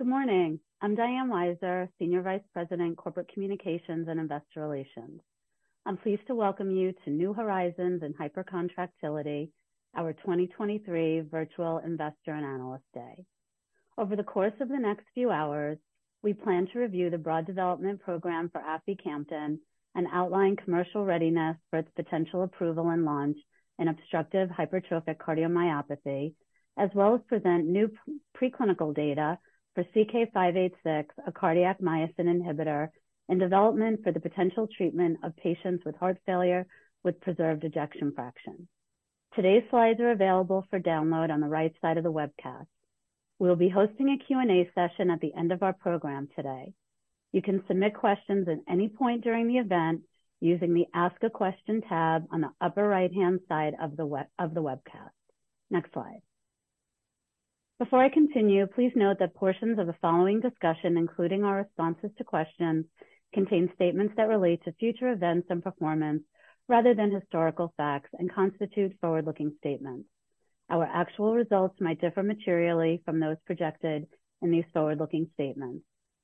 Good morning. I'm Diane Weiser, Senior Vice President, Corporate Communications and Investor Relations. I'm pleased to welcome you to New Horizons in Hypercontractility, our 2023 Virtual Investor and Analyst Day. Over the course of the next few hours, we plan to review the broad development program for aficamten and outline commercial readiness for its potential approval and launch in obstructive hypertrophic cardiomyopathy, as well as present new preclinical data for CK-586, a cardiac myosin inhibitor, in development for the potential treatment of patients with heart failure with preserved ejection fraction. Today's slides are available for download on the right side of the webcast. We will be hosting a Q&A session at the end of our program today. You can submit questions at any point during the event using the Ask a Question tab on the upper right-hand side of the webcast. Next slide. Before I continue, please note that portions of the following discussion, including our responses to questions, contain statements that relate to future events and performance rather than historical facts and constitute forward-looking statements. Our actual results might differ materially from those projected in these forward-looking statements.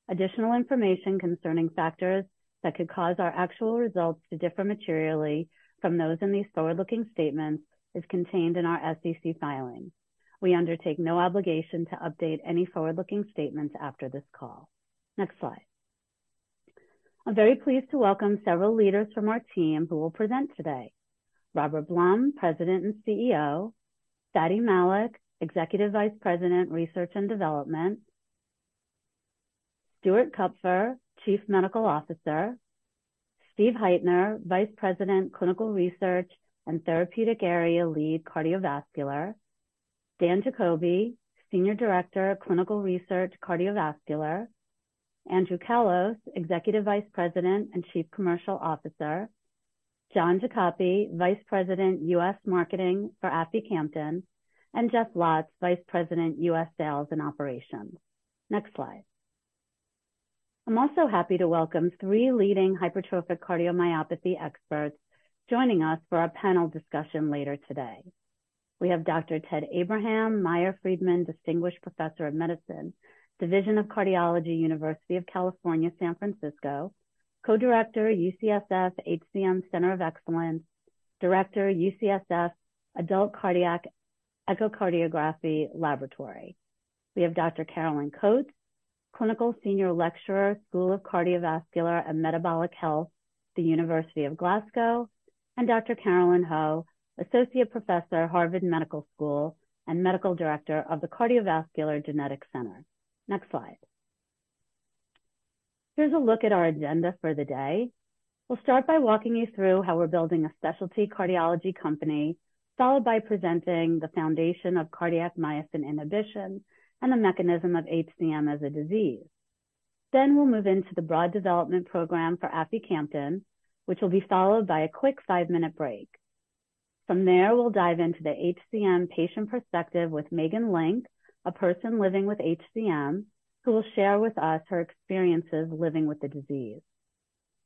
Additional information concerning factors that could cause our actual results to differ materially from those in these forward-looking statements is contained in our SEC filings. We undertake no obligation to update any forward-looking statements after this call. Next slide. I'm very pleased to welcome several leaders from our team who will present today. Robert Blum, President and CEO, Fady Malik, Executive Vice President, Research and Development, Stuart Kupfer, Chief Medical Officer, Steve Heitner, Vice President, Clinical Research and Therapeutic Area Lead, Cardiovascular, Dan Jacoby, Senior Director, Clinical Research, Cardiovascular, Andrew Callos, Executive Vice President and Chief Commercial Officer, John Jacobe, Vice President, US Marketing for Aficamten, and Jeff Lotz, Vice President, US Sales and Operations. Next slide. I'm also happy to welcome three leading hypertrophic cardiomyopathy experts joining us for our panel discussion later today. We have Dr. Ted Abraham, Meyer Friedman Distinguished Professor of Medicine, Division of Cardiology, University of California, San Francisco, Co-director, UCSF HCM Center of Excellence, Director, UCSF Adult Cardiac Echocardiography Laboratory. We have Dr. Caroline Coats, Clinical Senior Lecturer, School of Cardiovascular and Metabolic Health, The University of Glasgow, and Dr. Carolyn Ho, Associate Professor, Harvard Medical School and Medical Director of the Cardiovascular Genetics Center. Next slide. Here's a look at our agenda for the day. We'll start by walking you through how we're building a specialty cardiology company, followed by presenting the foundation of cardiac myosin inhibition and the mechanism of HCM as a disease. Then we'll move into the broad development program for Aficamten, which will be followed by a quick 5-minute break. From there, we'll dive into the HCM patient perspective with Megan Link, a person living with HCM, who will share with us her experiences living with the disease.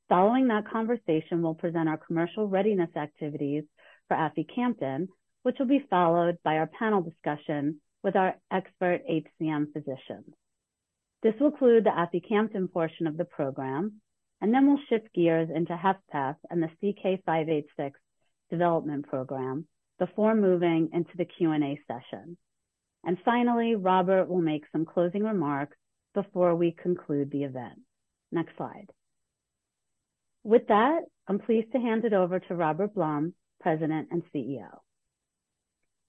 Following that conversation, we'll present our commercial readiness activities for aficamten, which will be followed by our panel discussion with our expert HCM physicians. This will conclude the aficamten portion of the program, and then we'll shift gears into HFpEF and the CK-586 development program before moving into the Q&A session. Finally, Robert will make some closing remarks before we conclude the event. Next slide. With that, I'm pleased to hand it over to Robert Blum, President and CEO.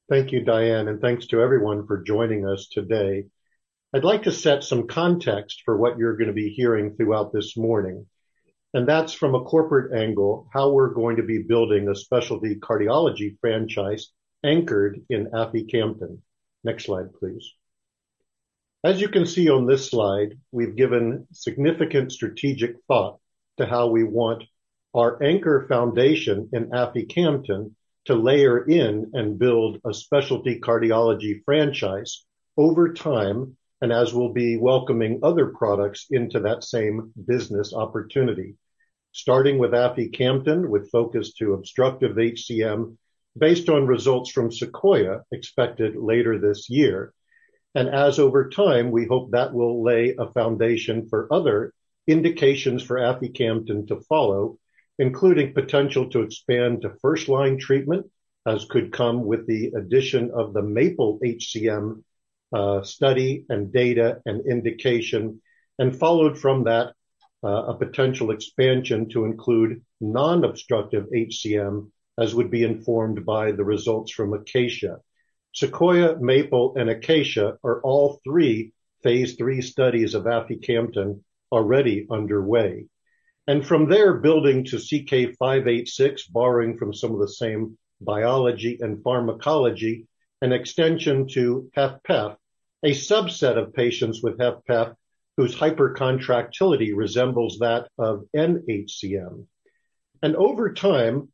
Thank you, Diane, and thanks to everyone for joining us today. I'd like to set some context for what you're going to be hearing throughout this morning, and that's from a corporate angle, how we're going to be building a specialty cardiology franchise anchored in aficamten. Next slide, please. As you can see on this slide, we've given significant strategic thought to how we want our anchor foundation in aficamten to layer in and build a specialty cardiology franchise over time, and as we'll be welcoming other products into that same business opportunity. Starting with aficamten, with focus to obstructive HCM, based on results from SEQUOIA, expected later this year. As over time, we hope that will lay a foundation for other indications for aficamten to follow, including potential to expand to first-line treatment, as could come with the addition of the MAPLE-HCM study and data and indication, and followed from that, a potential expansion to include non-obstructive HCM, as would be informed by the results from ACACIA. SEQUOIA, MAPLE, and ACACIA are all three Phase III studies of aficamten already underway. And from there, building to CK-586, borrowing from some of the same biology and pharmacology, an extension to HFpEF, a subset of patients with HFpEF whose hypercontractility resembles that of nHCM. Over time,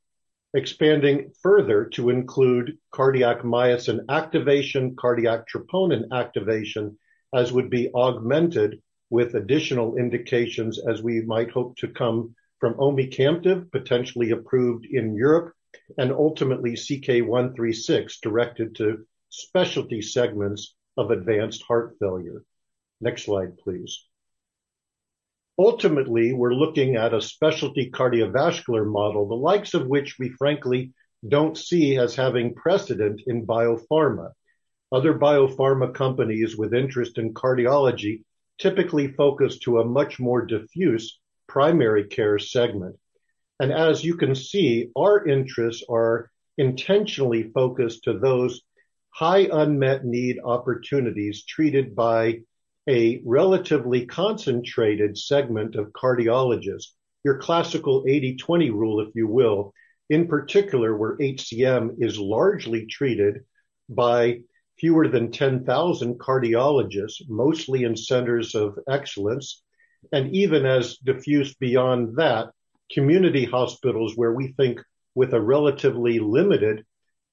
expanding further to include cardiac myosin activation, cardiac troponin activation, as would be augmented with additional indications as we might hope to come from omecamtiv, potentially approved in Europe, and ultimately CK-136, directed to specialty segments of advanced heart failure. Next slide, please. Ultimately, we're looking at a specialty cardiovascular model, the likes of which we frankly don't see as having precedent in biopharma. Other biopharma companies with interest in cardiology typically focus to a much more diffuse primary care segment. As you can see, our interests are intentionally focused to those high unmet need opportunities treated by a relatively concentrated segment of cardiologists. Your classical 80/20 rule, if you will, in particular, where HCM is largely treated by fewer than 10,000 cardiologists, mostly in centers of excellence, and even as diffused beyond that, community hospitals, where we think with a relatively limited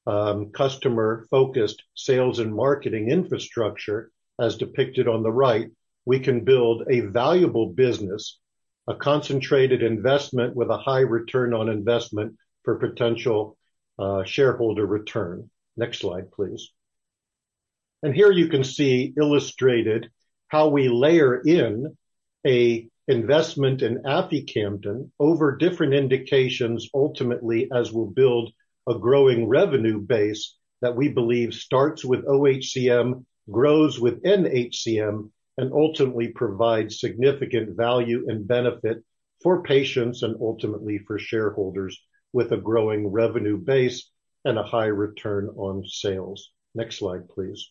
customer-focused sales and marketing infrastructure, as depicted on the right, we can build a valuable business, a concentrated investment with a high return on investment for potential shareholder return. Next slide, please. And here you can see illustrated how we layer in a investment in aficamten over different indications, ultimately, as we'll build a growing revenue base that we believe starts with oHCM, grows within HCM, and ultimately provides significant value and benefit for patients and ultimately for shareholders with a growing revenue base and a high return on sales. Next slide, please.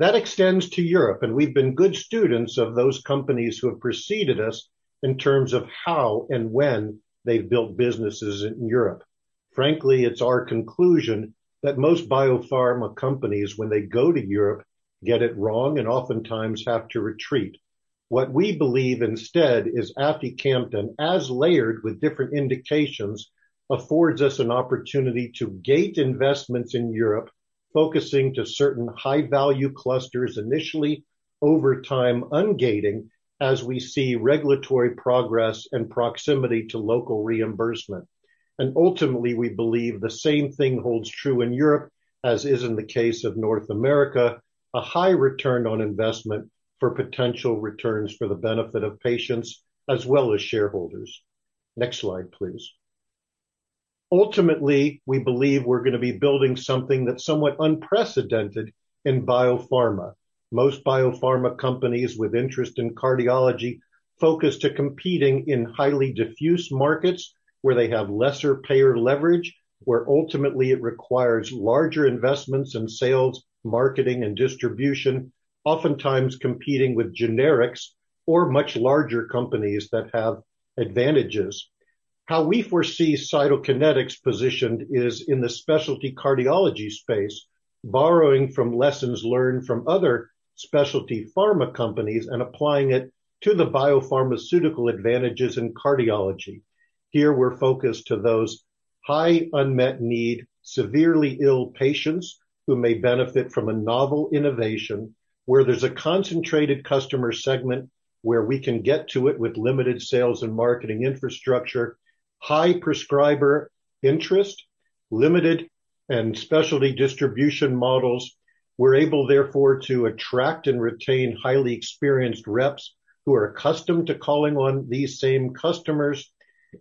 That extends to Europe, and we've been good students of those companies who have preceded us in terms of how and when they've built businesses in Europe. Frankly, it's our conclusion that most biopharma companies, when they go to Europe, get it wrong and oftentimes have to retreat. What we believe instead is aficamten, as layered with different indications, affords us an opportunity to gate investments in Europe, focusing to certain high-value clusters, initially, over time, ungating, as we see regulatory progress and proximity to local reimbursement. Ultimately, we believe the same thing holds true in Europe, as is in the case of North America, a high return on investment for potential returns for the benefit of patients as well as shareholders. Next slide, please. Ultimately, we believe we're going to be building something that's somewhat unprecedented in biopharma. Most biopharma companies with interest in cardiology focus to competing in highly diffuse markets where they have lesser payer leverage, where ultimately it requires larger investments in sales, marketing, and distribution, oftentimes competing with generics or much larger companies that have advantages. How we foresee Cytokinetics positioned is in the specialty cardiology space, borrowing from lessons learned from other specialty pharma companies and applying it to the biopharmaceutical advantages in cardiology. Here, we're focused to those high unmet need, severely ill patients who may benefit from a novel innovation, where there's a concentrated customer segment, where we can get to it with limited sales and marketing infrastructure, high prescriber interest, limited and specialty distribution models. We're able, therefore, to attract and retain highly experienced reps who are accustomed to calling on these same customers,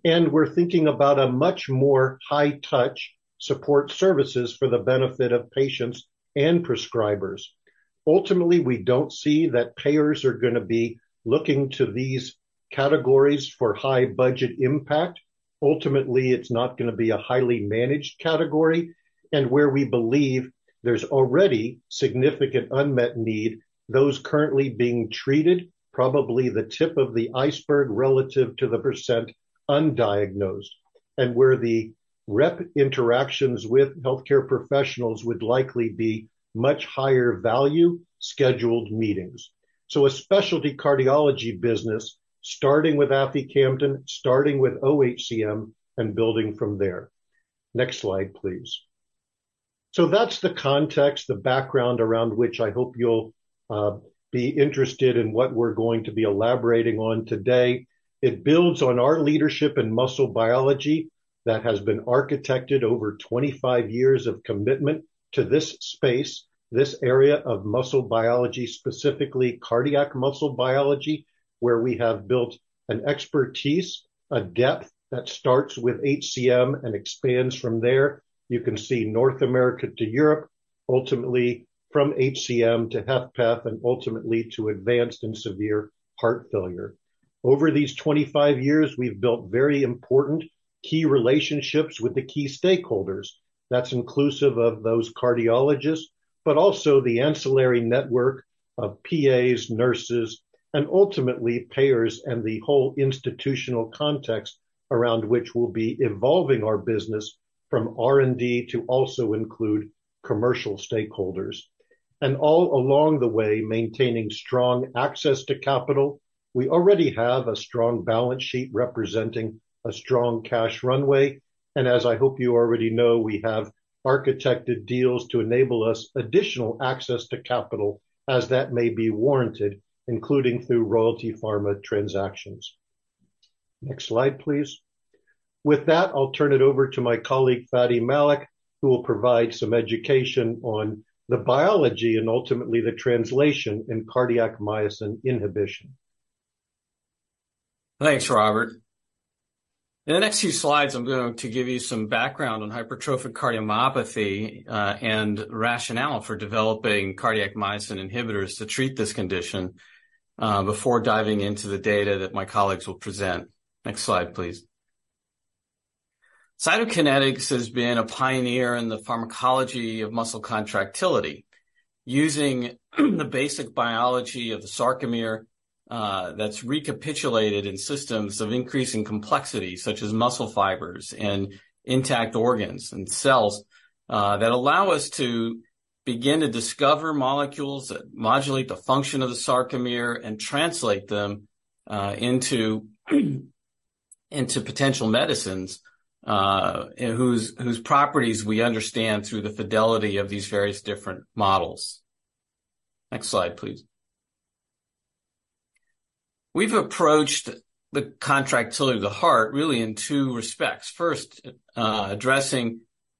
and we're thinking about a much more high-touch support services for the benefit of patients and prescribers. Ultimately, we don't see that payers are going to be looking to these categories for high budget impact. Ultimately, it's not going to be a highly managed category and where we believe there's already significant unmet need, those currently being treated, probably the tip of the iceberg relative to the percent undiagnosed, and where the rep interactions with healthcare professionals would likely be much higher value scheduled meetings. So a specialty cardiology business, starting with aficamten, starting with oHCM and building from there. Next slide, please. So that's the context, the background around which I hope you'll be interested in what we're going to be elaborating on today. It builds on our leadership in muscle biology that has been architected over 25 years of commitment to this space, this area of muscle biology, specifically cardiac muscle biology, where we have built an expertise, a depth that starts with HCM and expands from there. You can see North America to Europe, ultimately from HCM to HFpEF, and ultimately to advanced and severe heart failure. Over these 25 years, we've built very important key relationships with the key stakeholders. That's inclusive of those cardiologists, but also the ancillary network of PAs, nurses, and ultimately payers and the whole institutional context around which we'll be evolving our business from R&D to also include commercial stakeholders. And all along the way, maintaining strong access to capital. We already have a strong balance sheet representing a strong cash runway. And as I hope you already know, we have architected deals to enable us additional access to capital as that may be warranted, including through Royalty Pharma transactions.... Next slide, please. With that, I'll turn it over to my colleague, Fady Malik, who will provide some education on the biology and ultimately the translation in cardiac myosin inhibition. Thanks, Robert. In the next few slides, I'm going to give you some background on hypertrophic cardiomyopathy and rationale for developing cardiac myosin inhibitors to treat this condition before diving into the data that my colleagues will present. Next slide, please. Cytokinetics has been a pioneer in the pharmacology of muscle contractility, using the basic biology of the sarcomere that's recapitulated in systems of increasing complexity, such as muscle fibers and intact organs and cells that allow us to begin to discover molecules that modulate the function of the sarcomere and translate them into potential medicines and whose properties we understand through the fidelity of these various different models. Next slide, please. We've approached the contractility of the heart really in two respects. First, addressing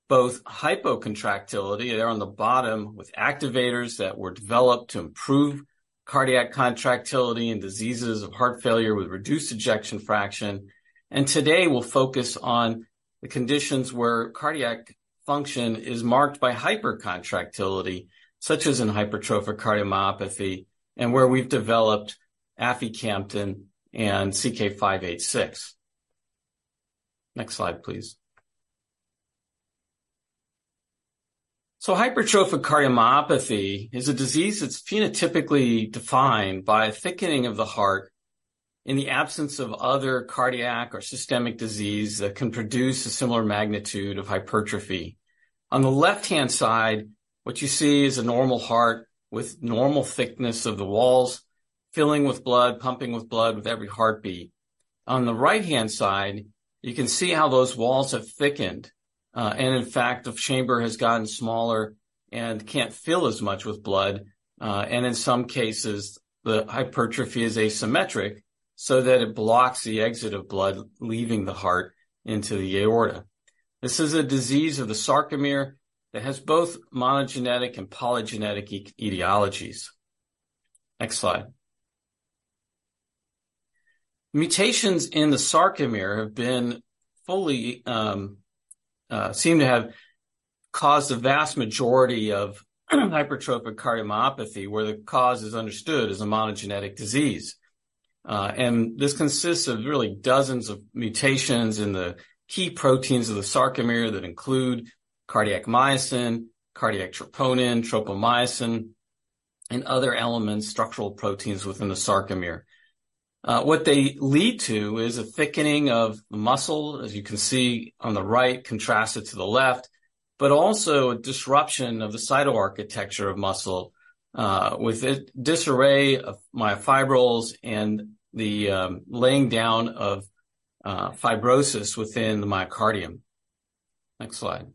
both hypocontractility, there on the bottom, with activators that were developed to improve cardiac contractility in diseases of heart failure with reduced ejection fraction. Today, we'll focus on the conditions where cardiac function is marked by hypercontractility, such as in hypertrophic cardiomyopathy and where we've developed aficamten and CK-586. Next slide, please. Hypertrophic cardiomyopathy is a disease that's phenotypically defined by thickening of the heart in the absence of other cardiac or systemic disease that can produce a similar magnitude of hypertrophy. On the left-hand side, what you see is a normal heart with normal thickness of the walls, filling with blood, pumping with blood with every heartbeat. On the right-hand side, you can see how those walls have thickened, and in fact, the chamber has gotten smaller and can't fill as much with blood. And in some cases, the hypertrophy is asymmetric so that it blocks the exit of blood leaving the heart into the aorta. This is a disease of the sarcomere that has both monogenic and polygenic etiologies. Next slide. Mutations in the sarcomere seem to have caused the vast majority of hypertrophic cardiomyopathy, where the cause is understood as a monogenic disease. And this consists of really dozens of mutations in the key proteins of the sarcomere that include cardiac myosin, cardiac troponin, tropomyosin, and other elements, structural proteins within the sarcomere. What they lead to is a thickening of the muscle, as you can see on the right, contrasted to the left, but also a disruption of the cytoarchitecture of muscle, with a disarray of myofibrils and the laying down of fibrosis within the myocardium. Next slide.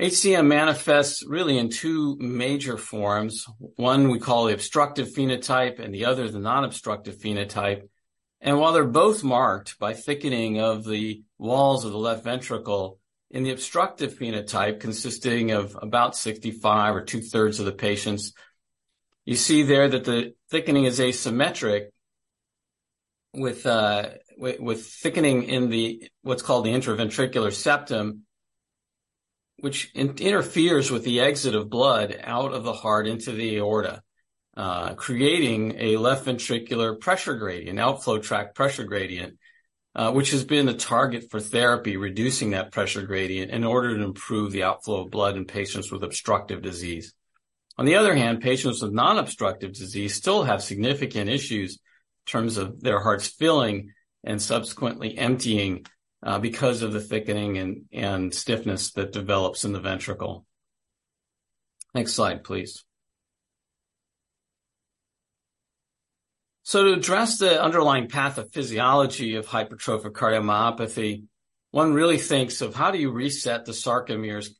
HCM manifests really in two major forms. One, we call the obstructive phenotype and the other, the non-obstructive phenotype. While they're both marked by thickening of the walls of the left ventricle, in the obstructive phenotype, consisting of about 65 or 2/3 of the patients, you see there that the thickening is asymmetric with thickening in the, what's called the interventricular septum, which interferes with the exit of blood out of the heart into the aorta, creating a left ventricular pressure gradient, an outflow tract pressure gradient, which has been the target for therapy, reducing that pressure gradient in order to improve the outflow of blood in patients with obstructive disease. On the other hand, patients with non-obstructive disease still have significant issues in terms of their hearts filling and subsequently emptying, because of the thickening and stiffness that develops in the ventricle. Next slide, please. So to address the underlying pathophysiology of hypertrophic cardiomyopathy, one really thinks of how do you reset the sarcomere's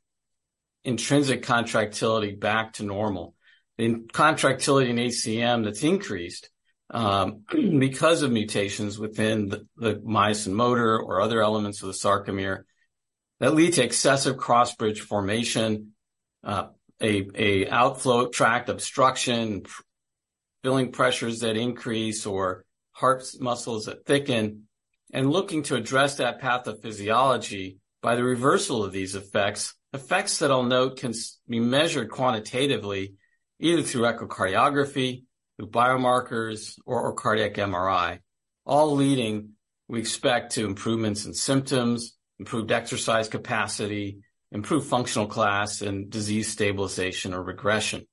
intrinsic contractility back to normal? In contractility in HCM, that's increased, because of mutations within the myosin motor or other elements of the sarcomere that lead to excessive cross-bridge formation, outflow tract obstruction, filling pressures that increase or heart muscles that thicken. Looking to address that pathophysiology by the reversal of these effects, effects that I'll note can be measured quantitatively, either through echocardiography, through biomarkers, or cardiac MRI, all leading, we expect, to improvements in symptoms, improved exercise capacity, improved functional class, and disease stabilization or regression.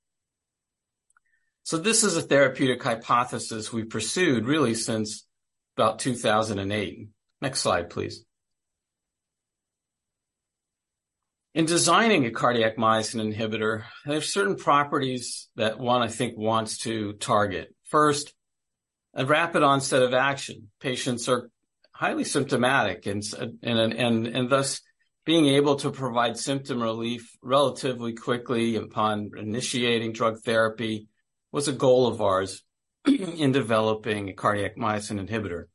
So this is a therapeutic hypothesis we've pursued really since about 2008. Next slide, please. In designing a cardiac myosin inhibitor, there are certain properties that one, I think, wants to target. First, a rapid onset of action. Patients are highly symptomatic and thus, being able to provide symptom relief relatively quickly upon initiating drug therapy was a goal of ours in developing a cardiac myosin inhibitor.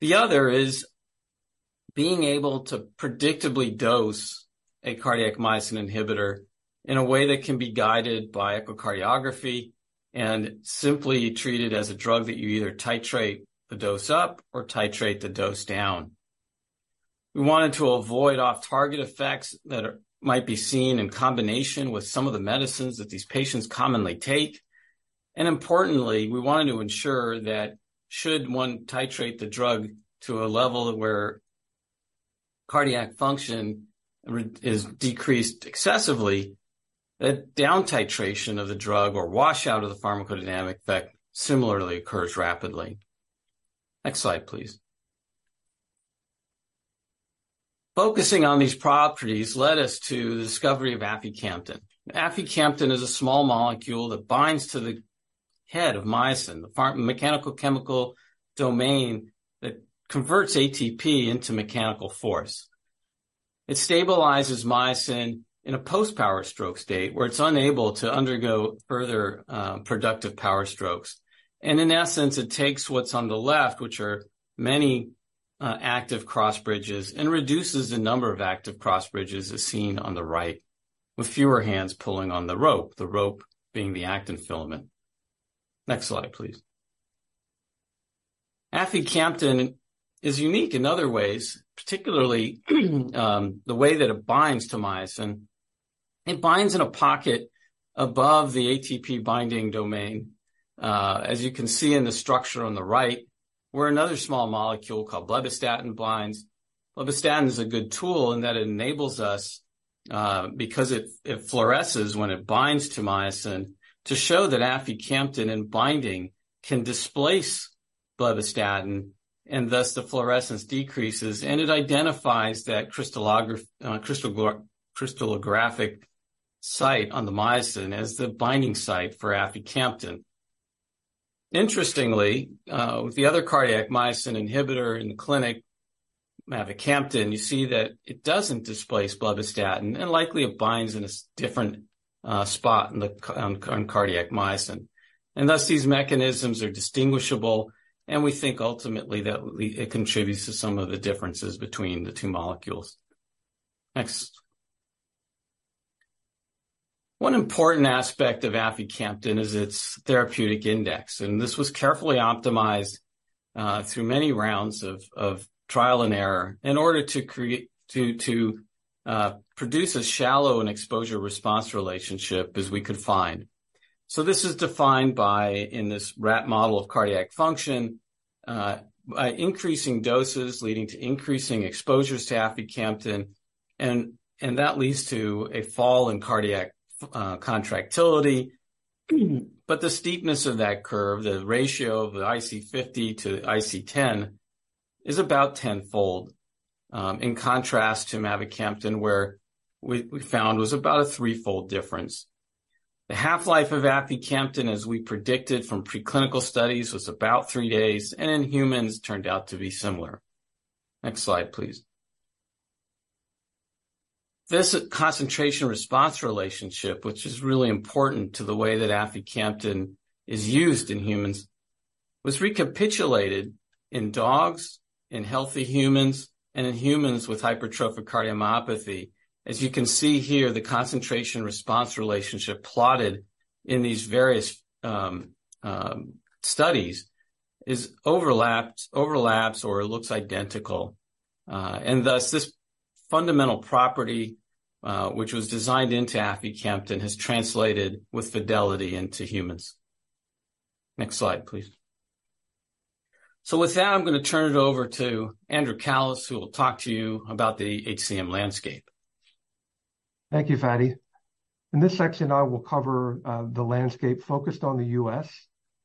The other is being able to predictably dose a cardiac myosin inhibitor in a way that can be guided by echocardiography and simply treat it as a drug that you either titrate the dose up or titrate the dose down. We wanted to avoid off-target effects that might be seen in combination with some of the medicines that these patients commonly take. And importantly, we wanted to ensure that should one titrate the drug to a level where cardiac function is decreased excessively, that down titration of the drug or washout of the pharmacodynamic effect similarly occurs rapidly. Next slide, please. Focusing on these properties led us to the discovery of aficamten. Aficamten is a small molecule that binds to the head of myosin, the mechanical-chemical domain that converts ATP into mechanical force. It stabilizes myosin in a post-power stroke state, where it's unable to undergo further productive power strokes. In essence, it takes what's on the left, which are many active cross bridges, and reduces the number of active cross bridges as seen on the right, with fewer hands pulling on the rope, the rope being the actin filament. Next slide, please. Aficamten is unique in other ways, particularly the way that it binds to myosin. It binds in a pocket above the ATP binding domain. As you can see in the structure on the right, where another small molecule called blebbistatin binds. Blebbistatin is a good tool in that it enables us, because it fluoresces when it binds to myosin, to show that aficamten and binding can displace blebbistatin, and thus the fluorescence decreases. It identifies that crystallographic site on the myosin as the binding site for aficamten. Interestingly, with the other cardiac myosin inhibitor in the clinic, mavacamten, you see that it doesn't displace blebbistatin, and likely it binds in a different spot on cardiac myosin. Thus, these mechanisms are distinguishable, and we think ultimately that it contributes to some of the differences between the two molecules. Next. One important aspect of aficamten is its therapeutic index, and this was carefully optimized through many rounds of trial and error in order to produce a shallow exposure response relationship as we could find. So this is defined by, in this rat model of cardiac function, by increasing doses leading to increasing exposures to aficamten, and, and that leads to a fall in cardiac contractility. But the steepness of that curve, the ratio of the IC 50 to IC 10, is about 10-fold, in contrast to mavacamten, where we, we found was about a 3-fold difference. The half-life of aficamten, as we predicted from preclinical studies, was about 3 days, and in humans, turned out to be similar. Next slide, please. This concentration-response relationship, which is really important to the way that aficamten is used in humans, was recapitulated in dogs, in healthy humans, and in humans with hypertrophic cardiomyopathy. As you can see here, the concentration-response relationship plotted in these various studies overlaps or it looks identical. Thus, this fundamental property, which was designed into aficamten, has translated with fidelity into humans. Next slide, please. So with that, I'm gonna turn it over to Andrew Callos, who will talk to you about the HCM landscape. Thank you, Fady. In this section, I will cover the landscape focused on the U.S.,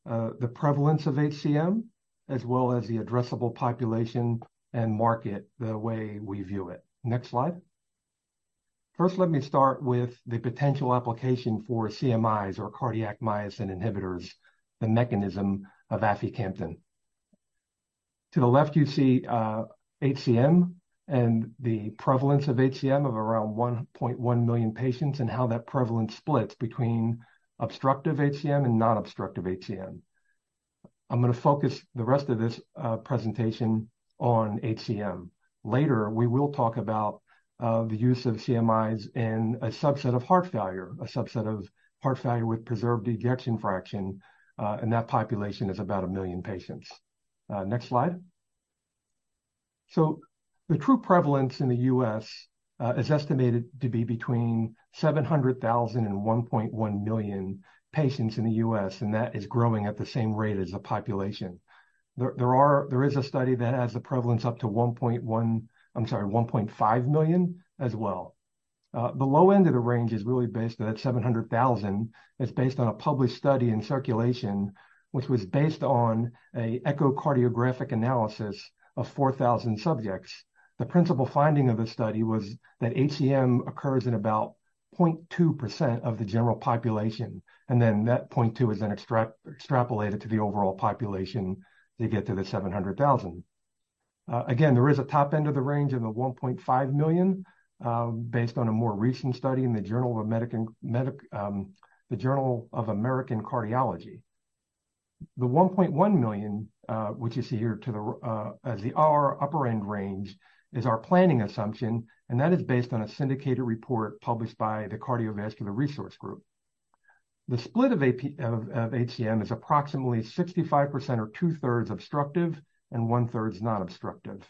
the prevalence of HCM, as well as the addressable population and market, the way we view it. Next slide. First, let me start with the potential application for CMIs, or cardiac myosin inhibitors, the mechanism of aficamten. To the left, you see HCM and the prevalence of HCM of around 1.1 million patients, and how that prevalence splits between obstructive HCM and non-obstructive HCM. I'm gonna focus the rest of this presentation on HCM. Later, we will talk about the use of CMIs in a subset of heart failure, a subset of heart failure with preserved ejection fraction, and that population is about 1 million patients. Next slide. The true prevalence in the U.S. is estimated to be between 700,000 and 1.1 million patients in the U.S., and that is growing at the same rate as the population. There is a study that has the prevalence up to 1.1, I'm sorry, 1.5 million as well. The low end of the range is really based on that 700,000, is based on a published study in Circulation, which was based on an echocardiographic analysis of 4,000 subjects. The principal finding of the study was that HCM occurs in about 0.2% of the general population, and then that 0.2 is then extrapolated to the overall population to get to the 700,000. Again, there is a top end of the range in the 1.5 million, based on a more recent study in the Journal of the American College of Cardiology. The 1.1 million, which you see here to the, as the right upper end range, is our planning assumption, and that is based on a syndicated report published by the Cardiovascular Resource Group. The split of HCM is approximately 65% or two-thirds obstructive and one-third not obstructive.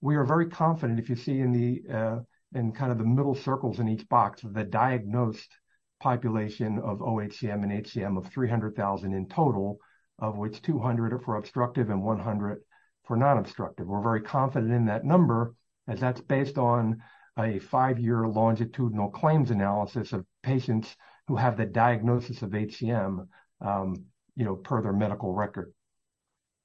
We are very confident, if you see in the, in kind of the middle circles in each box, the diagnosed population of oHCM and HCM of 300,000 in total, of which 200 are for obstructive and 100 for non-obstructive. We're very confident in that number, as that's based on a 5-year longitudinal claims analysis of patients who have the diagnosis of HCM, you know, per their medical record.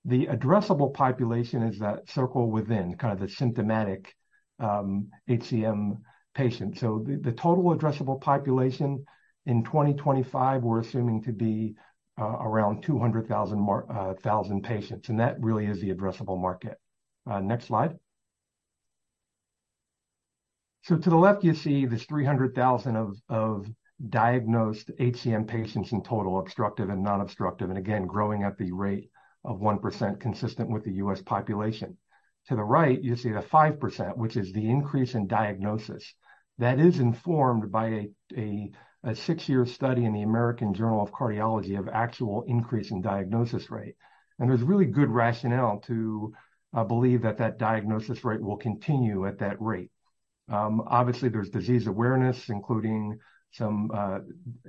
The addressable population is that circle within, kind of the symptomatic, HCM patient. So the total addressable population in 2025, we're assuming to be, around 200,000 patients, and that really is the addressable market. Next slide. So to the left, you see this 300,000 of diagnosed HCM patients in total, obstructive and non-obstructive, and again, growing at the rate of 1%, consistent with the U.S. population. To the right, you see the 5%, which is the increase in diagnosis. That is informed by a 6-year study in the American Journal of Cardiology of actual increase in diagnosis rate. And there's really good rationale to believe that that diagnosis rate will continue at that rate. Obviously, there's disease awareness, including some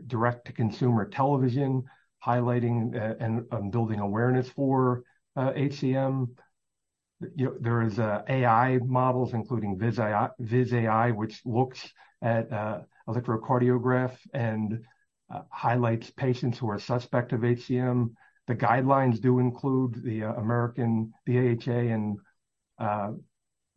direct-to-consumer television, highlighting and building awareness for HCM. There is AI models, including Viz.ai, which looks at electrocardiograph and highlights patients who are suspect of HCM. The guidelines do include the American, the AHA, and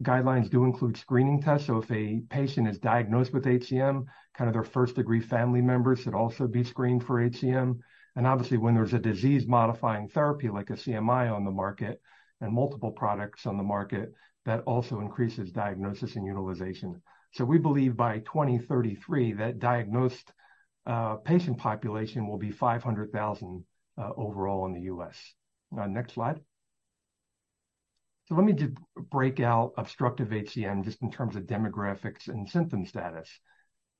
guidelines do include screening tests. So if a patient is diagnosed with HCM, kind of their first-degree family members should also be screened for HCM. And obviously, when there's a disease-modifying therapy, like a CMI on the market and multiple products on the market, that also increases diagnosis and utilization. So we believe by 2033, that diagnosed patient population will be 500,000 overall in the US. Next slide. So let me just break out obstructive HCM just in terms of demographics and symptom status.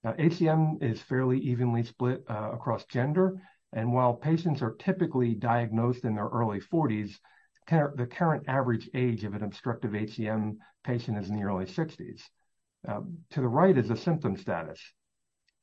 Now, HCM is fairly evenly split across gender, and while patients are typically diagnosed in their early 40s, the current average age of an obstructive HCM patient is in their early 60s. To the right is the symptom status.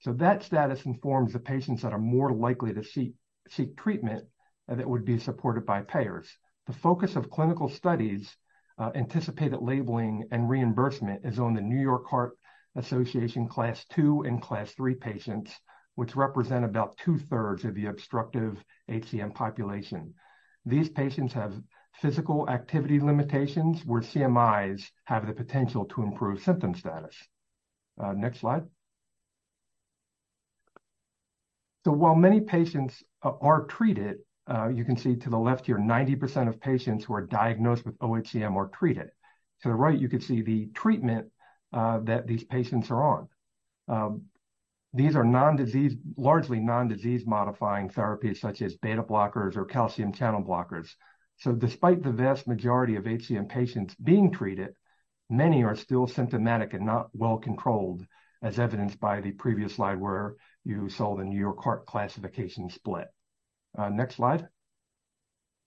So that status informs the patients that are more likely to seek treatment that would be supported by payers. The focus of clinical studies, anticipated labeling, and reimbursement is on the New York Heart Association Class II and Class III patients, which represent about two-thirds of the obstructive HCM population. These patients have physical activity limitations, where CMIs have the potential to improve symptom status. Next slide. So while many patients are treated, you can see to the left here, 90% of patients who are diagnosed with oHCM are treated. To the right, you can see the treatment that these patients are on. These are largely non-disease-modifying therapies, such as beta blockers or calcium channel blockers. So despite the vast majority of HCM patients being treated, many are still symptomatic and not well controlled, as evidenced by the previous slide, where you saw the New York Heart classification split. Next slide.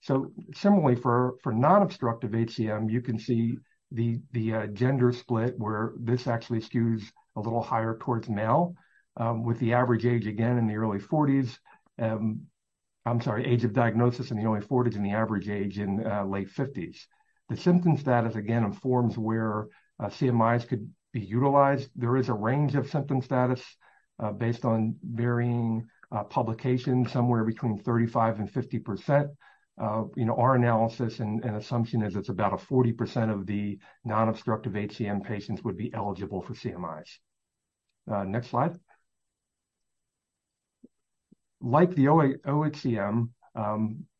So similarly, for non-obstructive HCM, you can see the gender split, where this actually skews a little higher towards male, with the average age again in the early forties. I'm sorry, age of diagnosis in the early forties and the average age in late fifties. The symptom status again informs where, CMIs could be utilized. There is a range of symptom status, based on varying, publications, somewhere between 35% and 50%. You know, our analysis and, and assumption is it's about a 40% of the non-obstructive HCM patients would be eligible for CMIs. Next slide. Like the OH, oHCM,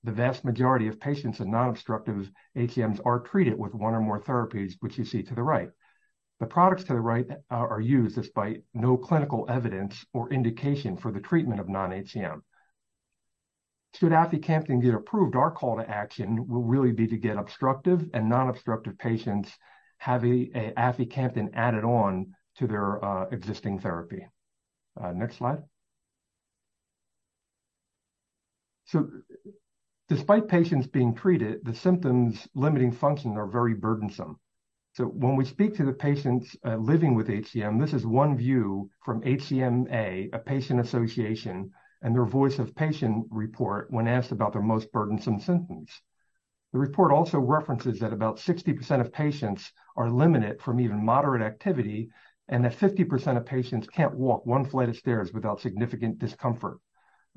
the vast majority of patients in non-obstructive HCMs are treated with one or more therapies, which you see to the right. The products to the right, are used despite no clinical evidence or indication for the treatment of non-HCM. Should aficamten get approved, our call to action will really be to get obstructive and non-obstructive patients have a, a aficamten added on to their, existing therapy. Next slide. So despite patients being treated, the symptoms limiting function are very burdensome. So when we speak to the patients living with HCM, this is one view from HCMA, a patient association, and their Voice of Patient report when asked about their most burdensome symptoms. The report also references that about 60% of patients are limited from even moderate activity, and that 50% of patients can't walk one flight of stairs without significant discomfort.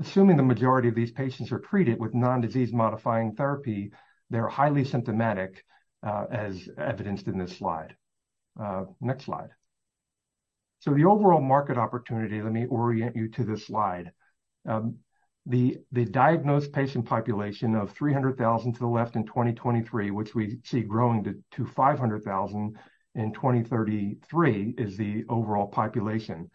Assuming the majority of these patients are treated with non-disease modifying therapy, they're highly symptomatic, as evidenced in this slide. Next slide. So the overall market opportunity, let me orient you to this slide. The diagnosed patient population of 300,000 to the left in 2023, which we see growing to 500,000 in 2033, is the overall population.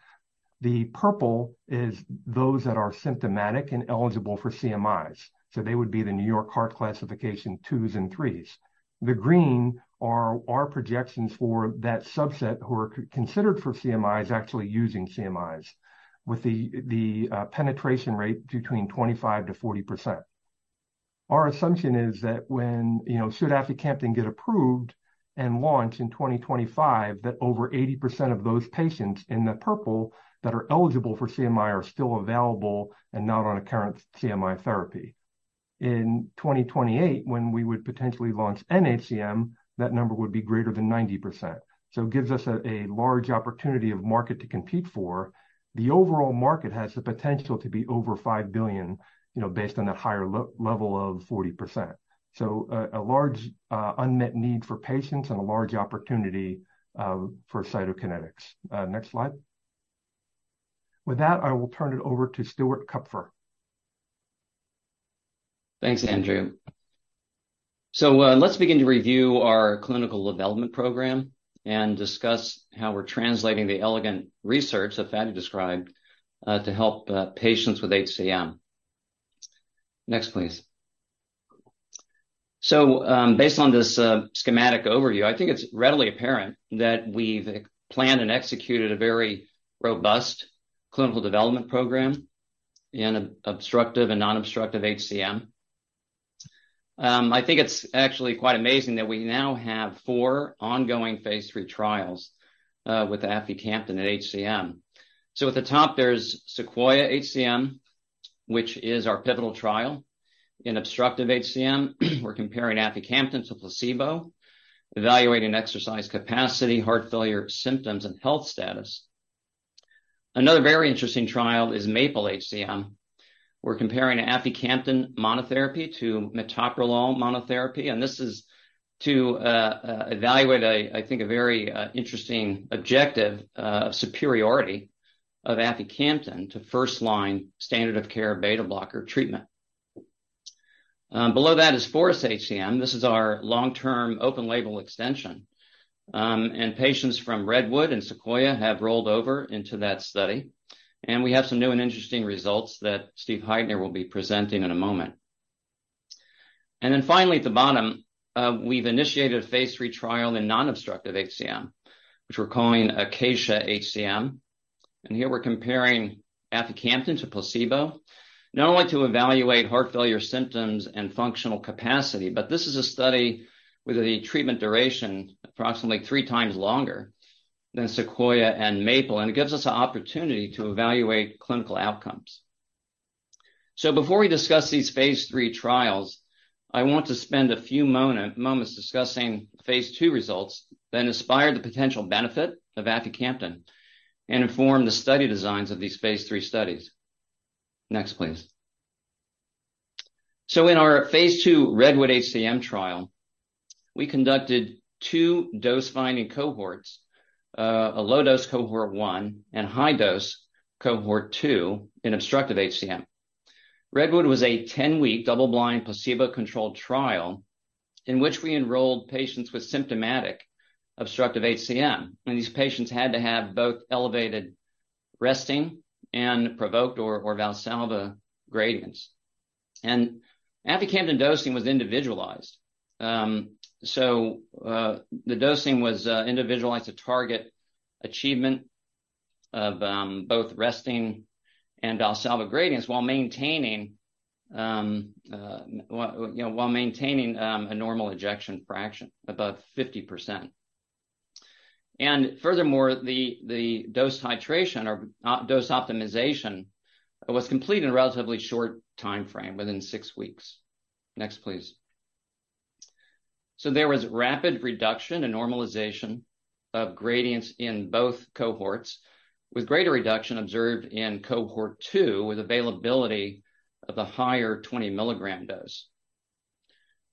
The purple is those that are symptomatic and eligible for CMIs. So they would be the New York Heart Association twos and threes. The green are our projections for that subset who are considered for CMIs, actually using CMIs, with the penetration rate between 25%-40%. Our assumption is that when, you know, should aficamten get approved and launch in 2025, that over 80% of those patients in the purple that are eligible for CMI are still available and not on a current CMI therapy. In 2028, when we would potentially launch nHCM, that number would be greater than 90%. So it gives us a large opportunity of market to compete for. The overall market has the potential to be over $5 billion, you know, based on the higher level of 40%. So, a large unmet need for patients and a large opportunity for Cytokinetics. Next slide. With that, I will turn it over to Stuart Kupfer. Thanks, Andrew. So, let's begin to review our clinical development program and discuss how we're translating the elegant research that Fady described to help patients with HCM. Next, please. So, based on this schematic overview, I think it's readily apparent that we've planned and executed a very robust clinical development program in obstructive and non-obstructive HCM. I think it's actually quite amazing that we now have 4 ongoing Phase 3 trials with aficamten in HCM. So at the top, there's SEQUOIA-HCM, which is our pivotal trial. In obstructive HCM, we're comparing aficamten to placebo, evaluating exercise capacity, heart failure symptoms, and health status. Another very interesting trial is MAPLE-HCM. We're comparing aficamten monotherapy to metoprolol monotherapy, and this is to evaluate, I think, a very interesting objective, superiority of aficamten to first-line standard of care beta blocker treatment. Below that is FOREST-HCM. This is our long-term open-label extension. Patients from REDWOOD and SEQUOIA have rolled over into that study, and we have some new and interesting results that Steve Heitner will be presenting in a moment. Finally, at the bottom, we've initiated a Phase 3 trial in non-obstructive HCM, which we're calling ACACIA-HCM. Here we're comparing aficamten to placebo, not only to evaluate heart failure symptoms and functional capacity, but this is a study with the treatment duration approximately 3 times longer than SEQUOIA and MAPLE, and it gives us an opportunity to evaluate clinical outcomes. So before we discuss these Phase 3 trials, I want to spend a few moments discussing Phase 2 results that inspired the potential benefit of aficamten and inform the study designs of these Phase 3 studies. Next, please. So in our Phase 2 REDWOOD-HCM trial, we conducted 2 dose-finding cohorts, a low dose Cohort One and high dose Cohort Two in obstructive HCM. REDWOOD-HCM was a 10-week, double-blind, placebo-controlled trial in which we enrolled patients with symptomatic obstructive HCM, and these patients had to have both elevated resting and provoked or Valsalva gradients. And aficamten dosing was individualized. So, the dosing was individualized to target achievement of both resting and Valsalva gradients while maintaining, you know, while maintaining a normal ejection fraction, above 50%. Furthermore, the dose titration or dose optimization was completed in a relatively short timeframe, within six weeks. Next, please. So there was rapid reduction and normalization of gradients in both cohorts, with greater reduction observed in Cohort Two, with availability of the higher 20-milligram dose.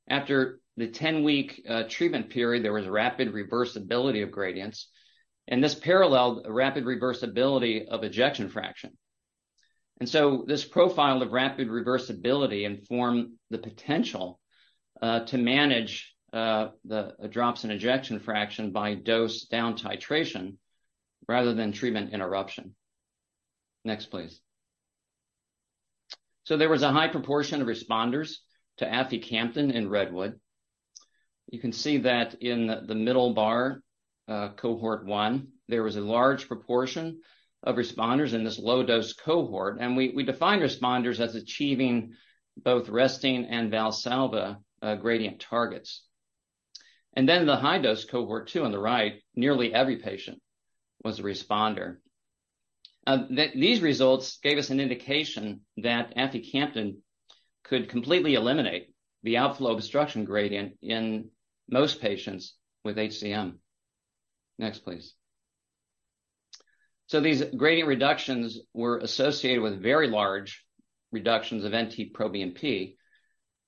After the 10-week treatment period, there was rapid reversibility of gradients, and this paralleled a rapid reversibility of ejection fraction. And so this profile of rapid reversibility informed the potential to manage the drops in ejection fraction by dose down titration rather than treatment interruption. Next, please. So there was a high proportion of responders to aficamten in REDWOOD. You can see that in the middle bar, Cohort One, there was a large proportion of responders in this low-dose cohort, and we defined responders as achieving both resting and Valsalva gradient targets. And then the high dose Cohort Two on the right, nearly every patient was a responder. These results gave us an indication that aficamten could completely eliminate the outflow obstruction gradient in most patients with HCM. Next, please. So these gradient reductions were associated with very large reductions of NT-proBNP, which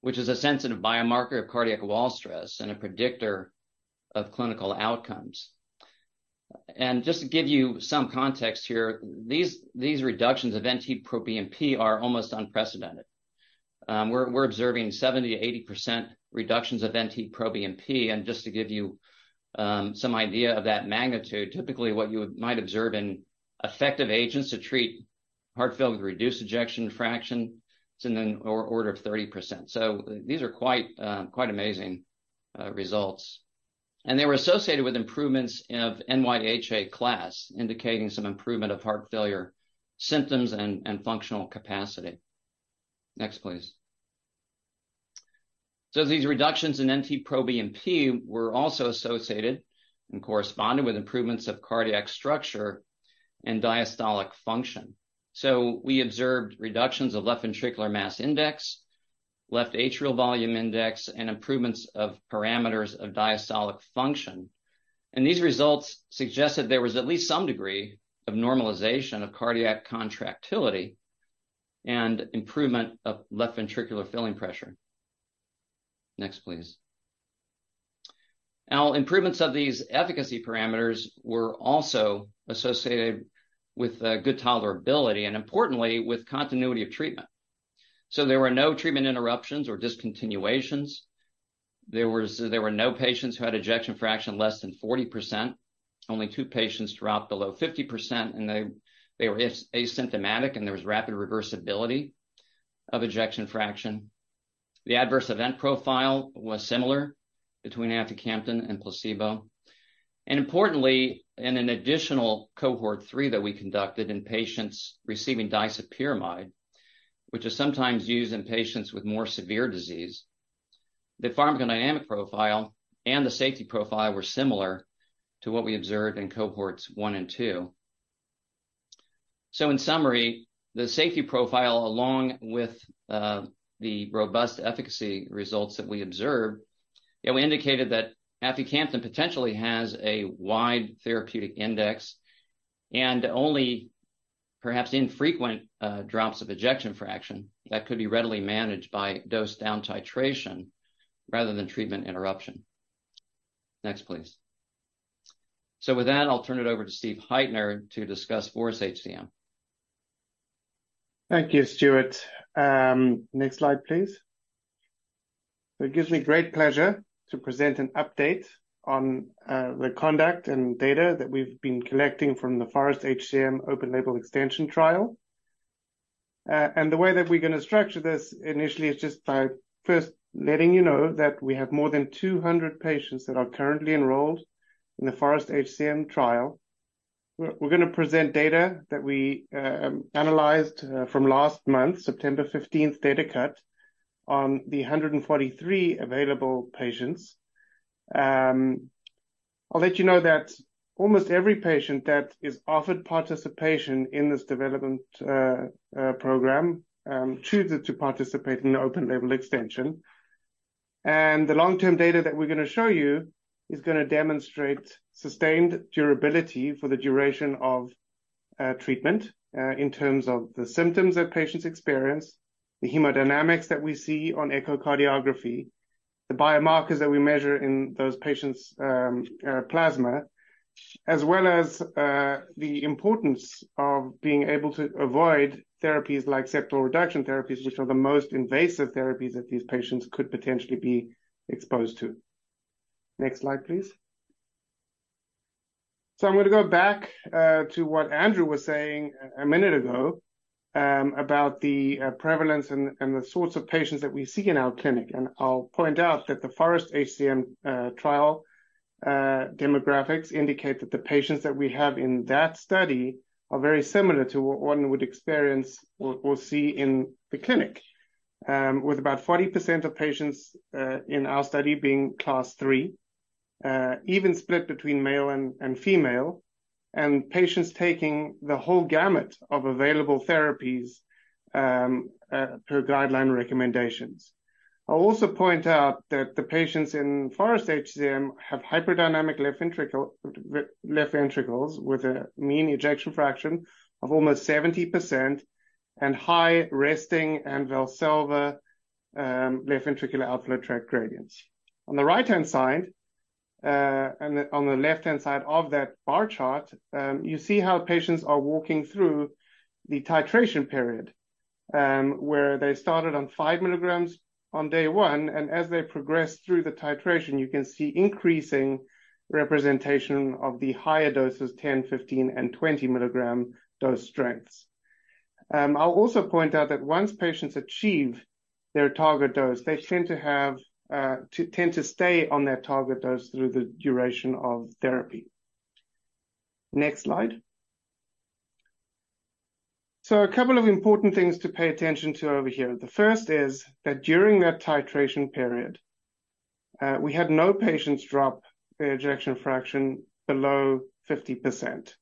is a sensitive biomarker of cardiac wall stress and a predictor of clinical outcomes. And just to give you some context here, these, these reductions of NT-proBNP are almost unprecedented. We're observing 70%-80% reductions of NT-proBNP. And just to give you some idea of that magnitude, typically what you might observe in effective agents to treat heart failure with reduced ejection fraction, it's in an order of 30%. So these are quite, quite amazing results. They were associated with improvements of NYHA class, indicating some improvement of heart failure symptoms and functional capacity. Next, please. These reductions in NT-proBNP were also associated and corresponded with improvements of cardiac structure and diastolic function. We observed reductions of left ventricular mass index, left atrial volume index, and improvements of parameters of diastolic function. These results suggested there was at least some degree of normalization of cardiac contractility and improvement of left ventricular filling pressure. Next, please. Now, improvements of these efficacy parameters were also associated with good tolerability, and importantly, with continuity of treatment. There were no treatment interruptions or discontinuations. There were no patients who had ejection fraction less than 40%. Only two patients dropped below 50%, and they were asymptomatic, and there was rapid reversibility of ejection fraction. The adverse event profile was similar between aficamten and placebo. Importantly, in an additional cohort 3 that we conducted in patients receiving disopyramide, which is sometimes used in patients with more severe disease, the pharmacodynamic profile and the safety profile were similar to what we observed in cohorts 1 and 2. In summary, the safety profile, along with the robust efficacy results that we observed, you know, indicated that aficamten potentially has a wide therapeutic index and only perhaps infrequent drops of ejection fraction that could be readily managed by dose down titration rather than treatment interruption. Next, please. With that, I'll turn it over to Steve Heitner to discuss FOREST-HCM. Thank you, Stuart. Next slide, please. It gives me great pleasure to present an update on the conduct and data that we've been collecting from the FOREST-HCM open-label extension trial. And the way that we're gonna structure this initially is just by first letting you know that we have more than 200 patients that are currently enrolled in the FOREST-HCM trial. We're gonna present data that we analyzed from last month, September fifteenth data cut, on the 143 available patients. I'll let you know that almost every patient that is offered participation in this development program chooses to participate in the open-label extension. The long-term data that we're gonna show you is gonna demonstrate sustained durability for the duration of treatment, in terms of the symptoms that patients experience, the hemodynamics that we see on echocardiography, the biomarkers that we measure in those patients' plasma, as well as the importance of being able to avoid therapies like septal reduction therapies, which are the most invasive therapies that these patients could potentially be exposed to. Next slide, please. I'm gonna go back to what Andrew was saying a minute ago, about the prevalence and the sorts of patients that we see in our clinic, and I'll point out that the FOREST-HCM trial demographics indicate that the patients that we have in that study are very similar to what one would experience or see in the clinic. With about 40% of patients in our study being Class III, even split between male and female, and patients taking the whole gamut of available therapies, per guideline recommendations. I'll also point out that the patients in FOREST-HCM have hyperdynamic left ventricles with a mean ejection fraction of almost 70% and high resting and Valsalva left ventricular outflow tract gradients. On the right-hand side, and on the left-hand side of that bar chart, you see how patients are walking through the titration period, where they started on 5 milligrams on day 1, and as they progress through the titration, you can see increasing representation of the higher doses, 10, 15, and 20 milligram dose strengths. I'll also point out that once patients achieve their target dose, they tend to stay on their target dose through the duration of therapy. Next slide. So a couple of important things to pay attention to over here. The first is that during that titration period, we had no patients drop their ejection fraction below 50%.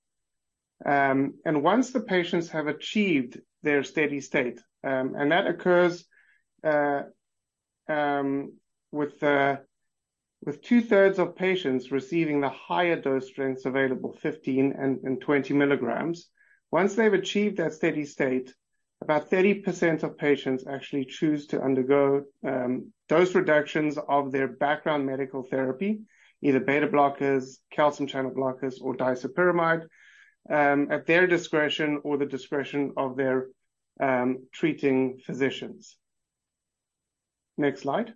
And once the patients have achieved their steady state, and that occurs with two-thirds of patients receiving the higher dose strengths available, 15 and 20 milligrams. Once they've achieved that steady state, about 30% of patients actually choose to undergo dose reductions of their background medical therapy, either beta blockers, calcium channel blockers, or disopyramide, at their discretion or the discretion of their treating physicians. Next slide.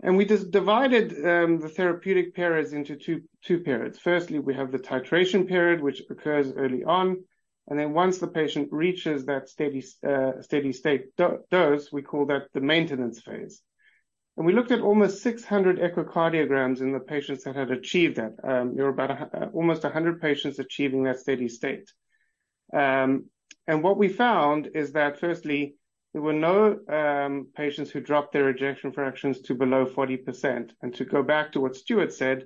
We just divided the therapeutic periods into two periods. Firstly, we have the titration period, which occurs early on, and then once the patient reaches that steady state dose, we call that the maintenance phase. We looked at almost 600 echocardiograms in the patients that had achieved that. There were almost 100 patients achieving that steady state. And what we found is that firstly, there were no patients who dropped their ejection fractions to below 40%. To go back to what Stuart said,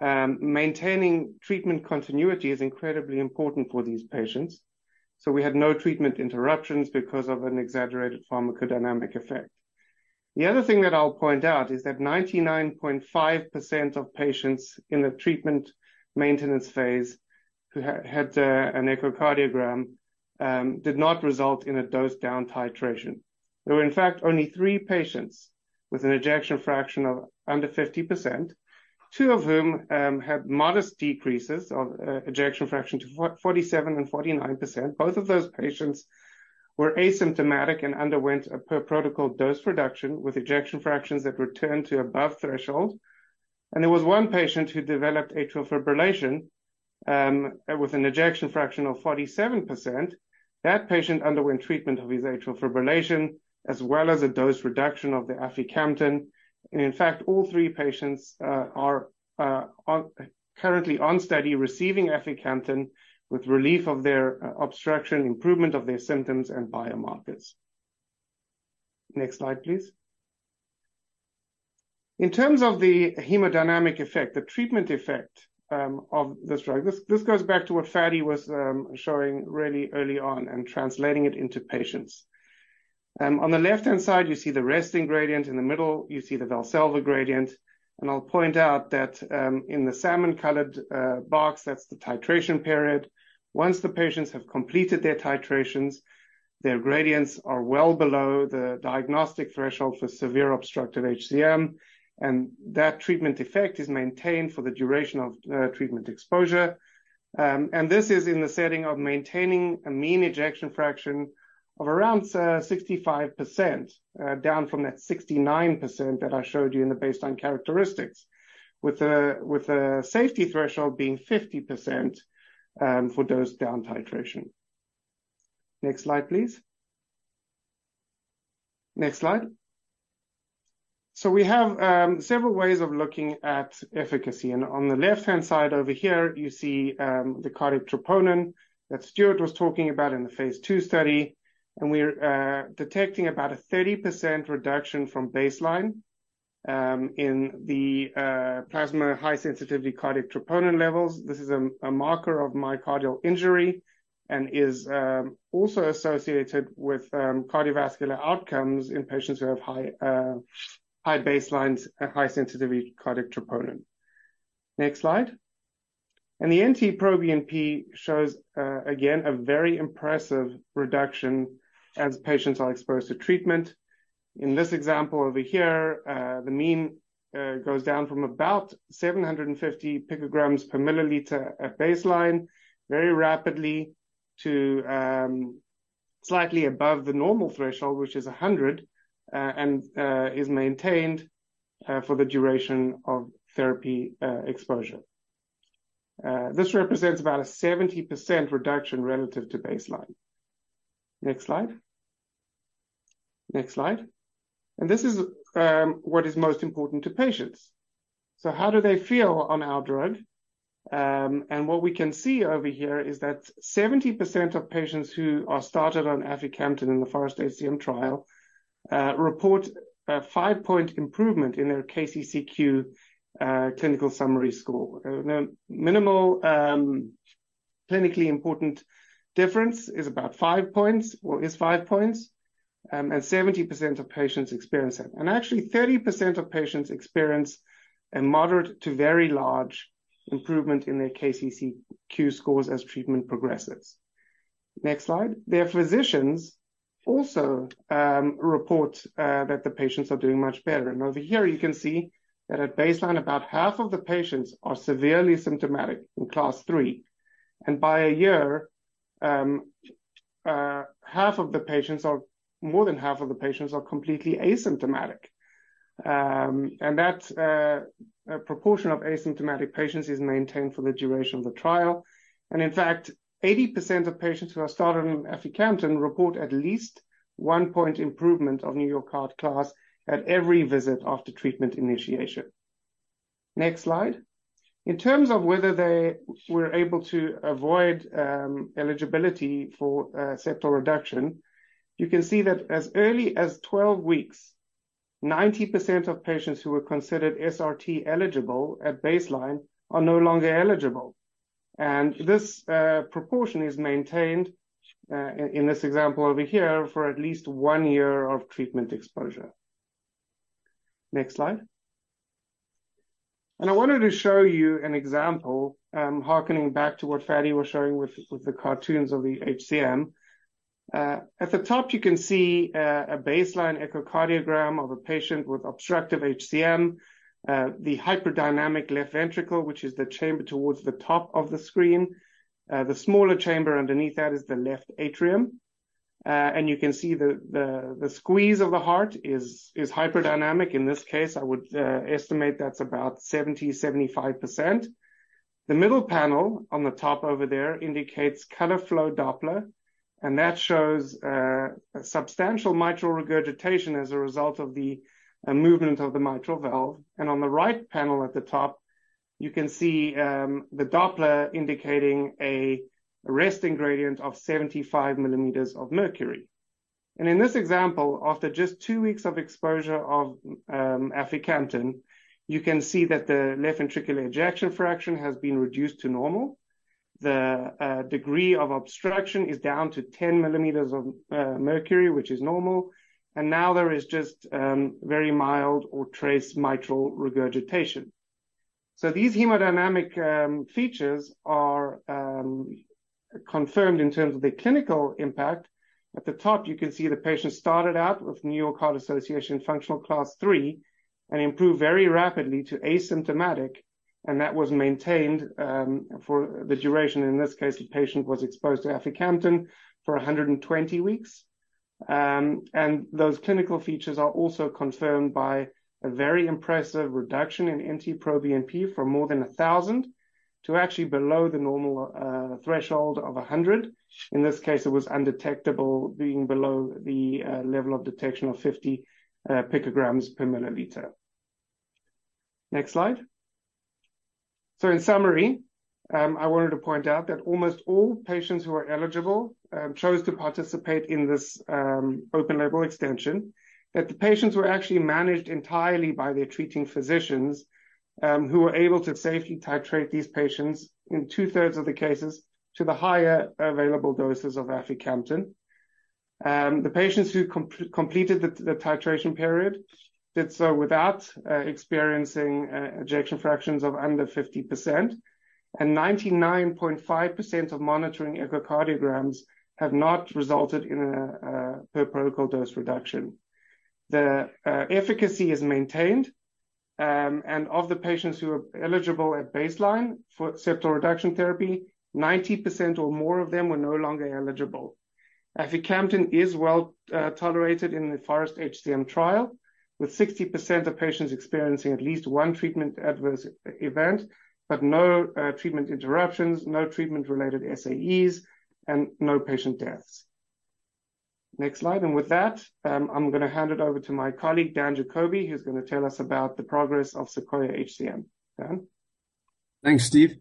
maintaining treatment continuity is incredibly important for these patients. So we had no treatment interruptions because of an exaggerated pharmacodynamic effect. The other thing that I'll point out is that 99.5% of patients in the treatment maintenance phase who had an echocardiogram did not result in a dose down titration. There were, in fact, only three patients with an ejection fraction of under 50%, two of whom had modest decreases of ejection fraction to 47 and 49%. Both of those patients were asymptomatic and underwent a per-protocol dose reduction with ejection fractions that returned to above threshold. And there was one patient who developed atrial fibrillation with an ejection fraction of 47%. That patient underwent treatment of his atrial fibrillation, as well as a dose reduction of the aficamten. And in fact, all three patients are currently on study receiving aficamten with relief of their obstruction, improvement of their symptoms, and biomarkers. Next slide, please. In terms of the hemodynamic effect, the treatment effect, of this drug, this goes back to what Fady was showing really early on and translating it into patients. On the left-hand side, you see the resting gradient. In the middle, you see the Valsalva gradient. And I'll point out that, in the salmon-colored box, that's the titration period. Once the patients have completed their titrations, their gradients are well below the diagnostic threshold for severe obstructive HCM, and that treatment effect is maintained for the duration of treatment exposure. And this is in the setting of maintaining a mean ejection fraction of around 65%, down from that 69% that I showed you in the baseline characteristics, with a safety threshold being 50% for dose down titration. Next slide, please. Next slide. So we have several ways of looking at efficacy, and on the left-hand side over here, you see the cardiac troponin that Stuart was talking about in the Phase 2 study, and we're detecting about a 30% reduction from baseline in the plasma high sensitivity cardiac troponin levels. This is a marker of myocardial injury and is also associated with cardiovascular outcomes in patients who have high high baselines and high sensitivity cardiac troponin. Next slide. The NT-proBNP shows again a very impressive reduction as patients are exposed to treatment. In this example over here, the mean goes down from about 750 picograms per milliliter at baseline very rapidly to slightly above the normal threshold, which is 100 and is maintained for the duration of therapy exposure. This represents about a 70% reduction relative to baseline. Next slide. Next slide. And this is what is most important to patients. So how do they feel on our drug? And what we can see over here is that 70% of patients who are started on aficamten in the FOREST-HCM trial report a 5-point improvement in their KCCQ clinical summary score. The minimal clinically important difference is about 5 points or is 5 points, and 70% of patients experience it. And actually, 30% of patients experience a moderate to very large improvement in their KCCQ scores as treatment progresses. Next slide. Their physicians also report that the patients are doing much better. Over here, you can see that at baseline, about half of the patients are severely symptomatic in Class III, and by a year, half of the patients or more than half of the patients are completely asymptomatic. And that proportion of asymptomatic patients is maintained for the duration of the trial. And in fact, 80% of patients who are started on aficamten report at least 1-point improvement of New York Heart Association class at every visit after treatment initiation. Next slide. In terms of whether they were able to avoid eligibility for septal reduction, you can see that as early as 12 weeks, 90% of patients who were considered SRT eligible at baseline are no longer eligible, and this proportion is maintained in this example over here, for at least 1 year of treatment exposure. Next slide. I wanted to show you an example, harkening back to what Fady was showing with the cartoons of the HCM. At the top, you can see a baseline echocardiogram of a patient with obstructive HCM, the hyperdynamic left ventricle, which is the chamber towards the top of the screen. The smaller chamber underneath that is the left atrium. And you can see the squeeze of the heart is hyperdynamic. In this case, I would estimate that's about 70%-75%. The middle panel on the top over there indicates color flow Doppler, and that shows a substantial mitral regurgitation as a result of the movement of the mitral valve. And on the right panel at the top, you can see the Doppler indicating a resting gradient of 75 millimeters of mercury. In this example, after just two weeks of exposure of aficamten, you can see that the left ventricular ejection fraction has been reduced to normal. The degree of obstruction is down to 10 millimeters of mercury, which is normal, and now there is just very mild or trace mitral regurgitation. These hemodynamic features are confirmed in terms of the clinical impact. At the top, you can see the patient started out with New York Heart Association Functional Class III and improved very rapidly to asymptomatic, and that was maintained for the duration. In this case, the patient was exposed to aficamten for 120 weeks. And those clinical features are also confirmed by a very impressive reduction in NT-proBNP from more than 1,000 to actually below the normal threshold of 100. In this case, it was undetectable, being below the level of detection of 50 picograms per milliliter. Next slide. So in summary, I wanted to point out that almost all patients who are eligible chose to participate in this open label extension, that the patients were actually managed entirely by their treating physicians, who were able to safely titrate these patients in two-thirds of the cases to the higher available doses of aficamten. The patients who completed the titration period did so without experiencing ejection fractions of under 50%, and 99.5% of monitoring echocardiograms have not resulted in a per protocol dose reduction. The efficacy is maintained, and of the patients who are eligible at baseline for septal reduction therapy, 90% or more of them were no longer eligible. Aficamten is well tolerated in the FOREST-HCM trial, with 60% of patients experiencing at least one treatment adverse event, but no treatment interruptions, no treatment-related SAEs, and no patient deaths. Next slide. And with that, I'm going to hand it over to my colleague, Dan Jacoby, who's going to tell us about the progress of SEQUOIA-HCM. Dan? Thanks, Steve.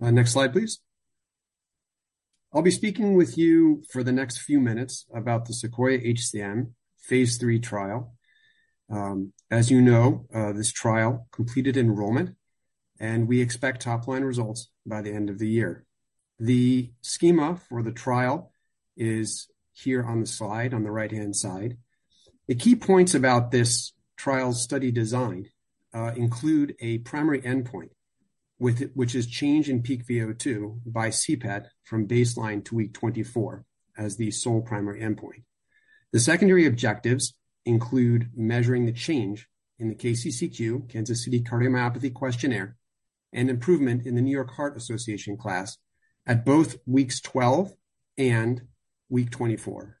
Next slide, please. I'll be speaking with you for the next few minutes about the SEQUOIA-HCM Phase 3 trial. As you know, this trial completed enrollment, and we expect top line results by the end of the year. The schema for the trial is here on the slide, on the right-hand side. The key points about this trial study design include a primary endpoint, with it, which is change in peak VO2 by CPET from baseline to week 24 as the sole primary endpoint. The secondary objectives include measuring the change in the KCCQ, Kansas City Cardiomyopathy Questionnaire, and improvement in the New York Heart Association class at both weeks 12 and week 24.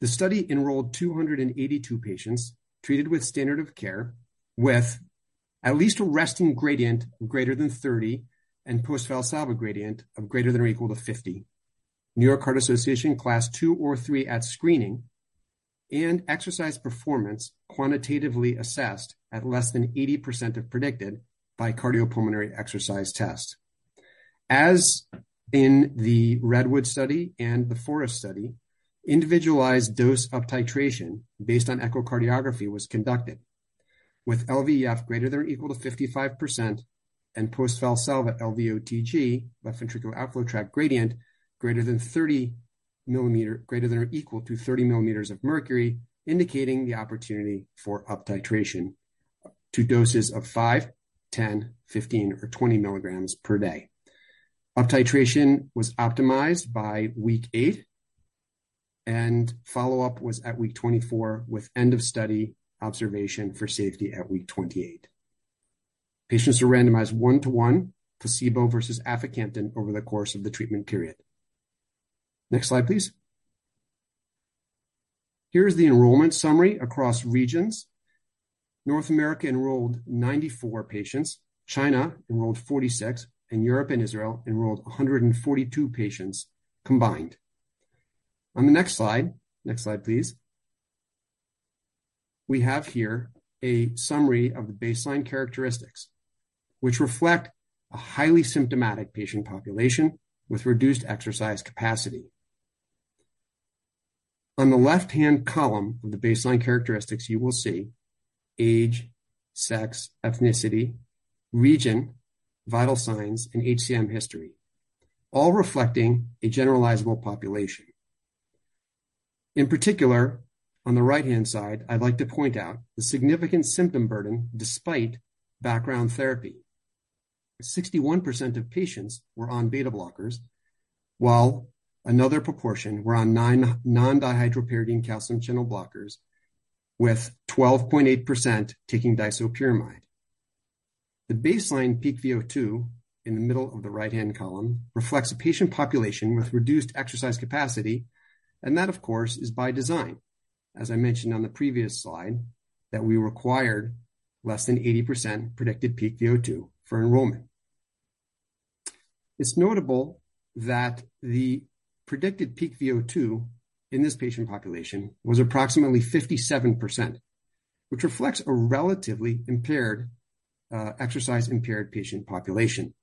The study enrolled 282 patients treated with standard of care, with at least a resting gradient greater than 30 and post-Valsalva gradient of greater than or equal to 50, New York Heart Association Class I or II at screening and exercise performance quantitatively assessed at less than 80% of predicted by cardiopulmonary exercise test. As in the REDWOOD study and the FOREST study, individualized dose of titration based on echocardiography was conducted with LVEF greater than or equal to 55% and post-Valsalva LVOTG, left ventricular outflow tract gradient, greater than or equal to 30 millimeters of mercury, indicating the opportunity for uptitration to doses of 5, 10, 15, or 20 milligrams per day. Uptitration was optimized by week 8, and follow-up was at week 24, with end of study observation for safety at week 28. Patients were randomized 1:1, placebo versus aficamten over the course of the treatment period. Next slide, please. Here is the enrollment summary across regions. North America enrolled 94 patients, China enrolled 46, and Europe and Israel enrolled 142 patients combined. On the next slide. Next slide, please.... We have here a summary of the baseline characteristics, which reflect a highly symptomatic patient population with reduced exercise capacity. On the left-hand column of the baseline characteristics, you will see age, sex, ethnicity, region, vital signs, and HCM history, all reflecting a generalizable population. In particular, on the right-hand side, I'd like to point out the significant symptom burden despite background therapy. 61% of patients were on beta blockers, while another proportion were on non-dihydropyridine calcium channel blockers, with 12.8% taking disopyramide. The baseline peak VO2 in the middle of the right-hand column reflects a patient population with reduced exercise capacity, and that, of course, is by design. As I mentioned on the previous slide, that we required less than 80% predicted peak VO2 for enrollment. It's notable that the predicted peak VO2 in this patient population was approximately 57%, which reflects a relatively impaired, exercise-impaired patient population.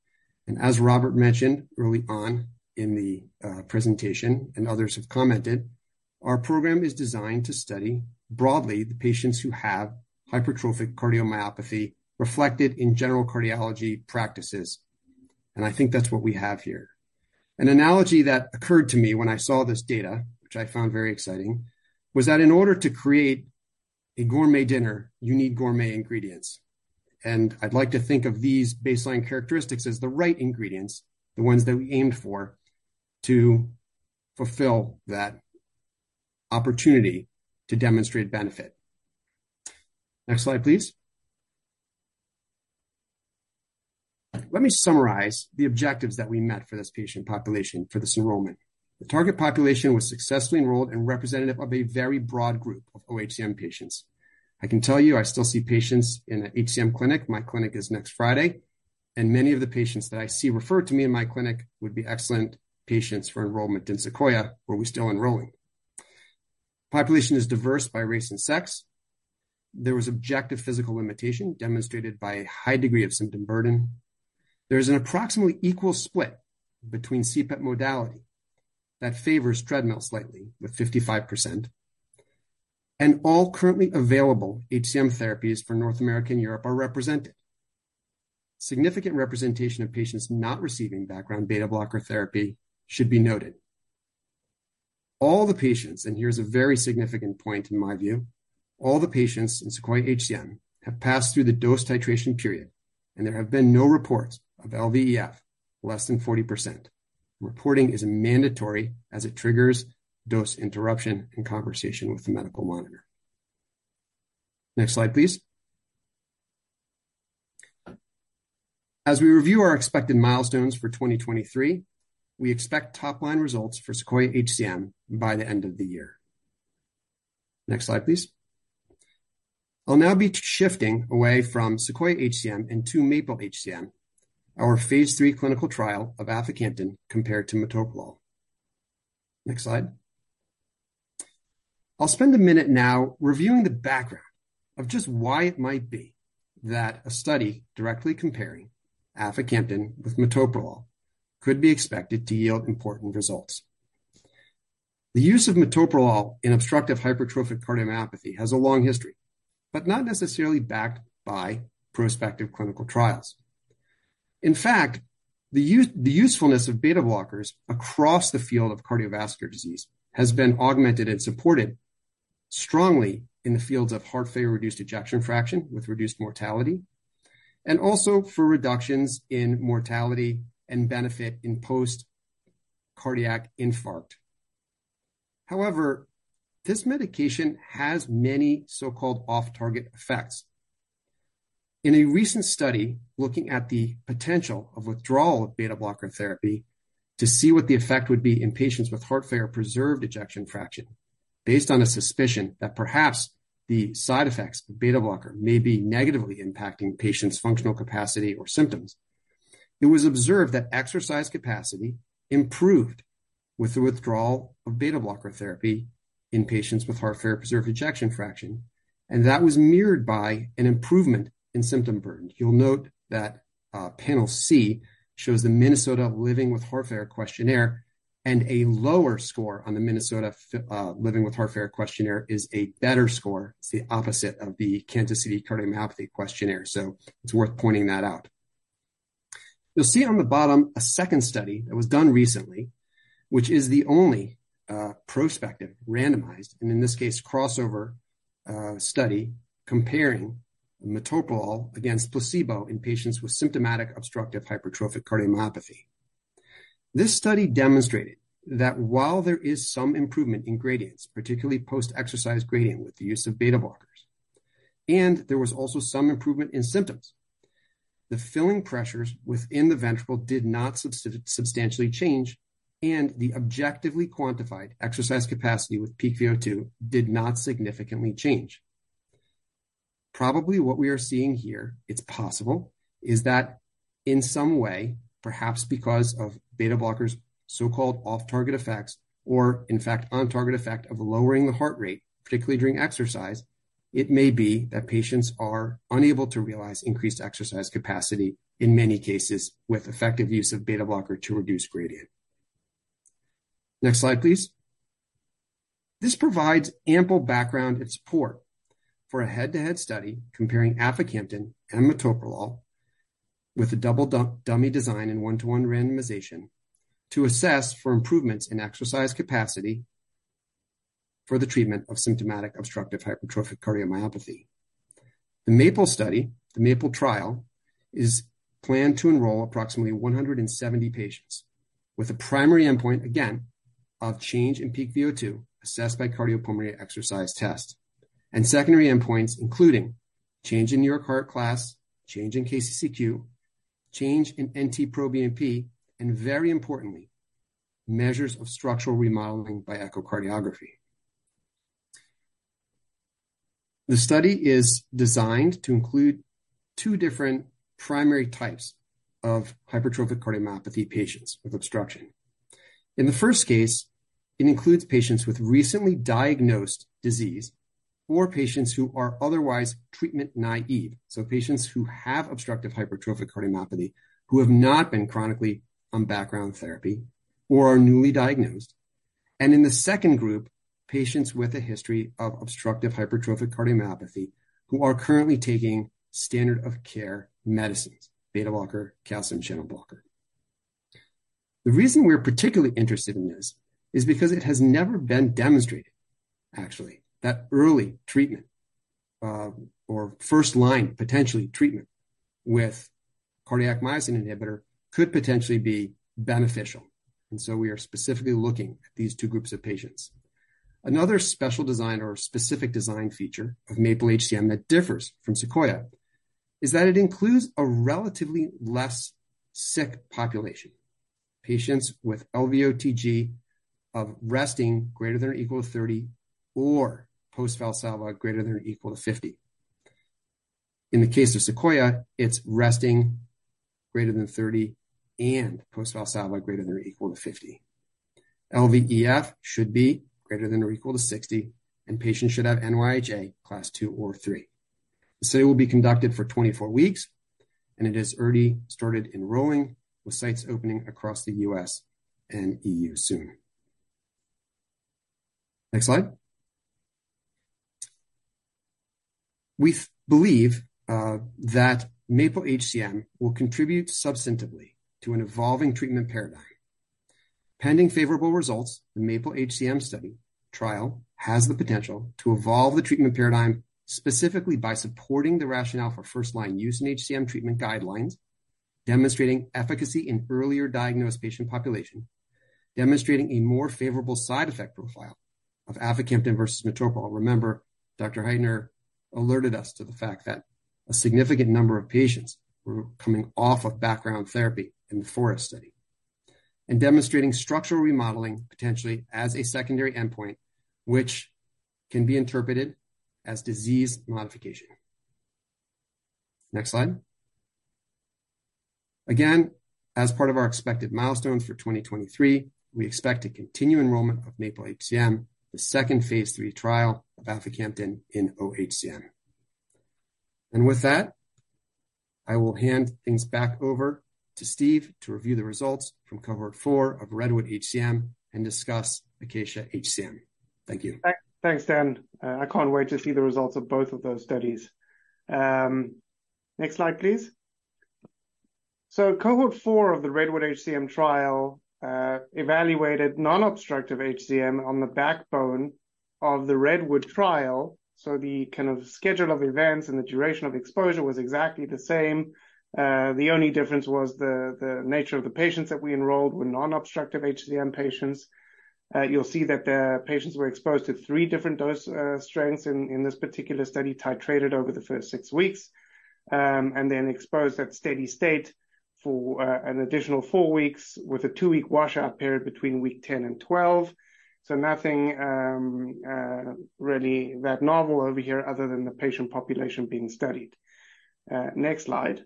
As Robert mentioned early on in the presentation and others have commented, our program is designed to study broadly the patients who have hypertrophic cardiomyopathy reflected in general cardiology practices, and I think that's what we have here. An analogy that occurred to me when I saw this data, which I found very exciting, was that in order to create a gourmet dinner, you need gourmet ingredients. I'd like to think of these baseline characteristics as the right ingredients, the ones that we aimed for, to fulfill that opportunity to demonstrate benefit. Next slide, please. Let me summarize the objectives that we met for this patient population for this enrollment. The target population was successfully enrolled and representative of a very broad group of oHCM patients. I can tell you I still see patients in the HCM clinic. My clinic is next Friday, and many of the patients that I see referred to me in my clinic would be excellent patients for enrollment in SEQUOIA, were we still enrolling. Population is diverse by race and sex. There was objective physical limitation, demonstrated by a high degree of symptom burden. There is an approximately equal split between CPET modality that favors treadmill slightly, with 55%, and all currently available HCM therapies for North America and Europe are represented. Significant representation of patients not receiving background beta blocker therapy should be noted. All the patients, and here's a very significant point in my view, all the patients in SEQUOIA-HCM have passed through the dose titration period, and there have been no reports of LVEF less than 40%. Reporting is mandatory as it triggers dose interruption and conversation with the medical monitor. Next slide, please. As we review our expected milestones for 2023, we expect top-line results for SEQUOIA-HCM by the end of the year. Next slide, please. I'll now be shifting away from SEQUOIA-HCM into MAPLE-HCM, our Phase 3 clinical trial of aficamten compared to metoprolol. Next slide. I'll spend a minute now reviewing the background of just why it might be that a study directly comparing aficamten with metoprolol could be expected to yield important results. The use of metoprolol in obstructive hypertrophic cardiomyopathy has a long history, but not necessarily backed by prospective clinical trials. In fact, the use, the usefulness of beta blockers across the field of cardiovascular disease has been augmented and supported strongly in the fields of heart failure, reduced ejection fraction with reduced mortality, and also for reductions in mortality and benefit in post cardiac infarct. However, this medication has many so-called off-target effects. In a recent study looking at the potential of withdrawal of beta blocker therapy to see what the effect would be in patients with heart failure, preserved ejection fraction, based on a suspicion that perhaps the side effects of beta blocker may be negatively impacting patients' functional capacity or symptoms, it was observed that exercise capacity improved with the withdrawal of beta blocker therapy in patients with heart failure, preserved ejection fraction, and that was mirrored by an improvement in symptom burden. You'll note that, Panel C shows the Minnesota Living with Heart Failure Questionnaire, and a lower score on the Minnesota Living with Heart Failure Questionnaire is a better score. It's the opposite of the Kansas City Cardiomyopathy Questionnaire, so it's worth pointing that out. You'll see on the bottom a second study that was done recently, which is the only, prospective, randomized, and in this case, crossover, study comparing metoprolol against placebo in patients with symptomatic obstructive hypertrophic cardiomyopathy. This study demonstrated that while there is some improvement in gradients, particularly post-exercise gradient, with the use of beta blockers, and there was also some improvement in symptoms, the filling pressures within the ventricle did not substantially change, and the objectively quantified exercise capacity with peak VO2 did not significantly change. Probably what we are seeing here, it's possible, is that in some way, perhaps because of beta blockers, so-called off-target effects, or in fact, on target effect of lowering the heart rate, particularly during exercise, it may be that patients are unable to realize increased exercise capacity, in many cases, with effective use of beta blocker to reduce gradient. Next slide, please. This provides ample background and support for a head-to-head study comparing aficamten and metoprolol with a double-dummy design and 1:1 randomization to assess for improvements in exercise capacity for the treatment of symptomatic obstructive hypertrophic cardiomyopathy. The MAPLE study, the MAPLE trial, is planned to enroll approximately 170 patients, with a primary endpoint, again, of change in peak VO2, assessed by cardiopulmonary exercise test, and secondary endpoints, including change in New York Heart Class, change in KCCQ, change in NT-proBNP, and very importantly, measures of structural remodeling by echocardiography. The study is designed to include two different primary types of hypertrophic cardiomyopathy patients with obstruction. In the first case, it includes patients with recently diagnosed disease or patients who are otherwise treatment naive. So patients who have obstructive hypertrophic cardiomyopathy, who have not been chronically on background therapy or are newly diagnosed. In the second group, patients with a history of obstructive hypertrophic cardiomyopathy who are currently taking standard of care medicines, beta blocker, calcium channel blocker. The reason we're particularly interested in this is because it has never been demonstrated, actually, that early treatment, or first-line, potentially treatment with cardiac myosin inhibitor could potentially be beneficial. And so we are specifically looking at these two groups of patients. Another special design or specific design feature of MAPLE-HCM that differs from SEQUOIA-HCM is that it includes a relatively less sick population. Patients with LVOTG of resting greater than or equal to 30 or post-Valsalva greater than or equal to 50. In the case of SEQUOIA-HCM, it's resting greater than 30 and post-Valsalva greater than or equal to 50. LVEF should be greater than or equal to 60, and patients should have NYHA Class II or III. The study will be conducted for 24 weeks, and it has already started enrolling, with sites opening across the U.S. and EU soon. Next slide. We believe that MAPLE-HCM will contribute substantively to an evolving treatment paradigm. Pending favorable results, the MAPLE-HCM study trial has the potential to evolve the treatment paradigm, specifically by supporting the rationale for first-line use in HCM treatment guidelines, demonstrating efficacy in earlier diagnosed patient population, demonstrating a more favorable side effect profile of aficamten versus metoprolol. Remember, Dr. Heitner alerted us to the fact that a significant number of patients were coming off of background therapy in the FOREST-HCM study. And demonstrating structural remodeling potentially as a secondary endpoint, which can be interpreted as disease modification. Next slide. Again, as part of our expected milestones for 2023, we expect to continue enrollment of MAPLE-HCM, the second Phase 3 trial of aficamten in oHCM. With that, I will hand things back over to Steve to review the results from cohort 4 of REDWOOD-HCM and discuss ACACIA-HCM. Thank you. Thanks, Dan. I can't wait to see the results of both of those studies. Next slide, please. So cohort 4 of the REDWOOD-HCM trial evaluated non-obstructive HCM on the backbone of the REDWOOD-HCM trial, so the kind of schedule of events and the duration of exposure was exactly the same. The only difference was the nature of the patients that we enrolled were non-obstructive HCM patients. You'll see that the patients were exposed to 3 different dose strengths in this particular study, titrated over the first 6 weeks, and then exposed at steady state for an additional 4 weeks, with a 2-week washout period between week 10 and 12. So nothing really that novel over here other than the patient population being studied. Next slide.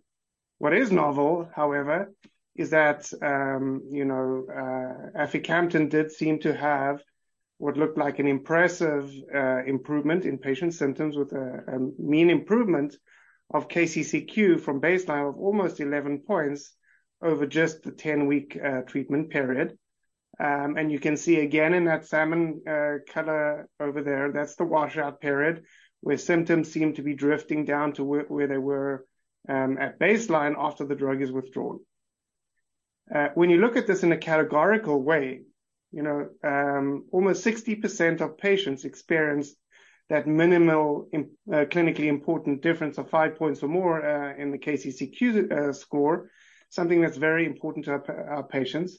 What is novel, however, is that, you know, aficamten did seem to have what looked like an impressive improvement in patient symptoms, with a mean improvement of KCCQ from baseline of almost 11 points over just the 10-week treatment period. And you can see again in that salmon color over there, that's the washout period, where symptoms seem to be drifting down to where they were at baseline after the drug is withdrawn. When you look at this in a categorical way, you know, almost 60% of patients experienced that minimal clinically important difference of 5 points or more in the KCCQ score, something that's very important to our patients.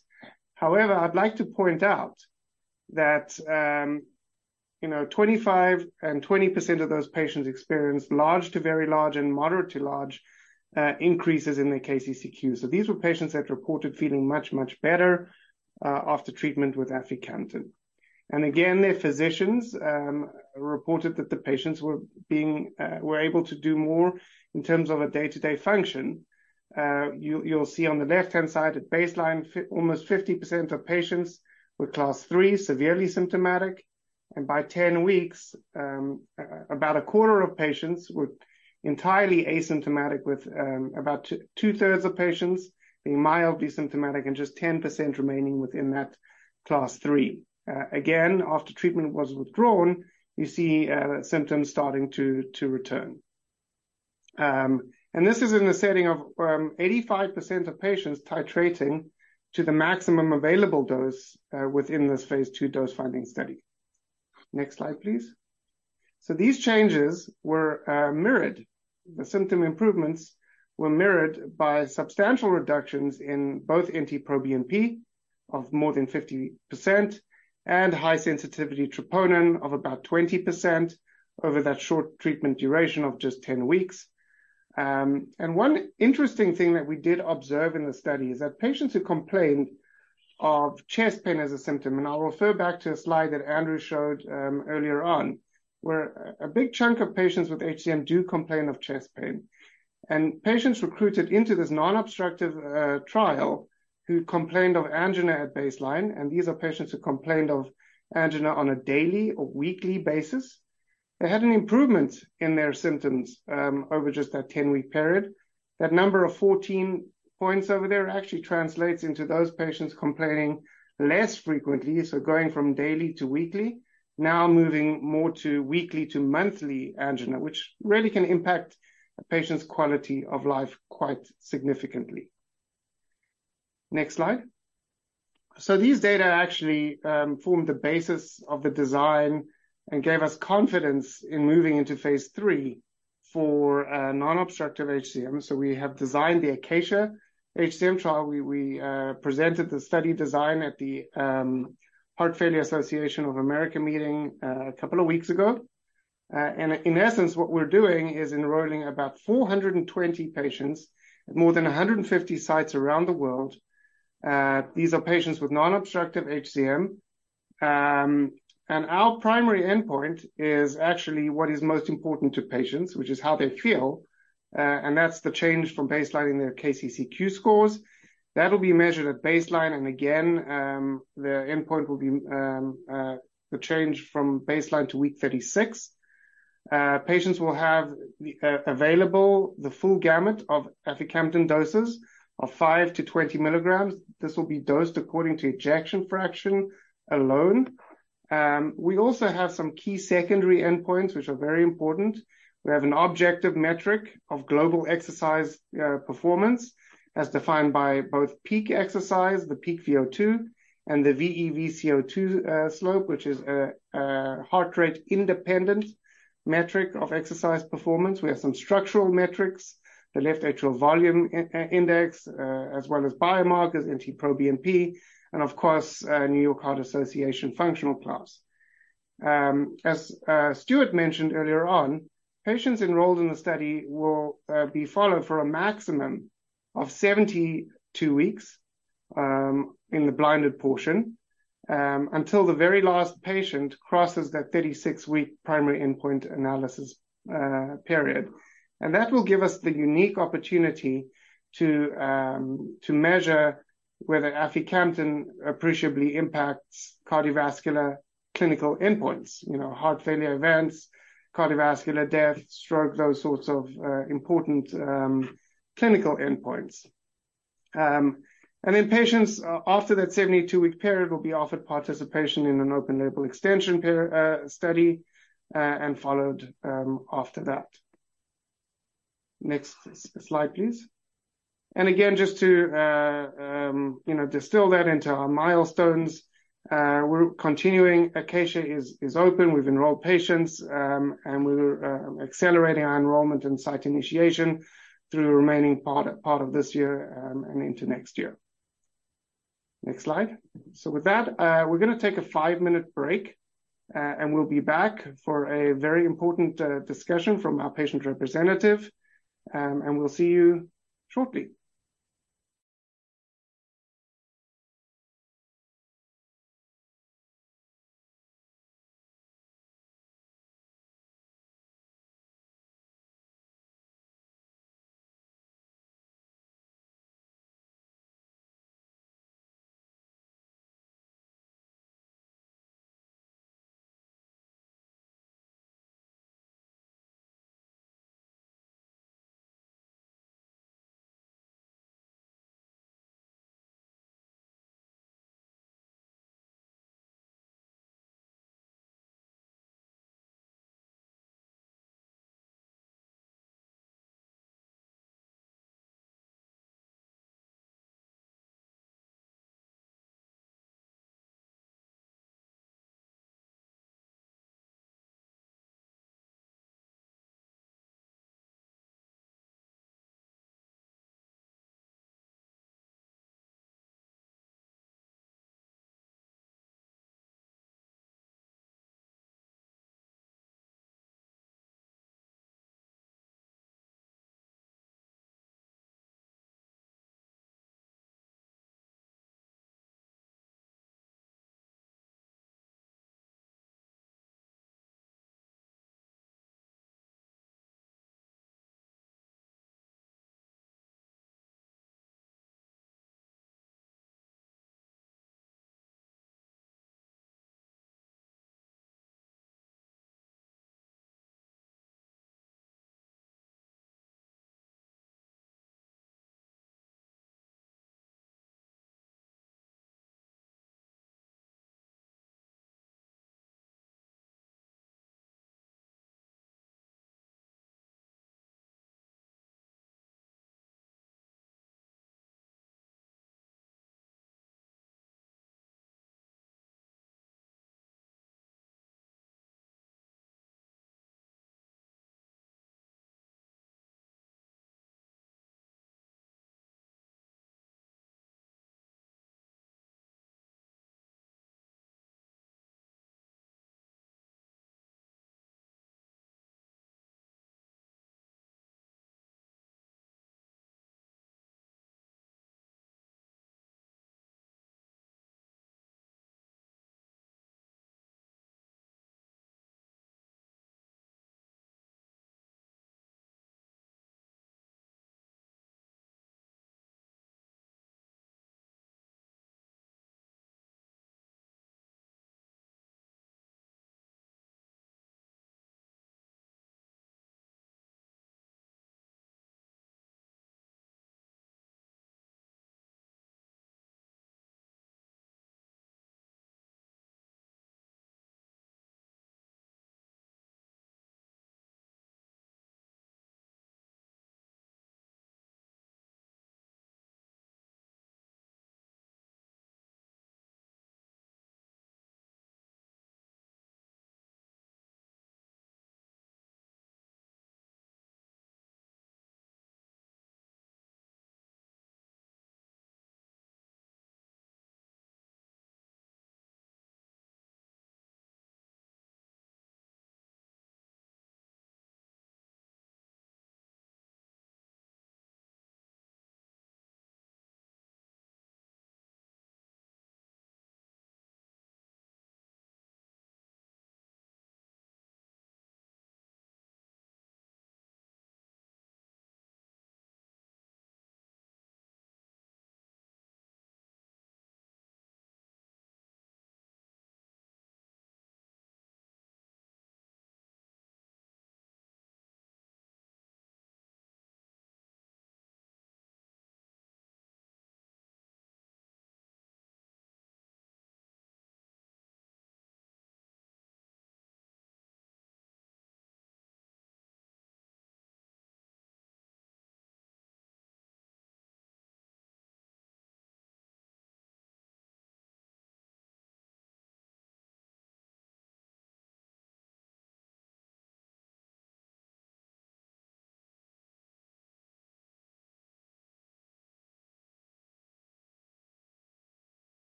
However, I'd like to point out that... You know, 25% and 20% of those patients experienced large to very large and moderate to large increases in their KCCQ. So these were patients that reported feeling much, much better after treatment with aficamten. And again, their physicians reported that the patients were being were able to do more in terms of a day-to-day function. You'll see on the left-hand side, at baseline, almost 50% of patients were Class III, severely symptomatic, and by 10 weeks, about a quarter of patients were entirely asymptomatic with about two-thirds of patients being mildly symptomatic and just 10% remaining within that Class III. Again, after treatment was withdrawn, you see symptoms starting to return. And this is in a setting of 85% of patients titrating to the maximum available dose within this Phase 2 dose-finding study. Next slide, please. So these changes were mirrored. The symptom improvements were mirrored by substantial reductions in both NT-proBNP of more than 50% and high sensitivity troponin of about 20% over that short treatment duration of just 10 weeks. And one interesting thing that we did observe in the study is that patients who complained of chest pain as a symptom, and I'll refer back to a slide that Andrew showed earlier on, where a big chunk of patients with HCM do complain of chest pain. And patients recruited into this non-obstructive trial, who complained of angina at baseline, and these are patients who complained of angina on a daily or weekly basis, they had an improvement in their symptoms over just that 10-week period. That number of 14 points over there actually translates into those patients complaining less frequently, so going from daily to weekly, now moving more to weekly to monthly angina, which really can impact a patient's quality of life quite significantly. Next slide. So these data actually formed the basis of the design and gave us confidence in moving into Phase 3 for non-obstructive HCM. So we have designed the ACACIA-HCM trial. We presented the study design at the Heart Failure Society of America meeting a couple of weeks ago. And in essence, what we're doing is enrolling about 420 patients at more than 150 sites around the world. These are patients with non-obstructive HCM. And our primary endpoint is actually what is most important to patients, which is how they feel, and that's the change from baseline in their KCCQ scores. That'll be measured at baseline, and again, the endpoint will be the change from baseline to week 36. Patients will have available the full gamut of Aficamten doses of 5-20 milligrams. This will be dosed according to ejection fraction alone. We also have some key secondary endpoints, which are very important. We have an objective metric of global exercise performance, as defined by both peak exercise, the peak VO2, and the VE/VCO2 slope, which is a heart rate independent metric of exercise performance. We have some structural metrics, the left atrial volume index, as well as biomarkers, NT-proBNP, and of course, New York Heart Association functional class. As Stuart mentioned earlier on, patients enrolled in the study will be followed for a maximum of 72 weeks in the blinded portion until the very last patient crosses that 36-week primary endpoint analysis period. That will give us the unique opportunity to measure whether Aficamten appreciably impacts cardiovascular clinical endpoints, you know, heart failure events, cardiovascular death, stroke, those sorts of important clinical endpoints. And then patients after that 72-week period will be offered participation in an open-label extension per study and followed after that. Next slide, please. And again, just to you know, distill that into our milestones, we're continuing. ACACIA is open. We've enrolled patients and we're accelerating our enrollment and site initiation through the remaining part of this year and into next year. Next slide. So with that, we're gonna take a 5-minute break and we'll be back for a very important discussion from our patient representative and we'll see you shortly.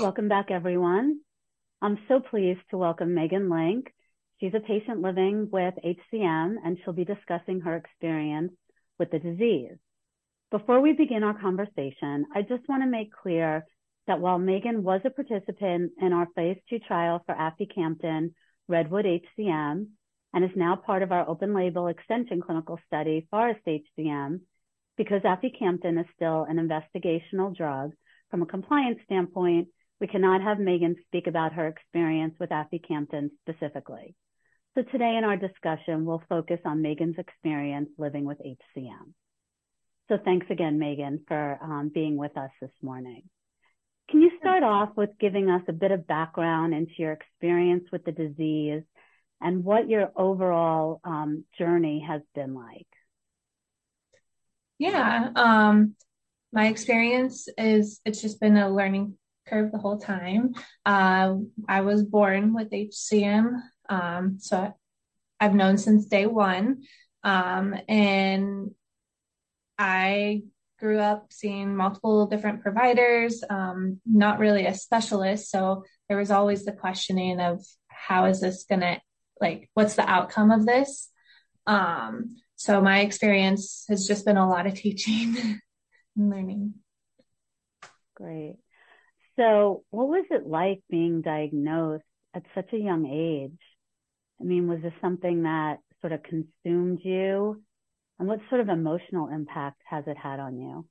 Welcome back, everyone. I'm so pleased to welcome Megan Link. She's a patient living with HCM, and she'll be discussing her experience with the disease. Before we begin our conversation, I just wanna make clear that while Megan was a participant in our Phase 2 trial for aficamten, REDWOOD-HCM, and is now part of our open-label extension clinical study, FOREST-HCM, because aficamten is still an investigational drug, from a compliance standpoint, we cannot have Megan speak about her experience with aficamten specifically. So today in our discussion, we'll focus on Megan's experience living with HCM. So thanks again, Megan, for being with us this morning. Can you start off with giving us a bit of background into your experience with the disease and what your overall journey has been like? Yeah, my experience is it's just been a learning curve the whole time. I was born with HCM, so I've known since day one. I grew up seeing multiple different providers, not really a specialist, so there was always the questioning of how is this gonna, like, what's the outcome of this? My experience has just been a lot of teaching and learning. Great. So what was it like being diagnosed at such a young age? I mean, was this something that sort of consumed you? And what sort of emotional impact has it had on you?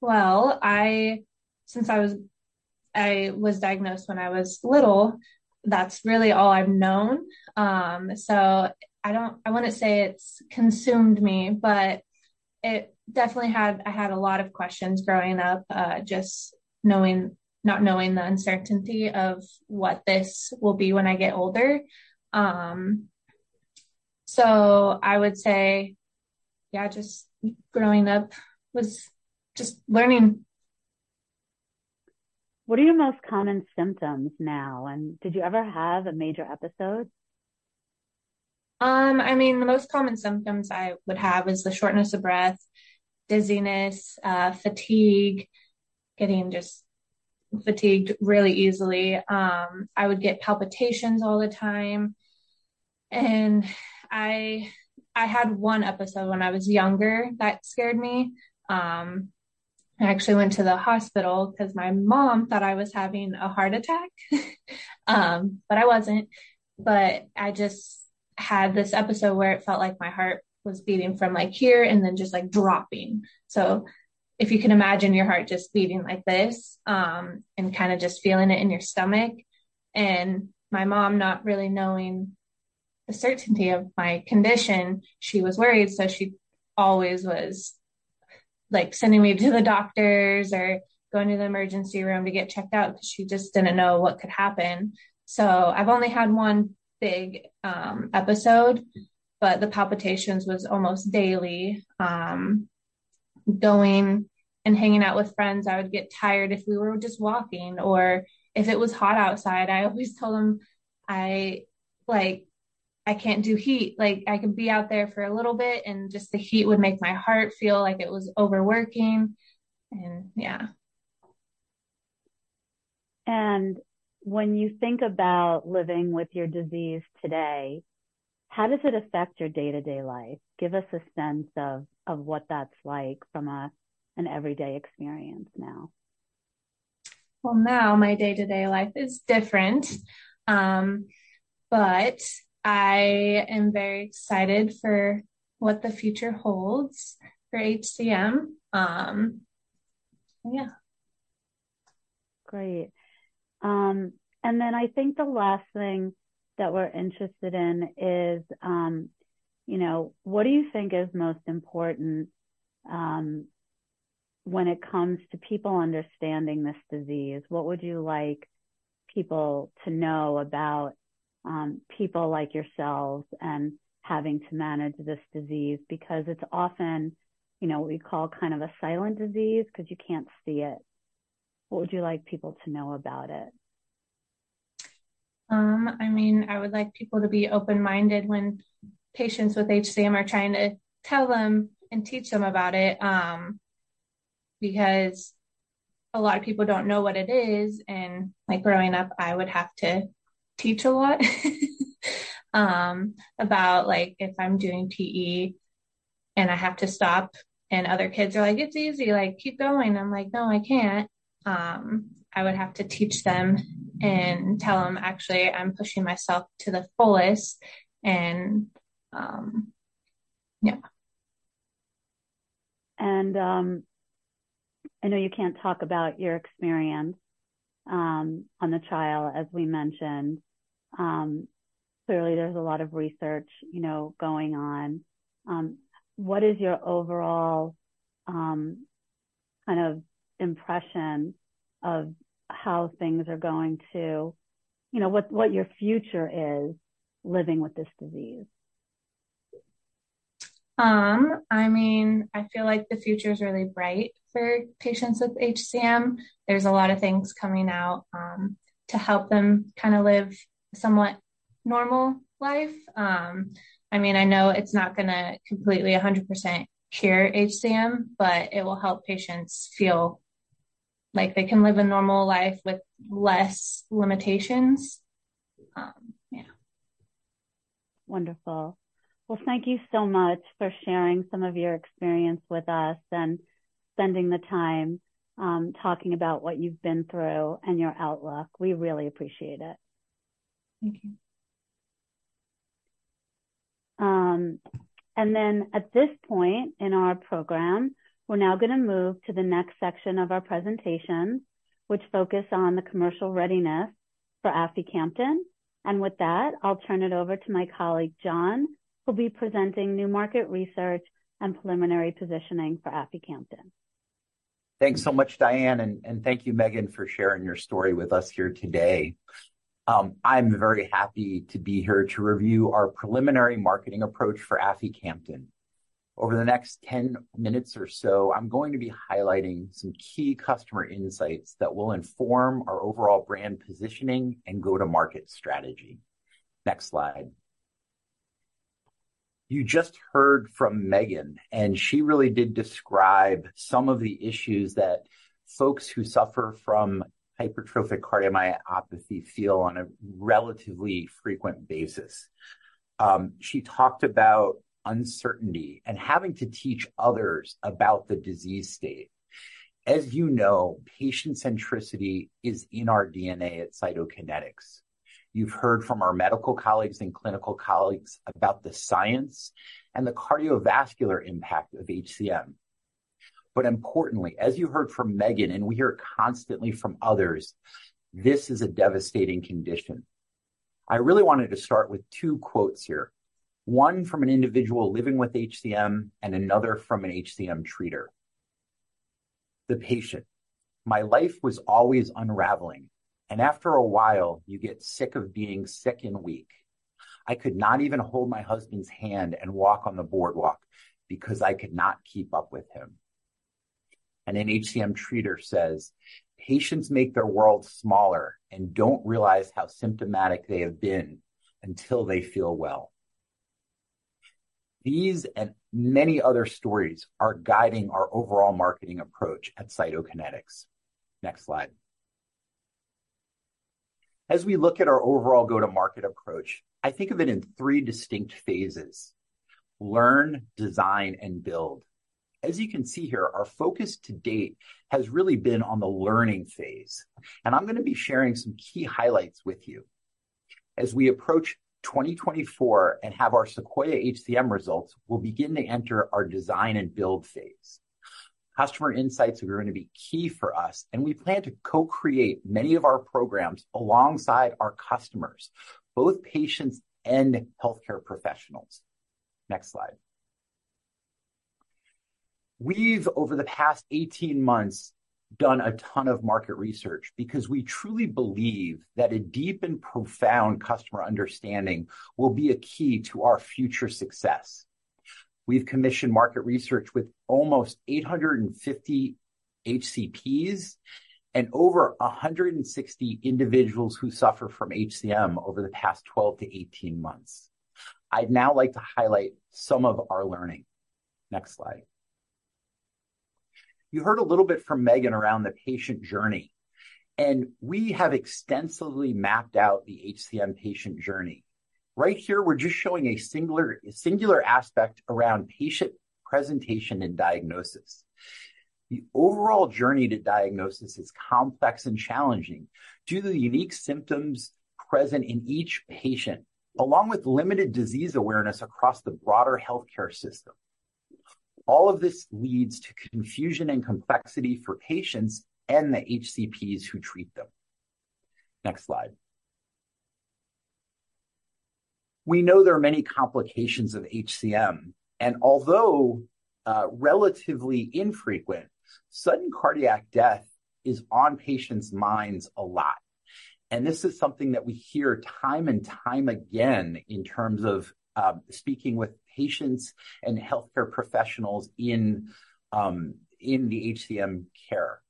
Well, since I was diagnosed when I was little, that's really all I've known. So I don't... I wouldn't say it's consumed me, but it definitely. I had a lot of questions growing up, just knowing, not knowing the uncertainty of what this will be when I get older. So I would say, yeah, just growing up was just learning. What are your most common symptoms now, and did you ever have a major episode? I mean, the most common symptoms I would have is the shortness of breath, dizziness, fatigue, getting just fatigued really easily. I would get palpitations all the time, and I had one episode when I was younger that scared me. I actually went to the hospital 'cause my mom thought I was having a heart attack, but I wasn't. But I just had this episode where it felt like my heart was beating from, like, here and then just, like, dropping. So if you can imagine your heart just beating like this, and kinda just feeling it in your stomach, and my mom not really knowing the certainty of my condition, she was worried, so she always was, like, sending me to the doctor's or going to the emergency room to get checked out 'cause she just didn't know what could happen. I've only had one big episode, but the palpitations was almost daily. Going and hanging out with friends, I would get tired if we were just walking, or if it was hot outside, I always told them I, like, I can't do heat. Like, I could be out there for a little bit, and just the heat would make my heart feel like it was overworking. And yeah. When you think about living with your disease today, how does it affect your day-to-day life? Give us a sense of what that's like from an everyday experience now. Well, now my day-to-day life is different. But I am very excited for what the future holds for HCM. Yeah. Great. And then I think the last thing that we're interested in is, you know, what do you think is most important, when it comes to people understanding this disease? What would you like people to know about, people like yourselves and having to manage this disease? Because it's often, you know, what we call kind of a silent disease, 'cause you can't see it. What would you like people to know about it? I mean, I would like people to be open-minded when patients with HCM are trying to tell them and teach them about it, because a lot of people don't know what it is, and, like, growing up, I would have to teach a lot about, like, if I'm doing PE and I have to stop, and other kids are like: "It's easy, like, keep going." I'm like: "No, I can't." I would have to teach them and tell them: "Actually, I'm pushing myself to the fullest," and, yeah. I know you can't talk about your experience on the trial, as we mentioned. Clearly, there's a lot of research, you know, going on. What is your overall kind of impression of how things are going to, you know, what, what your future is living with this disease? I mean, I feel like the future is really bright for patients with HCM. There's a lot of things coming out, to help them kind of live a somewhat normal life. I mean, I know it's not gonna completely 100% cure HCM, but it will help patients feel like they can live a normal life with less limitations. Yeah. Wonderful. Well, thank you so much for sharing some of your experience with us and spending the time, talking about what you've been through and your outlook. We really appreciate it. Thank you. And then at this point in our program, we're now gonna move to the next section of our presentation, which focus on the commercial readiness for aficamten. With that, I'll turn it over to my colleague, John, who'll be presenting new market research and preliminary positioning for aficamten. Thanks so much, Diane, and thank you, Megan, for sharing your story with us here today. I'm very happy to be here to review our preliminary marketing approach for aficamten. Over the next 10 minutes or so, I'm going to be highlighting some key customer insights that will inform our overall brand positioning and go-to-market strategy. Next slide. You just heard from Megan, and she really did describe some of the issues that folks who suffer from hypertrophic cardiomyopathy feel on a relatively frequent basis. She talked about uncertainty and having to teach others about the disease state. As you know, patient centricity is in our DNA at Cytokinetics. You've heard from our medical colleagues and clinical colleagues about the science and the cardiovascular impact of HCM. But importantly, as you heard from Megan, and we hear constantly from others, this is a devastating condition. I really wanted to start with two quotes here, one from an individual living with HCM and another from an HCM treater. The patient: "My life was always unraveling, and after a while, you get sick of being sick and weak. I could not even hold my husband's hand and walk on the boardwalk because I could not keep up with him." An HCM treater says: "Patients make their world smaller and don't realize how symptomatic they have been until they feel well." These and many other stories are guiding our overall marketing approach at Cytokinetics. Next slide. As we look at our overall go-to-market approach, I think of it in three distinct phases: learn, design, and build. As you can see here, our focus to date has really been on the learning phase, and I'm gonna be sharing some key highlights with you. As we approach 2024 and have our SEQUOIA-HCM results, we'll begin to enter our design and build phase. Customer insights are going to be key for us, and we plan to co-create many of our programs alongside our customers, both patients and healthcare professionals. Next slide. We've, over the past 18 months, done a ton of market research because we truly believe that a deep and profound customer understanding will be a key to our future success. We've commissioned market research with almost 850 HCPs and over 160 individuals who suffer from HCM over the past 12-18 months. I'd now like to highlight some of our learning. Next slide. You heard a little bit from Megan around the patient journey, and we have extensively mapped out the HCM patient journey. Right here, we're just showing a singular, singular aspect around patient presentation and diagnosis. The overall journey to diagnosis is complex and challenging due to the unique symptoms present in each patient, along with limited disease awareness across the broader healthcare system. All of this leads to confusion and complexity for patients and the HCPs who treat them. Next slide. We know there are many complications of HCM, and although relatively infrequent, sudden cardiac death is on patients' minds a lot. And this is something that we hear time and time again in terms of speaking with patients and healthcare professionals in the HCM care.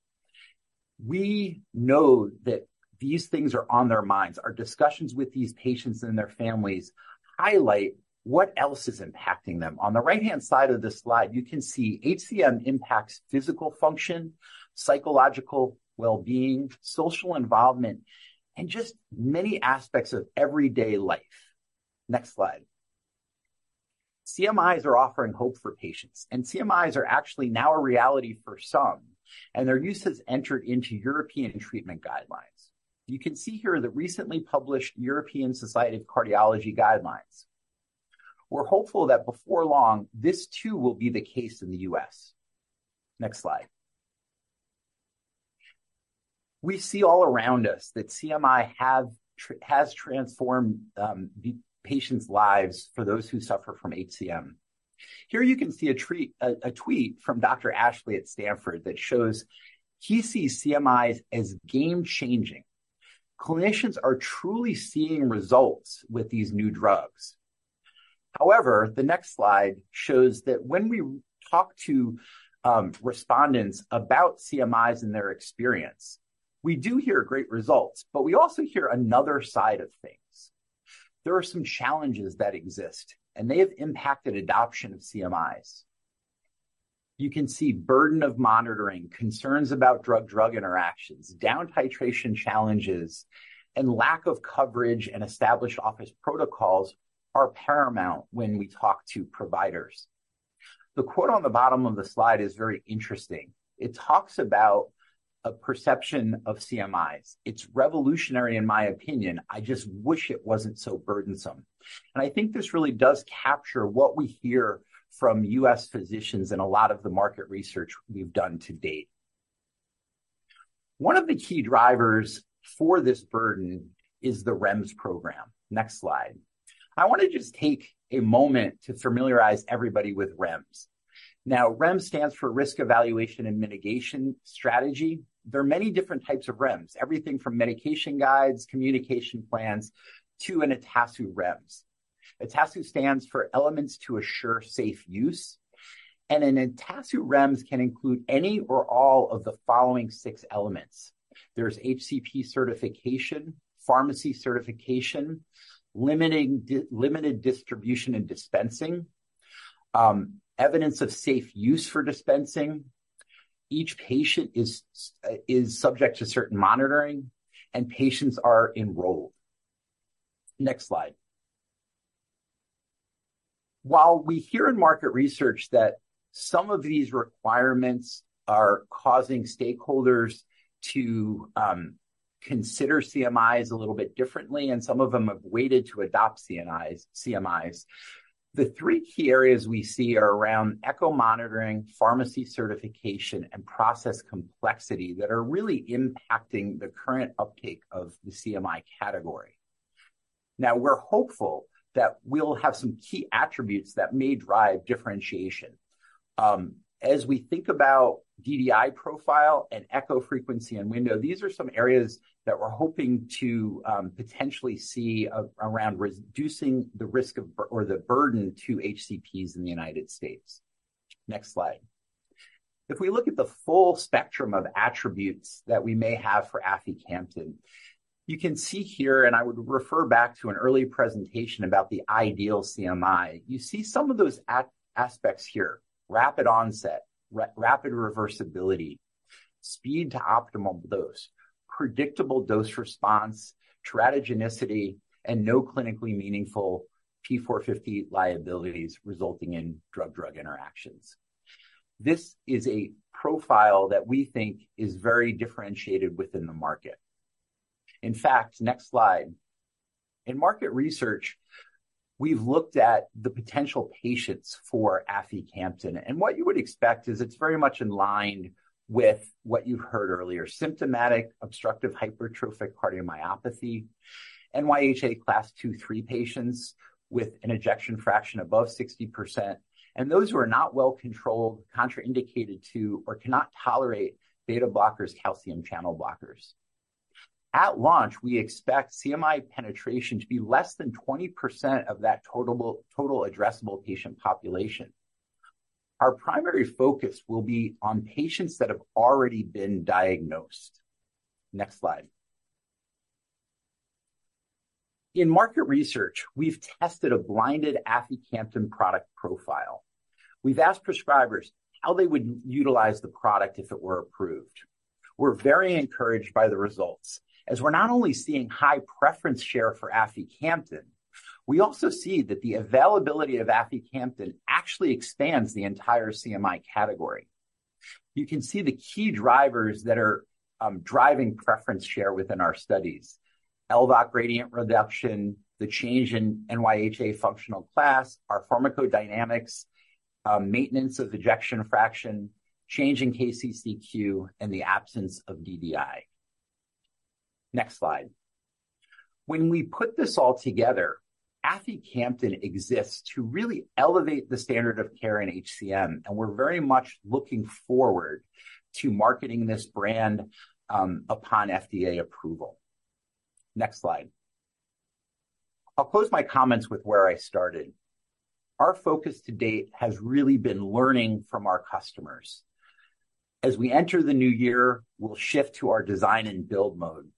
We know that these things are on their minds. Our discussions with these patients and their families highlight what else is impacting them. On the right-hand side of this slide, you can see HCM impacts physical function, psychological well-being, social involvement, and just many aspects of everyday life. Next slide. CMIs are offering hope for patients, and CMIs are actually now a reality for some, and their use has entered into European treatment guidelines. You can see here the recently published European Society of Cardiology guidelines. We're hopeful that before long, this too will be the case in the U.S. Next slide. We see all around us that CMI have has transformed the patients' lives for those who suffer from HCM. Here you can see a tweet from Dr. Ashley at Stanford that shows he sees CMIs as game-changing. Clinicians are truly seeing results with these new drugs. However, the next slide shows that when we talk to respondents about CMIs and their experience, we do hear great results, but we also hear another side of things. There are some challenges that exist, and they have impacted adoption of CMIs. You can see burden of monitoring, concerns about drug-drug interactions, down titration challenges, and lack of coverage and established office protocols are paramount when we talk to providers. The quote on the bottom of the slide is very interesting. It talks about a perception of CMIs. "It's revolutionary, in my opinion. I just wish it wasn't so burdensome." And I think this really does capture what we hear from US physicians in a lot of the market research we've done to date. One of the key drivers for this burden is the REMS program. Next slide. I wanna just take a moment to familiarize everybody with REMS. Now, REMS stands for Risk Evaluation and Mitigation Strategy. There are many different types of REMS, everything from medication guides, communication plans, to an ETASU REMS. ETASU stands for Elements to Assure Safe Use, and an ETASU REMS can include any or all of the following six elements. There's HCP certification, pharmacy certification, limited distribution and dispensing, evidence of safe use for dispensing. Each patient is subject to certain monitoring, and patients are enrolled. Next slide. While we hear in market research that some of these requirements are causing stakeholders to consider CMIs a little bit differently, and some of them have waited to adopt CNIs, CMIs, the three key areas we see are around echo monitoring, pharmacy certification, and process complexity that are really impacting the current uptake of the CMI category. Now, we're hopeful that we'll have some key attributes that may drive differentiation. As we think about DDI profile and echo frequency and window, these are some areas that we're hoping to potentially see around reducing the risk of or the burden to HCPs in the United States. Next slide. If we look at the full spectrum of attributes that we may have for aficamten, you can see here, and I would refer back to an earlier presentation about the ideal CMI. You see some of those aspects here: rapid onset, rapid reversibility, speed to optimal dose, predictable dose response, titratability, and no clinically meaningful P450 liabilities resulting in drug-drug interactions. This is a profile that we think is very differentiated within the market. In fact, next slide, in market research, we've looked at the potential patients for aficamten, and what you would expect is it's very much in line with what you've heard earlier. Symptomatic obstructive hypertrophic cardiomyopathy, NYHA Class II, III patients with an ejection fraction above 60%, and those who are not well controlled, contraindicated to, or cannot tolerate beta blockers, calcium channel blockers. At launch, we expect CMI penetration to be less than 20% of that total addressable patient population. Our primary focus will be on patients that have already been diagnosed. Next slide. In market research, we've tested a blinded aficamten product profile. We've asked prescribers how they would utilize the product if it were approved. We're very encouraged by the results, as we're not only seeing high preference share for aficamten, we also see that the availability of aficamten actually expands the entire CMI category. You can see the key drivers that are driving preference share within our studies. LVOT gradient reduction, the change in NYHA functional class, our pharmacodynamics, maintenance of ejection fraction, change in KCCQ, and the absence of DDI. Next slide. When we put this all together, aficamten exists to really elevate the standard of care in HCM, and we're very much looking forward to marketing this brand upon FDA approval. Next slide. I'll close my comments with where I started. Our focus to date has really been learning from our customers. As we enter the new year, we'll shift to our design and build mode.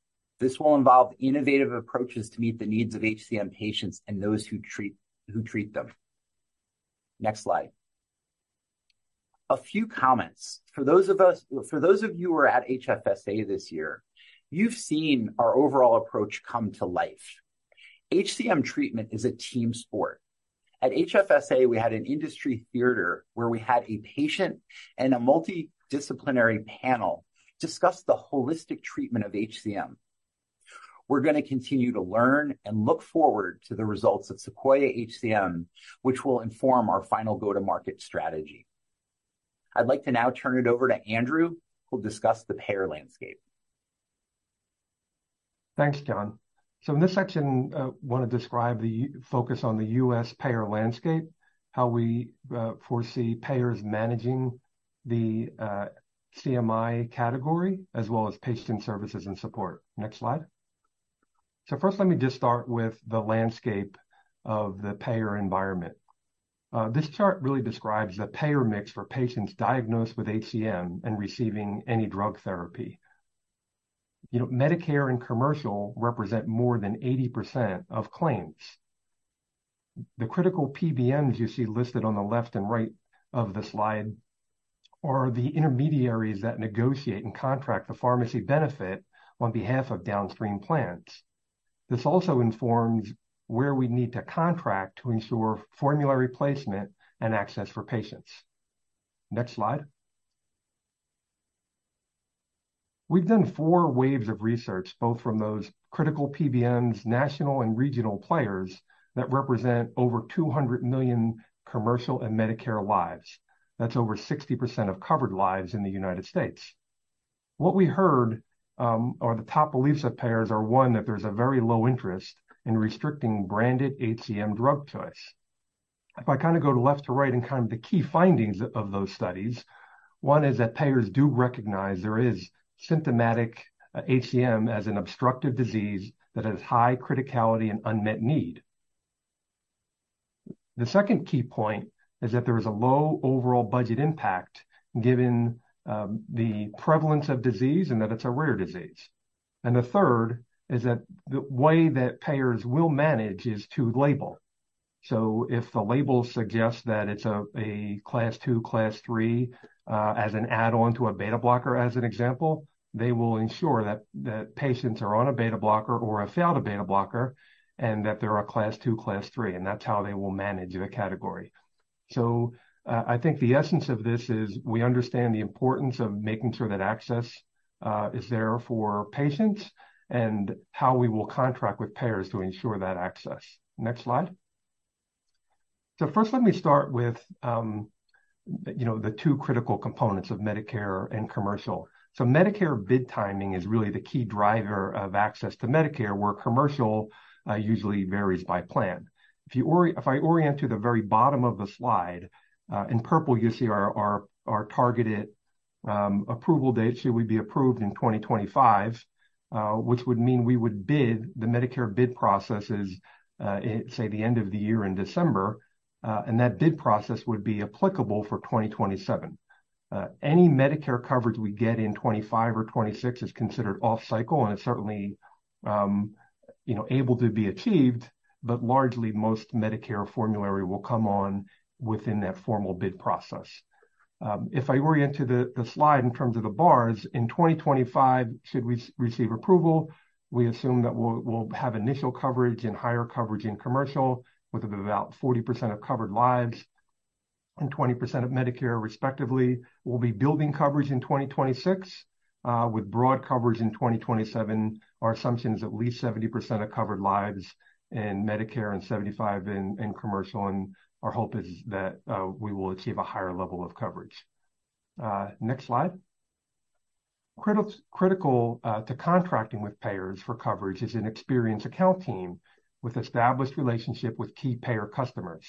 This will involve innovative approaches to meet the needs of HCM patients and those who treat, who treat them. Next slide. A few comments. For those of us, for those of you who are at HFSA this year, you've seen our overall approach come to life. HCM treatment is a team sport. At HFSA, we had an industry theater where we had a patient and a multidisciplinary panel discuss the holistic treatment of HCM. We're gonna continue to learn and look forward to the results of SEQUOIA-HCM, which will inform our final go-to-market strategy. I'd like to now turn it over to Andrew, who'll discuss the payer landscape. Thanks, John. So in this section, I wanna describe the focus on the U.S. payer landscape, how we foresee payers managing the CMI category, as well as patient services and support. Next slide. So first, let me just start with the landscape of the payer environment. This chart really describes the payer mix for patients diagnosed with HCM and receiving any drug therapy. You know, Medicare and commercial represent more than 80% of claims. The critical PBMs you see listed on the left and right of the slide are the intermediaries that negotiate and contract the pharmacy benefit on behalf of downstream plans. This also informs where we need to contract to ensure formulary placement and access for patients. Next slide. We've done 4 waves of research, both from those critical PBMs, national and regional players, that represent over 200 million commercial and Medicare lives. That's over 60% of covered lives in the United States. What we heard, or the top beliefs of payers are, one, that there's a very low interest in restricting branded HCM drug choice. If I kind of go to left to right in kind of the key findings of those studies, one is that payers do recognize there is symptomatic HCM as an obstructive disease that has high criticality and unmet need. The second key point is that there is a low overall budget impact, given the prevalence of disease and that it's a rare disease. The third is that the way that payers will manage is to label. So if the label suggests that it's a Class II, Class III, as an add-on to a beta blocker, as an example, they will ensure that patients are on a beta blocker or have failed a beta blocker, and that they're a Class II, Class III, and that's how they will manage the category. So, I think the essence of this is we understand the importance of making sure that access is there for patients and how we will contract with payers to ensure that access. Next slide. So first, let me start with, you know, the two critical components of Medicare and commercial. So Medicare bid timing is really the key driver of access to Medicare, where commercial usually varies by plan. If I orient to the very bottom of the slide, in purple, you see our targeted approval date, should we be approved in 2025, which would mean we would bid. The Medicare bid process is, say, the end of the year in December, and that bid process would be applicable for 2027. Any Medicare coverage we get in 2025 or 2026 is considered off cycle, and it's certainly, you know, able to be achieved, but largely, most Medicare formulary will come on within that formal bid process. If I orient to the slide in terms of the bars, in 2025, should we receive approval, we assume that we'll have initial coverage and higher coverage in commercial, with about 40% of covered lives and 20% of Medicare, respectively. We'll be building coverage in 2026, with broad coverage in 2027. Our assumption is at least 70% of covered lives in Medicare and 75% in commercial, and our hope is that we will achieve a higher level of coverage. Next slide. Critical to contracting with payers for coverage is an experienced account team with established relationship with key payer customers.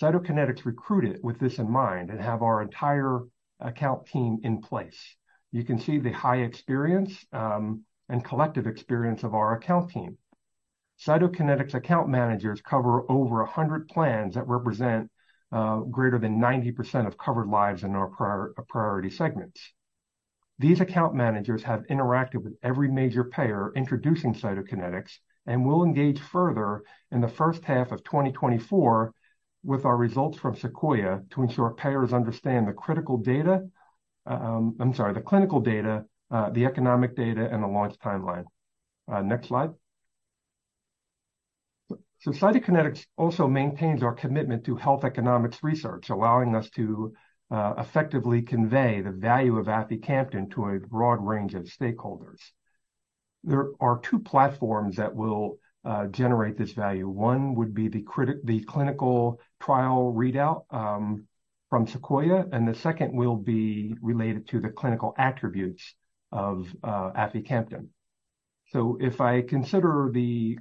Cytokinetics recruited with this in mind and have our entire account team in place. You can see the high experience and collective experience of our account team. Cytokinetics account managers cover over 100 plans that represent greater than 90% of covered lives in our priority segments. These account managers have interacted with every major payer introducing Cytokinetics, and will engage further in the first half of 2024 with our results from SEQUOIA to ensure payers understand the critical data. I'm sorry, the clinical data, the economic data, and the launch timeline. Next slide. So Cytokinetics also maintains our commitment to health economics research, allowing us to effectively convey the value of aficamten to a broad range of stakeholders. There are two platforms that will generate this value. One would be the clinical trial readout from SEQUOIA, and the second will be related to the clinical attributes of aficamten. So if we consider the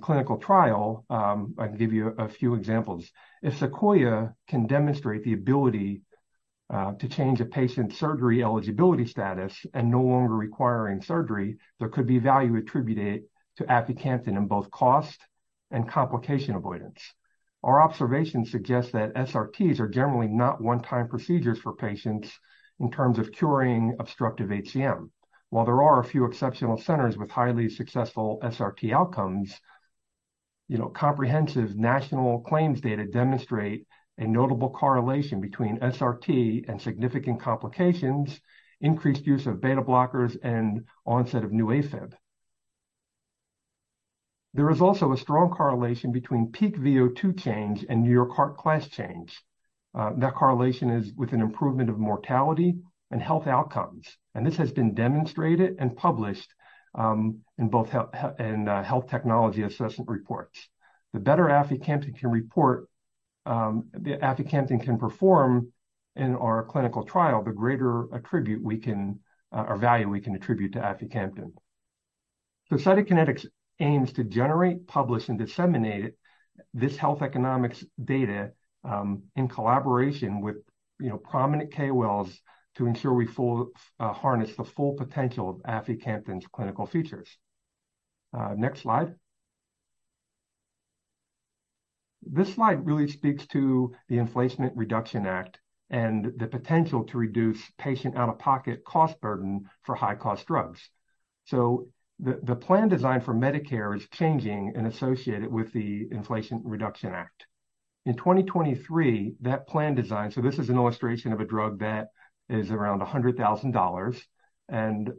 clinical trial, I can give you a few examples. If SEQUOIA can demonstrate the ability to change a patient's surgery eligibility status and no longer requiring surgery, there could be value attributed to aficamten in both cost and complication avoidance. Our observations suggest that SRTs are generally not one-time procedures for patients in terms of curing obstructive HCM. While there are a few exceptional centers with highly successful SRT outcomes, you know, comprehensive national claims data demonstrate a notable correlation between SRT and significant complications, increased use of beta blockers, and onset of new AFib. There is also a strong correlation between peak VO2 change and New York Heart class change. That correlation is with an improvement of mortality and health outcomes, and this has been demonstrated and published in both health technology assessment reports. The better aficamten can report, the aficamten can perform in our clinical trial, the greater attribute we can, or value we can attribute to aficamten. So Cytokinetics aims to generate, publish, and disseminate this health economics data, in collaboration with, you know, prominent KOLs to ensure we harness the full potential of aficamten's clinical features. Next slide. This slide really speaks to the Inflation Reduction Act and the potential to reduce patient out-of-pocket cost burden for high-cost drugs. So the, the plan design for Medicare is changing and associated with the Inflation Reduction Act. In 2023, that plan design, so this is an illustration of a drug that is around $100,000, and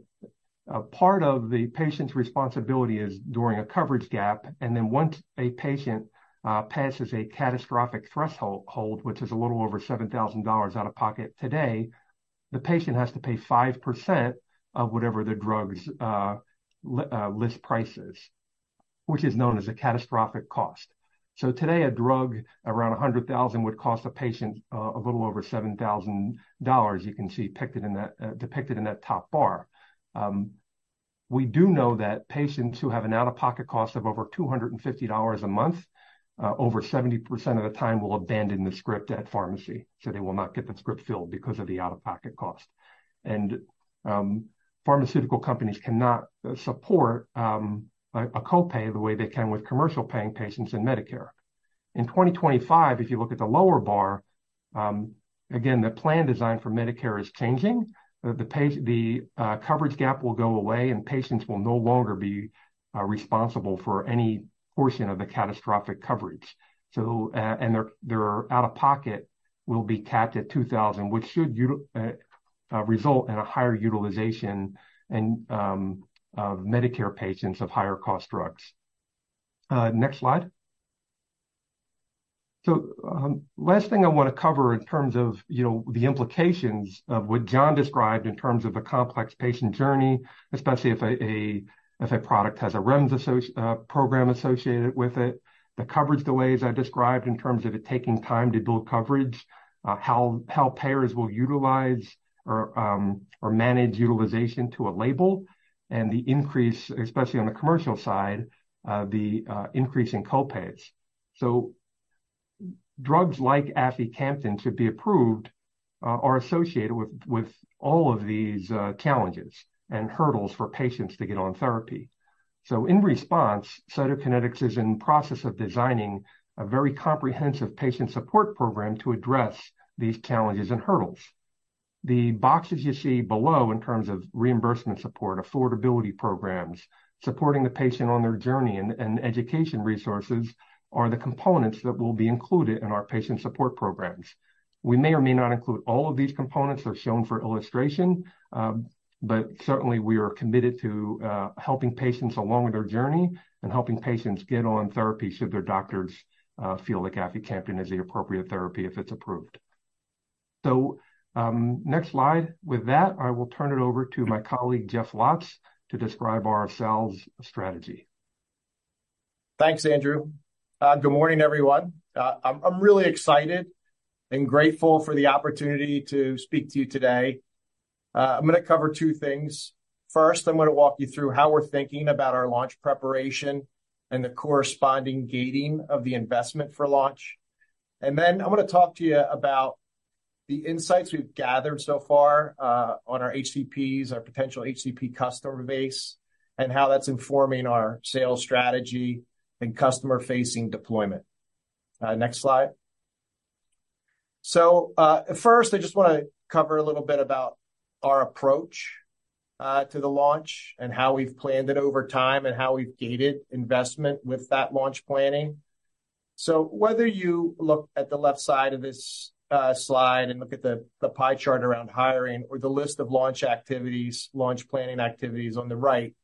a part of the patient's responsibility is during a coverage gap. Once a patient passes a catastrophic threshold, which is a little over $7,000 out of pocket today, the patient has to pay 5% of whatever the drug's list price is, which is known as a catastrophic cost. Today, a drug around $100,000 would cost a patient a little over $7,000. You can see pictured in that depicted in that top bar. We do know that patients who have an out-of-pocket cost of over $250 a month over 70% of the time will abandon the script at pharmacy. They will not get the script filled because of the out-of-pocket cost. Pharmaceutical companies cannot support a copay the way they can with commercial paying patients in Medicare. In 2025, if you look at the lower bar, again, the plan design for Medicare is changing. The coverage gap will go away, and patients will no longer be responsible for any portion of the catastrophic coverage. So, and their out-of-pocket will be capped at $2,000, which should result in a higher utilization and of Medicare patients of higher-cost drugs. Next slide. So, last thing I wanna cover in terms of, you know, the implications of what John described in terms of a complex patient journey, especially if a, a, if a product has a REMS program associated with it, the coverage delays I described in terms of it taking time to build coverage, how payers will utilize or or manage utilization to a label, and the increase, especially on the commercial side, the increase in copays. So drugs like aficamten to be approved are associated with all of these challenges and hurdles for patients to get on therapy. So in response, Cytokinetics is in process of designing a very comprehensive patient support program to address these challenges and hurdles. The boxes you see below, in terms of reimbursement support, affordability programs, supporting the patient on their journey, and education resources, are the components that will be included in our patient support programs. We may or may not include all of these components, they're shown for illustration, but certainly we are committed to helping patients along with their journey and helping patients get on therapy should their doctors feel like aficamten is the appropriate therapy if it's approved. So, next slide. With that, I will turn it over to my colleague, Jeff Lotz, to describe our sales strategy. Thanks, Andrew. Good morning, everyone. I'm really excited and grateful for the opportunity to speak to you today. I'm gonna cover two things. First, I'm gonna walk you through how we're thinking about our launch preparation and the corresponding gating of the investment for launch. Then I wanna talk to you about the insights we've gathered so far, on our HCPs, our potential HCP customer base, and how that's informing our sales strategy and customer-facing deployment. Next slide. So, first, I just wanna cover a little bit about our approach, to the launch and how we've planned it over time, and how we've gated investment with that launch planning. So whether you look at the left side of this slide and look at the pie chart around hiring or the list of launch activities, launch planning activities on the right,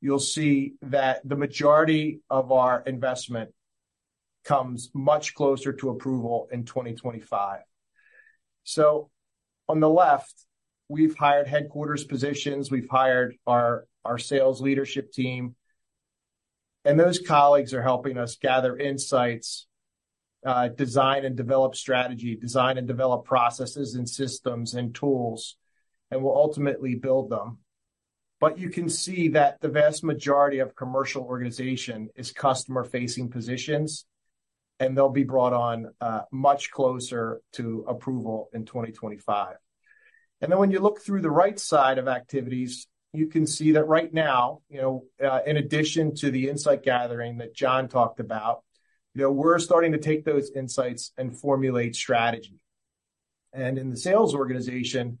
you'll see that the majority of our investment comes much closer to approval in 2025. So on the left, we've hired headquarters positions, we've hired our sales leadership team, and those colleagues are helping us gather insights, design and develop strategy, design and develop processes and systems and tools, and we'll ultimately build them. But you can see that the vast majority of commercial organization is customer-facing positions, and they'll be brought on much closer to approval in 2025. And then when you look through the right side of activities, you can see that right now, you know, in addition to the insight gathering that John talked about, you know, we're starting to take those insights and formulate strategy. And in the sales organization,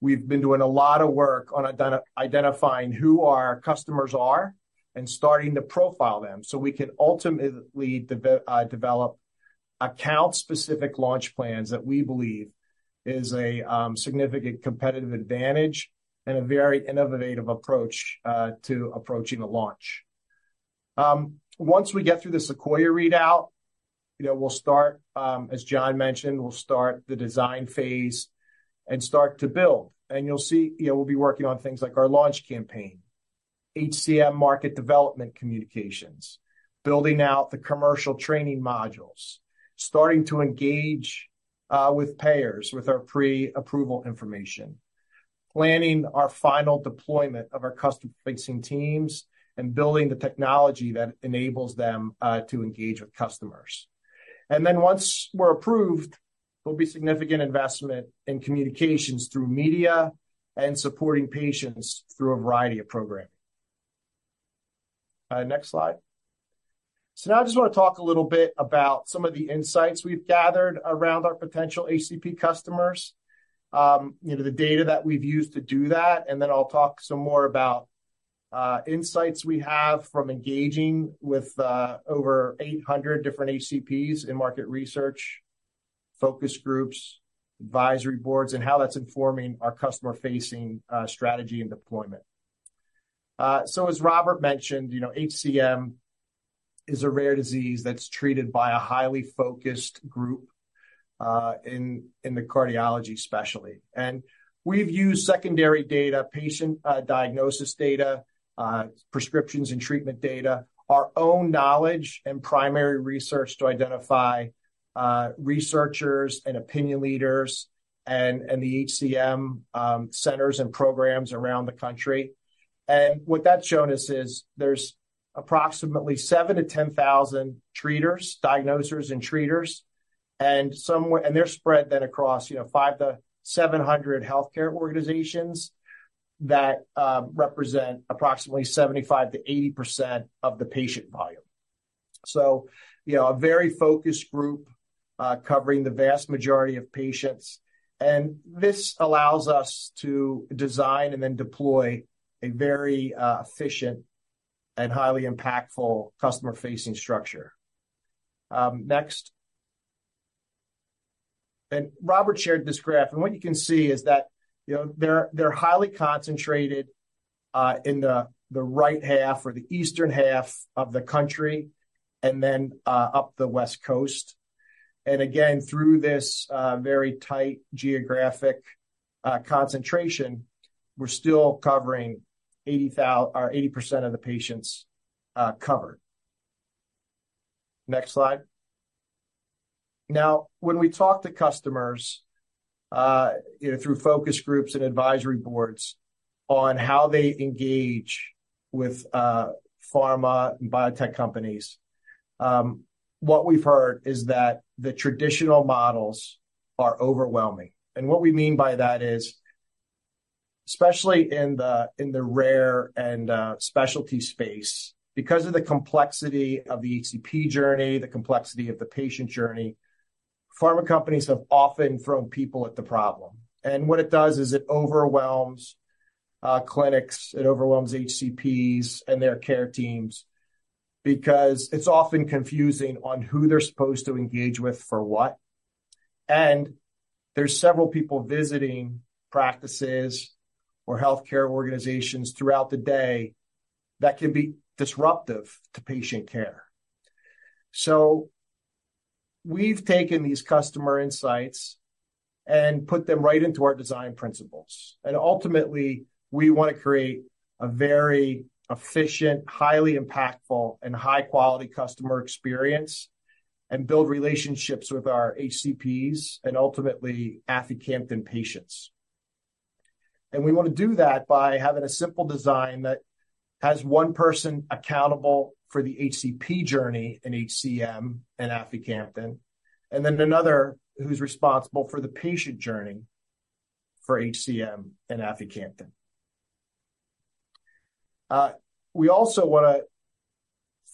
we've been doing a lot of work on identifying who our customers are and starting to profile them so we can ultimately develop account-specific launch plans that we believe is a significant competitive advantage and a very innovative approach to approaching a launch. Once we get through the SEQUOIA readout, you know, as John mentioned, we'll start the design phase and start to build. You'll see, you know, we'll be working on things like our launch campaign, HCM market development communications, building out the commercial training modules, starting to engage with payers with our pre-approval information, planning our final deployment of our customer-facing teams, and building the technology that enables them to engage with customers. Then once we're approved, there'll be significant investment in communications through media and supporting patients through a variety of programming. Next slide. Now I just wanna talk a little bit about some of the insights we've gathered around our potential HCP customers, you know, the data that we've used to do that, and then I'll talk some more about insights we have from engaging with over 800 different HCPs in market research, focus groups, advisory boards, and how that's informing our customer-facing strategy and deployment. So as Robert mentioned, you know, HCM is a rare disease that's treated by a highly focused group in the cardiology specialty. And we've used secondary data, patient diagnosis data, prescriptions and treatment data, our own knowledge and primary research to identify researchers and opinion leaders and the HCM centers and programs around the country. And what that's shown us is there's approximately 7-10 thousand treaters, diagnosers and treaters and they're spread then across, you know, 500-700 healthcare organizations that represent approximately 75%-80% of the patient volume. So, you know, a very focused group covering the vast majority of patients, and this allows us to design and then deploy a very efficient and highly impactful customer-facing structure. Next. Robert shared this graph, and what you can see is that, you know, they're highly concentrated in the right half or the eastern half of the country and then up the West Coast. And again, through this very tight geographic concentration, we're still covering 80% of the patients covered. Next slide. Now, when we talk to customers, you know, through focus groups and advisory boards on how they engage with pharma and biotech companies, what we've heard is that the traditional models are overwhelming. And what we mean by that is, especially in the rare and specialty space, because of the complexity of the HCP journey, the complexity of the patient journey, pharma companies have often thrown people at the problem. What it does is it overwhelms clinics, it overwhelms HCPs and their care teams, because it's often confusing on who they're supposed to engage with for what. There's several people visiting practices or healthcare organizations throughout the day that can be disruptive to patient care. So we've taken these customer insights and put them right into our design principles, and ultimately, we wanna create a very efficient, highly impactful, and high-quality customer experience and build relationships with our HCPs and ultimately aficamten patients. We wanna do that by having a simple design that has one person accountable for the HCP journey in HCM and aficamten, and then another who's responsible for the patient journey for HCM and aficamten. We also wanna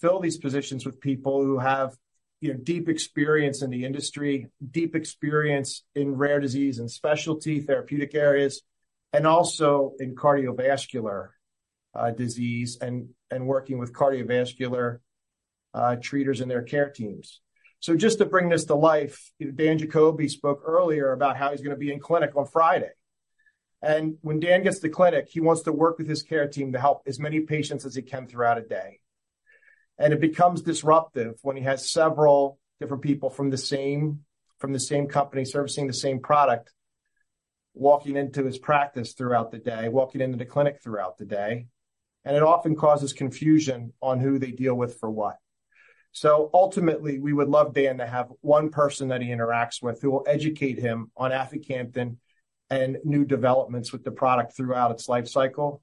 fill these positions with people who have, you know, deep experience in the industry, deep experience in rare disease and specialty therapeutic areas, and also in cardiovascular disease, and working with cardiovascular treaters and their care teams. So just to bring this to life, Dan Jacoby spoke earlier about how he's gonna be in clinic on Friday. When Dan gets to clinic, he wants to work with his care team to help as many patients as he can throughout a day. It becomes disruptive when he has several different people from the same, from the same company, servicing the same product, walking into his practice throughout the day, walking into the clinic throughout the day, and it often causes confusion on who they deal with for what. So ultimately, we would love Dan to have one person that he interacts with, who will educate him on aficamten and new developments with the product throughout its life cycle.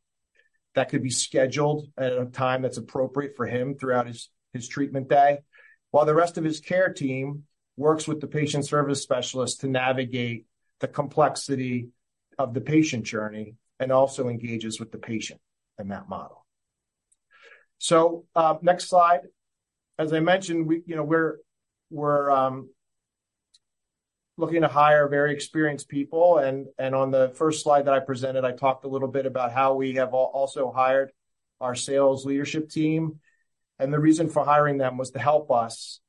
That could be scheduled at a time that's appropriate for him throughout his treatment day, while the rest of his care team works with the patient service specialist to navigate the complexity of the patient journey and also engages with the patient in that model.... Next slide. As I mentioned, we, you know, we're looking to hire very experienced people, and on the first slide that I presented, I talked a little bit about how we have also hired our sales leadership team. The reason for hiring them was to help us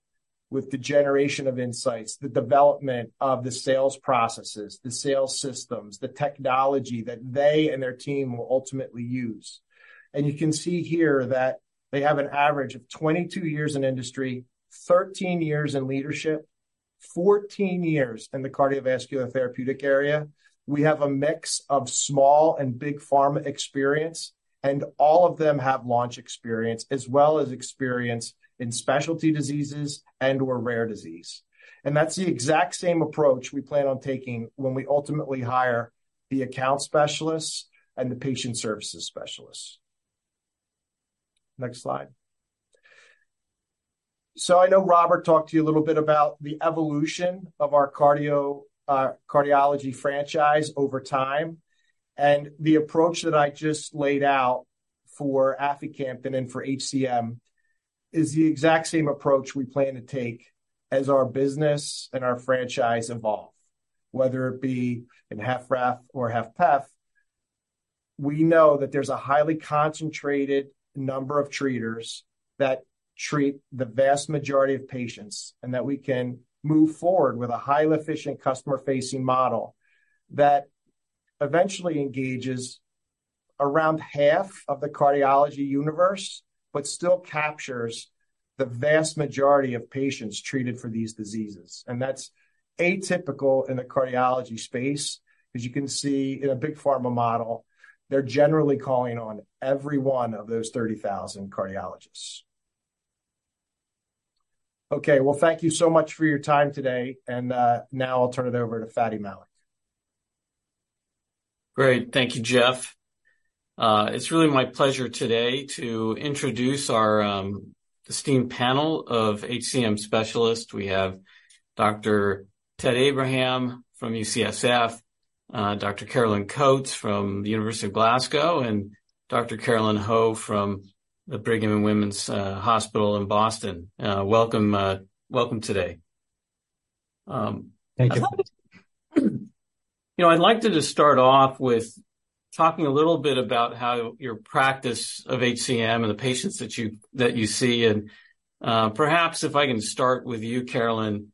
with the generation of insights, the development of the sales processes, the sales systems, the technology that they and their team will ultimately use. You can see here that they have an average of 22 years in industry, 13 years in leadership, 14 years in the cardiovascular therapeutic area. We have a mix of small and big pharma experience, and all of them have launch experience, as well as experience in specialty diseases and/or rare disease. That's the exact same approach we plan on taking when we ultimately hire the account specialists and the patient services specialists. Next slide. So I know Robert talked to you a little bit about the evolution of our cardio, cardiology franchise over time, and the approach that I just laid out for aficamten and for HCM is the exact same approach we plan to take as our business and our franchise evolve. Whether it be in HFrEF or HFpEF, we know that there's a highly concentrated number of treaters that treat the vast majority of patients, and that we can move forward with a highly efficient customer-facing model that eventually engages around half of the cardiology universe, but still captures the vast majority of patients treated for these diseases. And that's atypical in the cardiology space. As you can see, in a big pharma model, they're generally calling on every one of those 30,000 cardiologists. Okay, well, thank you so much for your time today, and now I'll turn it over to Fady Malik. Great. Thank you, Jeff. It's really my pleasure today to introduce our esteemed panel of HCM specialists. We have Dr. Ted Abraham from UCSF, Dr. Caroline Coats from the University of Glasgow, and Dr. Carolyn Ho from the Brigham and Women's Hospital in Boston. Welcome, welcome today. Thank you. You know, I'd like to just start off with talking a little bit about how your practice of HCM and the patients that you see, and perhaps if I can start with you, Carolyn.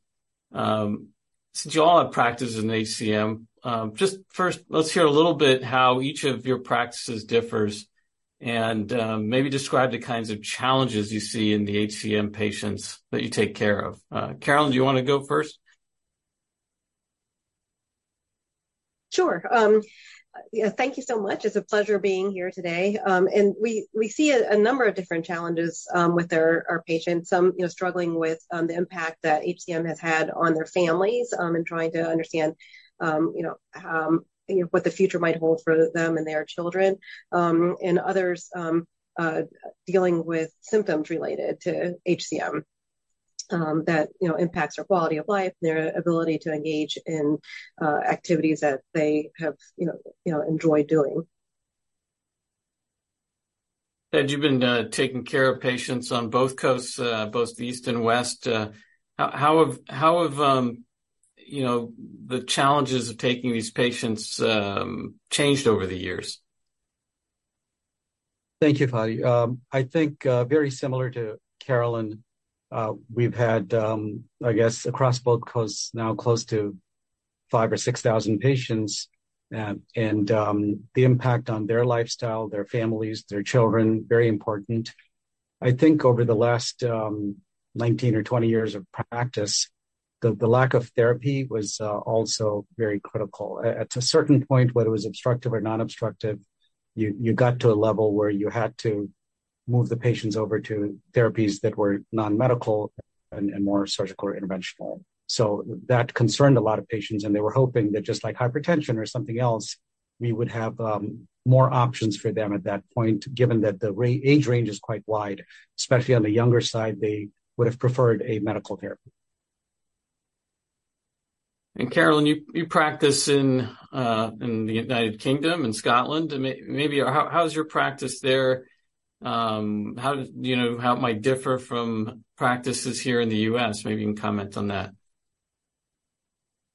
Since you all have practice in HCM, just first, let's hear a little bit how each of your practices differs, and maybe describe the kinds of challenges you see in the HCM patients that you take care of. Carolyn, do you want to go first? Sure. Yeah, thank you so much. It's a pleasure being here today. And we see a number of different challenges with our patients. Some, you know, struggling with the impact that HCM has had on their families and trying to understand, you know, you know, what the future might hold for them and their children. And others dealing with symptoms related to HCM that, you know, impacts their quality of life, their ability to engage in activities that they have, you know, you know, enjoy doing. Ted, you've been taking care of patients on both coasts, both the East and West. How have, you know, the challenges of taking these patients changed over the years? Thank you, Fady. I think, very similar to Carolyn, we've had, I guess, across both coasts now, close to 5 or 6 thousand patients, and the impact on their lifestyle, their families, their children, very important. I think over the last 19 or 20 years of practice, the lack of therapy was also very critical. At a certain point, whether it was obstructive or non-obstructive, you got to a level where you had to move the patients over to therapies that were non-medical and more surgical or interventional. So that concerned a lot of patients, and they were hoping that just like hypertension or something else, we would have more options for them at that point, given that the age range is quite wide. Especially on the younger side, they would have preferred a medical therapy. Caroline, you practice in the United Kingdom, in Scotland. Maybe how is your practice there, you know, how it might differ from practices here in the U.S.? Maybe you can comment on that.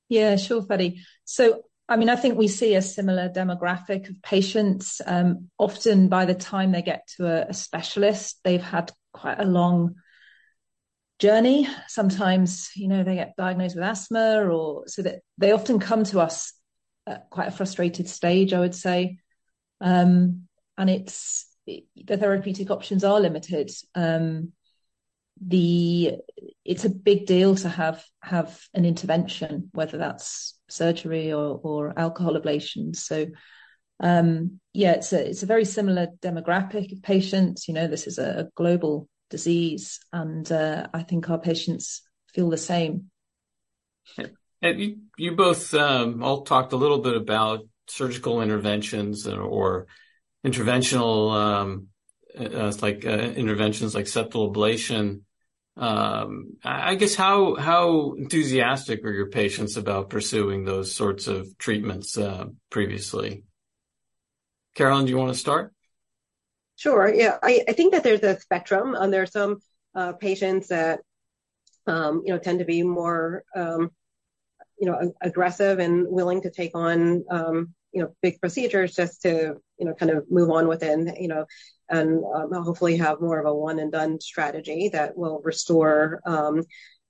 Yeah, sure, Fady. So, I mean, I think we see a similar demographic of patients. Often by the time they get to a specialist, they've had quite a long journey. Sometimes, you know, they get diagnosed with asthma or... So that they often come to us at quite a frustrated stage, I would say. And it's the therapeutic options are limited. It's a big deal to have an intervention, whether that's surgery or alcohol ablation. So, yeah, it's a very similar demographic of patients. You know, this is a global disease, and I think our patients feel the same. And you both all talked a little bit about surgical interventions or interventional like interventions like septal ablation. I guess how enthusiastic are your patients about pursuing those sorts of treatments previously? Carolyn, do you want to start? Sure. Yeah, I think that there's a spectrum, and there are some patients that you know, tend to be more you know, aggressive and willing to take on you know, big procedures just to you know, kind of move on within you know, and hopefully have more of a one-and-done strategy that will restore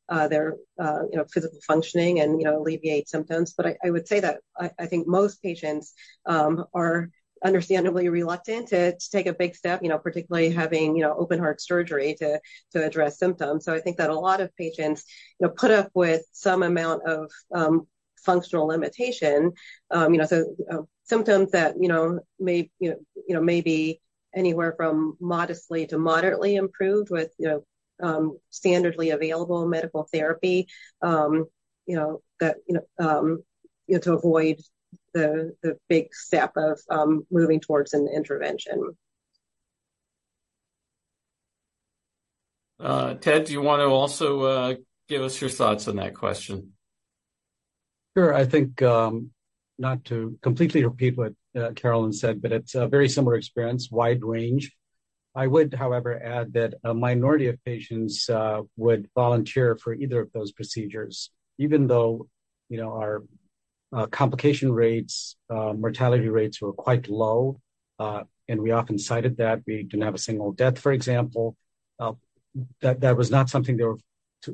their you know, physical functioning and you know, alleviate symptoms. But I would say that I think most patients are understandably reluctant to take a big step, you know, particularly having you know, open heart surgery to address symptoms. So I think that a lot of patients you know, put up with some amount of functional limitation. You know, so, symptoms that, you know, may, you know, you know, may be anywhere from modestly to moderately improved with, you know, standardly available medical therapy. You know, that, you know, you know, to avoid the, the big step of, moving towards an intervention. Ted, do you want to also give us your thoughts on that question? Sure. I think, not to completely repeat what Carolyn said, but it's a very similar experience, wide range. I would, however, add that a minority of patients would volunteer for either of those procedures, even though, you know, our complication rates, mortality rates were quite low, and we often cited that we didn't have a single death, for example. That was not something they were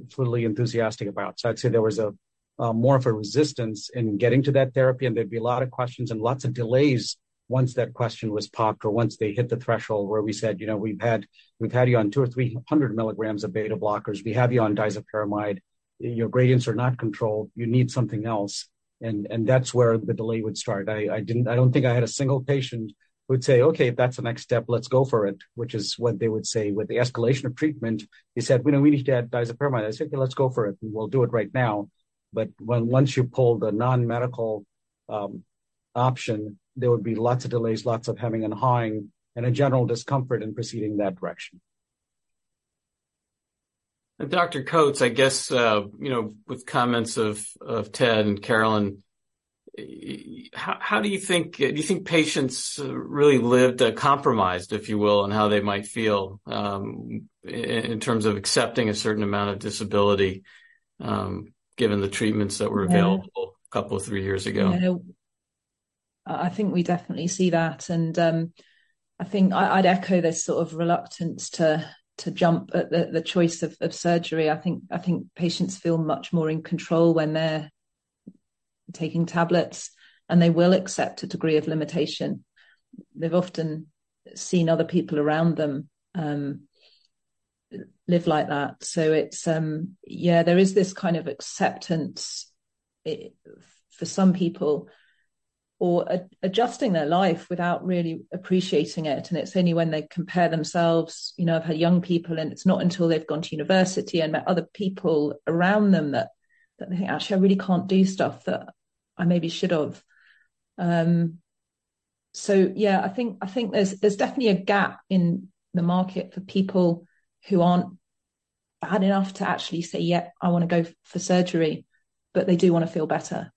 totally enthusiastic about. So I'd say there was a more of a resistance in getting to that therapy, and there'd be a lot of questions and lots of delays once that question was popped or once they hit the threshold where we said, "You know, we've had, we've had you on 200 or 300 milligrams of beta blockers. We have you on disopyramide. Your gradients are not controlled. You need something else." And that's where the delay would start. I didn't. I don't think I had a single patient who would say, "Okay, if that's the next step, let's go for it," which is what they would say with the escalation of treatment. They said, "We know we need to add disopyramide." I said, "Okay, let's go for it, and we'll do it right now." But when once you pull the non-medical option, there would be lots of delays, lots of hemming and hawing, and a general discomfort in proceeding in that direction. Dr. Coats, I guess, you know, with comments of Ted and Carolyn, how do you think... Do you think patients really lived compromised, if you will, on how they might feel in terms of accepting a certain amount of disability, given the treatments that were- Yeah Available a couple of 3 years ago? Yeah. I think we definitely see that, and I think I'd echo this sort of reluctance to jump at the choice of surgery. I think patients feel much more in control when they're taking tablets, and they will accept a degree of limitation. They've often seen other people around them live like that. So it's yeah, there is this kind of acceptance, it for some people, or adjusting their life without really appreciating it, and it's only when they compare themselves. You know, I've had young people, and it's not until they've gone to university and met other people around them that they think, "Actually, I really can't do stuff that I maybe should have." So yeah, I think there's definitely a gap in the market for people who aren't bad enough to actually say, "Yep, I want to go in for surgery," but they do want to feel better.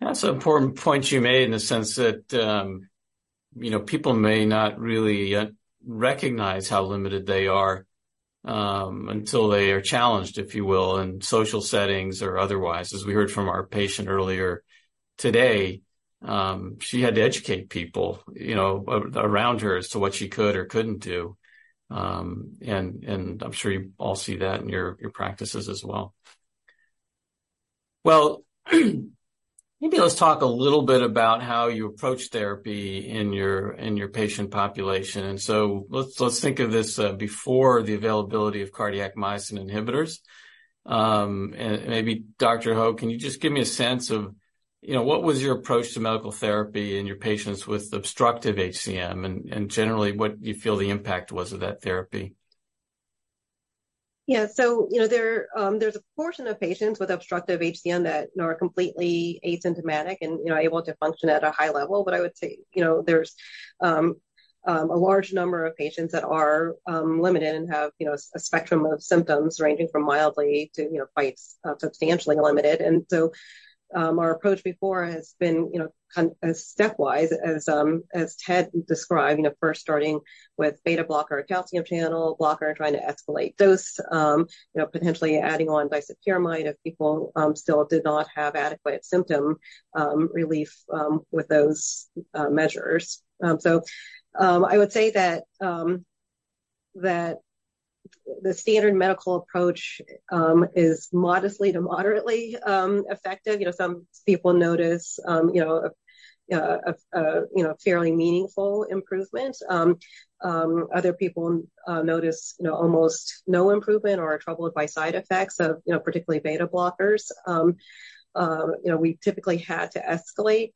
That's an important point you made in the sense that, you know, people may not really yet recognize how limited they are, until they are challenged, if you will, in social settings or otherwise. As we heard from our patient earlier today, she had to educate people, you know, around her as to what she could or couldn't do. And I'm sure you all see that in your practices as well. Well, maybe let's talk a little bit about how you approach therapy in your patient population. And so let's think of this, before the availability of cardiac myosin inhibitors. And maybe Dr. Ho, can you just give me a sense of, you know, what was your approach to medical therapy in your patients with obstructive HCM and generally, what do you feel the impact was of that therapy? Yeah. So, you know, there, there's a portion of patients with obstructive HCM that are completely asymptomatic and, you know, able to function at a high level. But I would say, you know, there's a large number of patients that are limited and have, you know, a spectrum of symptoms ranging from mildly to, you know, quite substantially limited. And so, our approach before has been, you know, kind as stepwise as, as Ted described, you know, first starting with beta blocker or calcium channel blocker and trying to escalate dose. You know, potentially adding on disopyramide if people still did not have adequate symptom relief with those measures. So, I would say that the standard medical approach is modestly to moderately effective. You know, some people notice, you know, a fairly meaningful improvement. Other people notice, you know, almost no improvement or are troubled by side effects of, you know, particularly beta blockers. You know, we typically had to escalate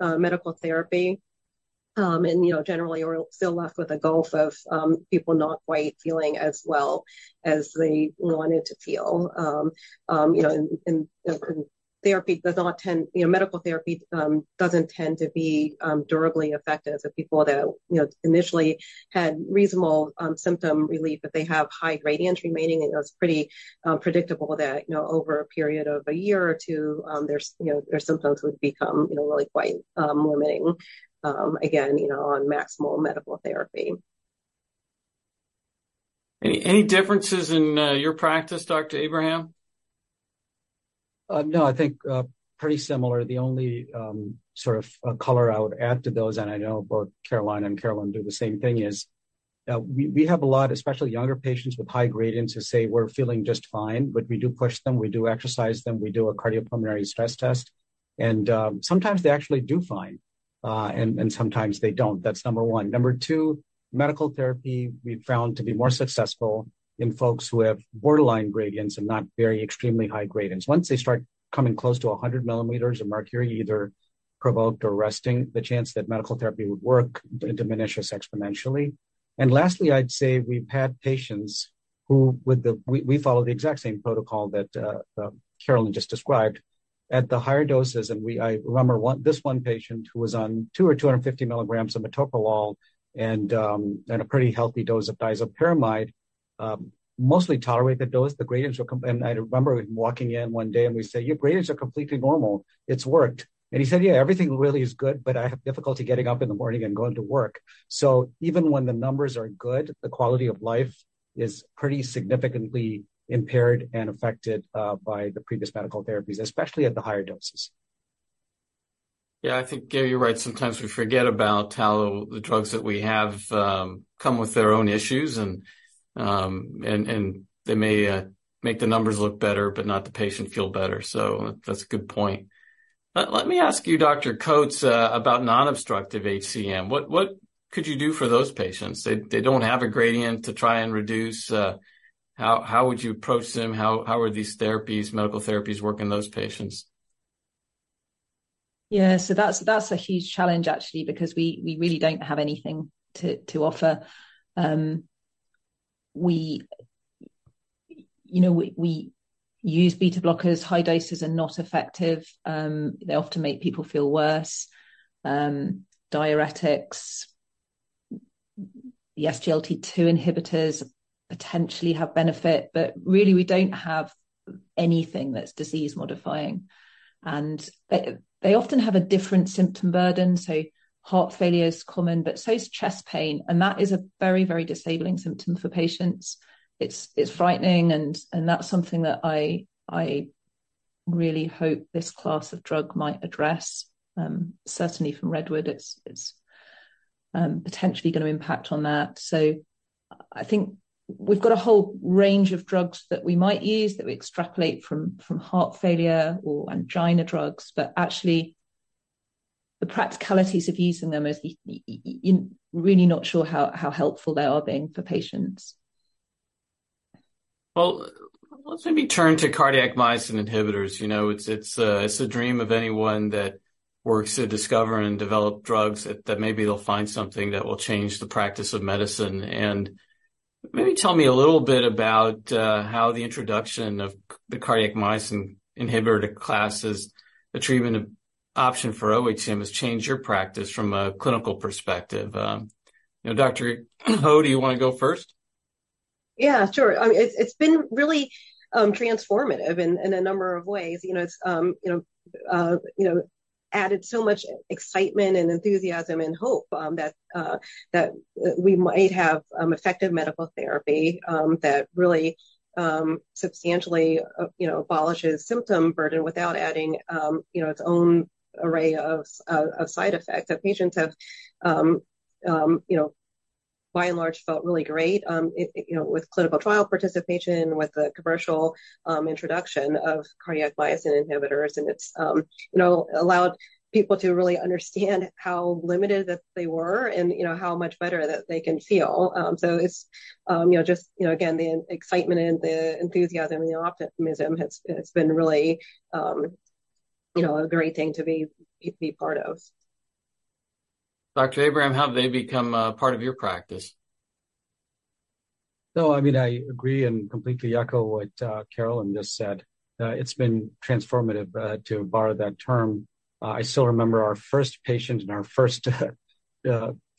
medical therapy, and, you know, generally are still left with a gulf of people not quite feeling as well as they wanted to feel. You know, and therapy does not tend, you know, medical therapy, doesn't tend to be durably effective. The people that, you know, initially had reasonable symptom relief, but they have high gradients remaining, and it's pretty predictable that, you know, over a period of a year or two, their, you know, their symptoms would become, you know, really quite limiting. Again, you know, on maximal medical therapy. Any differences in your practice, Dr. Abraham? No, I think pretty similar. The only sort of color I would add to those, and I know both Caroline and Carolyn do the same thing, is we have a lot, especially younger patients with high gradients, who say, "We're feeling just fine." But we do push them. We do exercise them. We do a cardiopulmonary stress test, and sometimes they actually do fine, and sometimes they don't. That's number one. Number two, medical therapy we've found to be more successful in folks who have borderline gradients and not very extremely high gradients. Once they start coming close to 100 millimeters of mercury, either provoked or resting, the chance that medical therapy would work diminishes exponentially. And lastly, I'd say we've had patients who follow the exact same protocol that Carolyn just described. At the higher doses, I remember this one patient who was on 200 or 250 milligrams of metoprolol and a pretty healthy dose of disopyramide, mostly tolerated dose, the gradients were. And I remember him walking in one day, and we said, "Your gradients are completely normal. It's worked." And he said, "Yeah, everything really is good, but I have difficulty getting up in the morning and going to work." So even when the numbers are good, the quality of life is pretty significantly impaired and affected by the previous medical therapies, especially at the higher doses. Yeah, I think, Gary, you're right. Sometimes we forget about how the drugs that we have come with their own issues, and they may make the numbers look better, but not the patient feel better. So that's a good point. Let me ask you, Dr. Coats, about non-obstructive HCM. What could you do for those patients? They don't have a gradient to try and reduce. How would you approach them? How are these therapies, medical therapies work in those patients? Yeah. So that's a huge challenge, actually, because we really don't have anything to offer. You know, we use beta blockers. High doses are not effective. They often make people feel worse. Diuretics, the SGLT2 inhibitors potentially have benefit, but really, we don't have anything that's disease-modifying. And they often have a different symptom burden, so heart failure is common, but so is chest pain, and that is a very, very disabling symptom for patients. It's frightening, and that's something that I really hope this class of drug might address. Certainly from REDWOOD, it's potentially going to impact on that. I think we've got a whole range of drugs that we might use, that we extrapolate from heart failure or angina drugs, but actually, the practicalities of using them is really not sure how helpful they are then for patients. Well, let me turn to cardiac myosin inhibitors. You know, it's a dream of anyone that works to discover and develop drugs, that maybe they'll find something that will change the practice of medicine. And maybe tell me a little bit about how the introduction of the cardiac myosin inhibitor classes, a treatment option for oHCM, has changed your practice from a clinical perspective. You know, Dr. Ho, do you want to go first? Yeah, sure. It's been really transformative in a number of ways. You know, it's you know, added so much excitement and enthusiasm and hope that we might have effective medical therapy that really substantially you know, abolishes symptom burden without adding you know, its own array of side effects. That patients have you know, by and large, felt really great you know, with clinical trial participation, with the commercial introduction of cardiac myosin inhibitors, and it's you know, allowed people to really understand how limited that they were and you know, how much better that they can feel. So it's, you know, just, you know, again, the excitement and the enthusiasm and the optimism has been really, you know, a great thing to be part of. Dr. Abraham, have they become a part of your practice? No, I mean, I agree and completely echo what Carolyn just said. It's been transformative, to borrow that term. I still remember our first patient in our first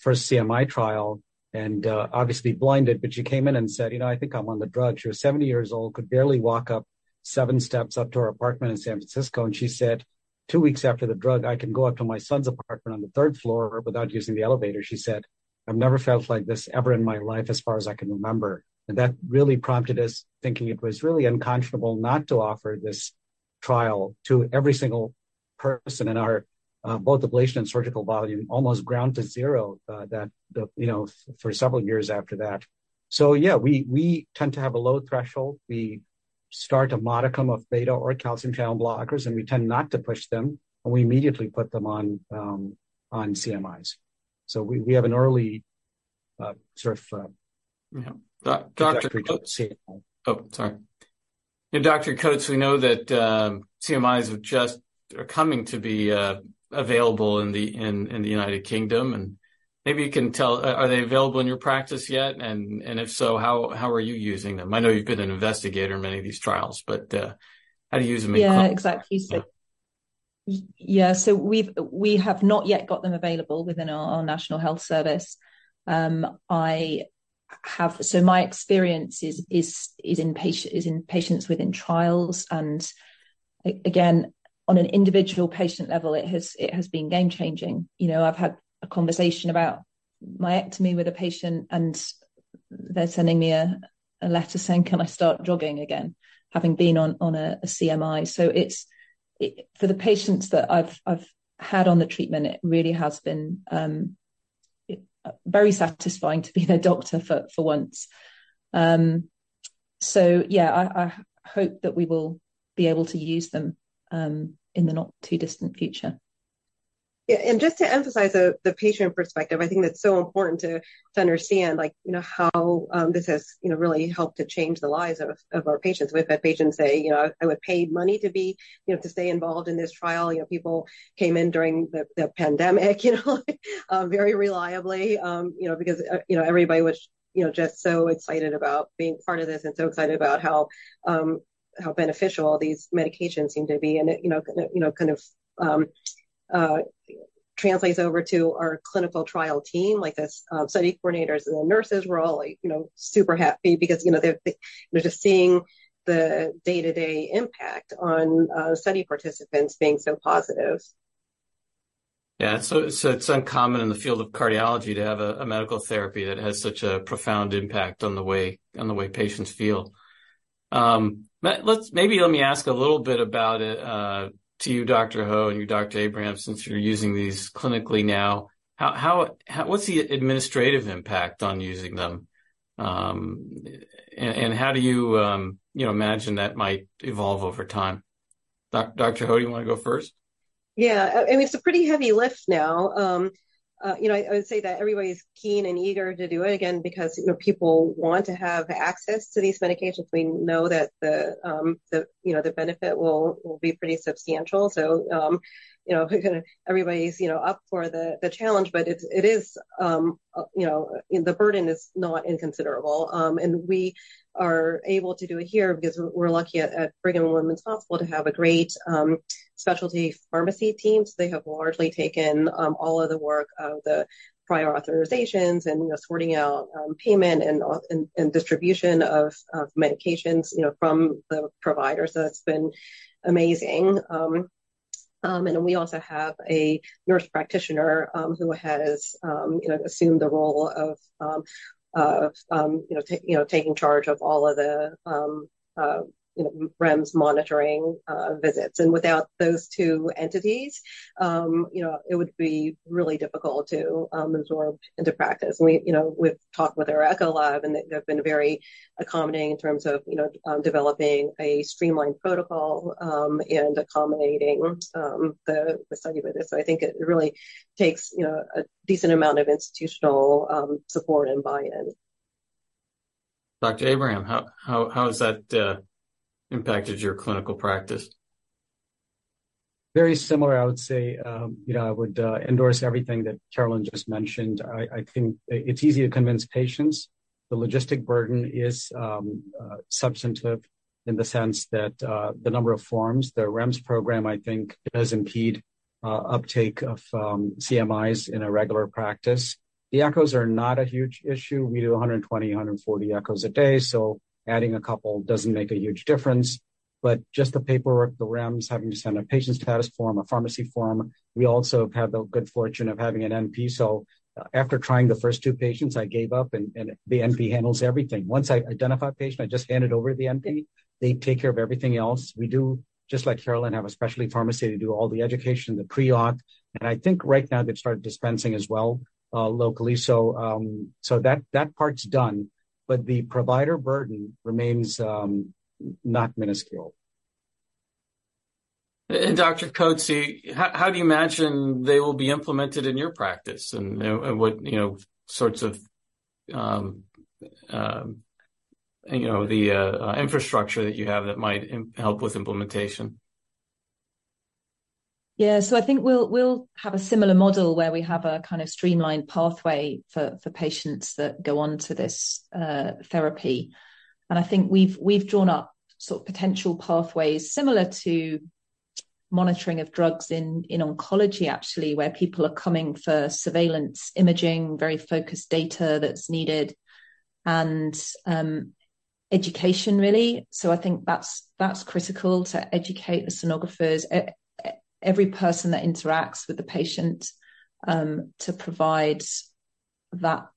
CMI trial, and obviously blinded, but she came in and said, "You know, I think I'm on the drug." She was 70 years old, could barely walk up 7 steps up to her apartment in San Francisco, and she said, "Two weeks after the drug, I can go up to my son's apartment on the third floor without using the elevator." She said, "I've never felt like this ever in my life as far as I can remember." And that really prompted us thinking it was really unconscionable not to offer this trial to every single person in our both ablation and surgical volume, almost ground to zero, that the, you know, for several years after that. So yeah, we tend to have a low threshold. We start a modicum of beta or calcium channel blockers, and we tend not to push them, and we immediately put them on CMIs. So we have an early sort of. Dr.- CMI. Oh, sorry. And Dr. Coats, we know that CMIs are coming to be available in the United Kingdom, and maybe you can tell, are they available in your practice yet? And if so, how are you using them? I know you've been an investigator in many of these trials, but how do you use them in- Yeah, exactly. So yeah, so we've not yet got them available within our National Health Service. So my experience is in patients within trials, and again, on an individual patient level, it has been game-changing. You know, I've had a conversation about myectomy with a patient, and they're sending me a letter saying, "Can I start jogging again?" Having been on a CMI. So it's for the patients that I've had on the treatment, it really has been very satisfying to be their doctor for once. So yeah, I hope that we will be able to use them in the not-too-distant future. Yeah, and just to emphasize the patient perspective, I think that's so important to understand, like, you know, how this has, you know, really helped to change the lives of our patients. We've had patients say, you know, "I would pay money to be, you know, to stay involved in this trial." You know, people came in during the pandemic, you know, very reliably, you know, because, you know, everybody was, you know, just so excited about being part of this and so excited about how beneficial these medications seem to be. And it, you know, kind of translates over to our clinical trial team. Like, the study coordinators and the nurses were all, like, you know, super happy because, you know, they're just seeing the day-to-day impact on study participants being so positive. Yeah, so it's uncommon in the field of cardiology to have a medical therapy that has such a profound impact on the way patients feel. Let's maybe let me ask a little bit about it to you, Dr. Ho, and you, Dr. Abraham, since you're using these clinically now. What's the administrative impact on using them? And how do you, you know, imagine that might evolve over time? Dr. Ho, do you want to go first? Yeah. I mean, it's a pretty heavy lift now. You know, I would say that everybody's keen and eager to do it, again, because, you know, people want to have access to these medications. We know that the, you know, the benefit will be pretty substantial. So, you know, everybody's, you know, up for the challenge, but it is, you know, the burden is not inconsiderable. And we are able to do it here because we're lucky at Brigham and Women's Hospital to have a great specialty pharmacy team. So they have largely taken all of the work of the prior authorizations and, you know, sorting out payment and distribution of medications, you know, from the providers, so it's been amazing. And we also have a nurse practitioner who has, you know, assumed the role of, you know, taking charge of all of the, you know, REMS monitoring visits. And without those two entities, you know, it would be really difficult to absorb into practice. And we, you know, we've talked with our echo lab, and they, they've been very accommodating in terms of, you know, developing a streamlined protocol and accommodating the study with this. So I think it really takes, you know, a decent amount of institutional support and buy-in. Dr. Abraham, how has that impacted your clinical practice? Very similar, I would say. You know, I would endorse everything that Carolyn just mentioned. I think it's easy to convince patients. The logistic burden is substantive in the sense that the number of forms, the REMS program, I think, does impede uptake of CMIs in a regular practice. The echoes are not a huge issue. We do 120-140 echoes a day, so adding a couple doesn't make a huge difference. But just the paperwork, the REMS, having to send a patient status form, a pharmacy form. We also have had the good fortune of having an NP, so after trying the first two patients, I gave up, and the NP handles everything. Once I identify a patient, I just hand it over to the NP. They take care of everything else. We do, just like Carolyn, have a specialty pharmacy to do all the education, the pre-op, and I think right now they've started dispensing as well, locally. So, so that, that part's done, but the provider burden remains, not minuscule. And Dr. Coats, so how do you imagine they will be implemented in your practice, and what, you know, sorts of, you know, the infrastructure that you have that might help with implementation? Yeah. So I think we'll have a similar model where we have a kind of streamlined pathway for patients that go on to this therapy. And I think we've drawn up sort of potential pathways similar to monitoring of drugs in oncology, actually, where people are coming for surveillance imaging, very focused data that's needed and education, really. So I think that's critical to educate the sonographers, every person that interacts with the patient, to provide that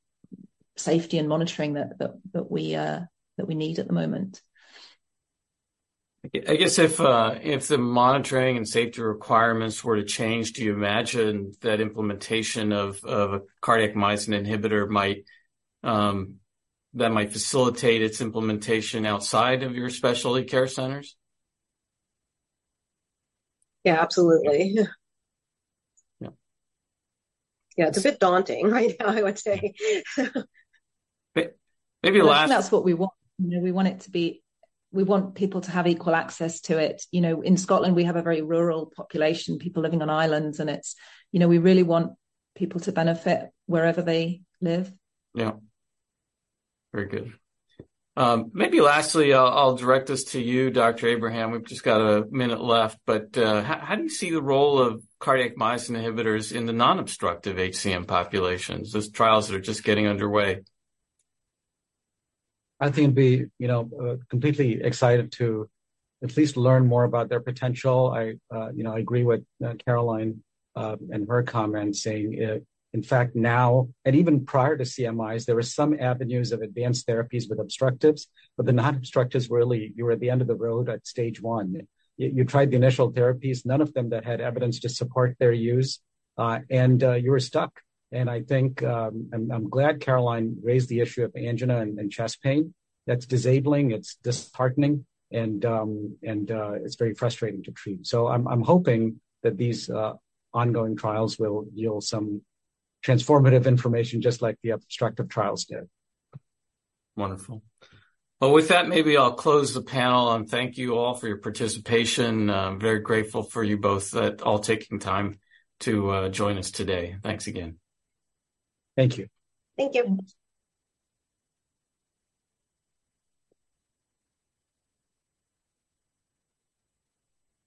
safety and monitoring that we need at the moment. I guess if the monitoring and safety requirements were to change, do you imagine that implementation of a cardiac myosin inhibitor might facilitate its implementation outside of your specialty care centers? Yeah, absolutely. Yeah, it's a bit daunting right now, I would say. So- But maybe last That's what we want. You know, we want it to be. We want people to have equal access to it. You know, in Scotland, we have a very rural population, people living on islands, and it's, you know, we really want people to benefit wherever they live. Yeah. Very good. Maybe lastly, I'll direct this to you, Dr. Abraham. We've just got a minute left, but how do you see the role of cardiac myosin inhibitors in the non-obstructive HCM populations, those trials that are just getting underway? I think it'd be, you know, completely excited to at least learn more about their potential. I, you know, I agree with, Caroline, and her comments saying, in fact, now, and even prior to CMIs, there were some avenues of advanced therapies with obstructives, but the non-obstructives were really, you were at the end of the road at stage one. You tried the initial therapies, none of them that had evidence to support their use, and, you were stuck. And I think, I'm glad Caroline raised the issue of angina and chest pain. That's disabling, it's disheartening, and it's very frustrating to treat. So I'm hoping that these, ongoing trials will yield some transformative information, just like the obstructive trials did. Wonderful. Well, with that, maybe I'll close the panel and thank you all for your participation. I'm very grateful for you both at all taking time to join us today. Thanks again. Thank you. Thank you.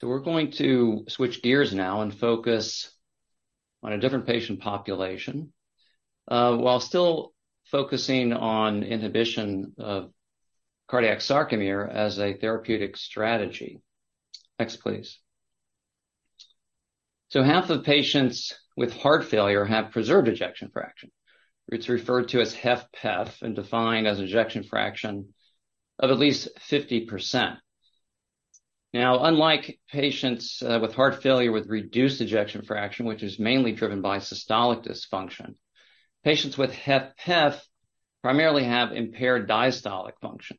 So we're going to switch gears now and focus on a different patient population, while still focusing on inhibition of cardiac sarcomere as a therapeutic strategy. Next, please. So half the patients with heart failure have preserved ejection fraction. It's referred to as HFpEF and defined as ejection fraction of at least 50%. Now, unlike patients with heart failure with reduced ejection fraction, which is mainly driven by systolic dysfunction, patients with HFpEF primarily have impaired diastolic function.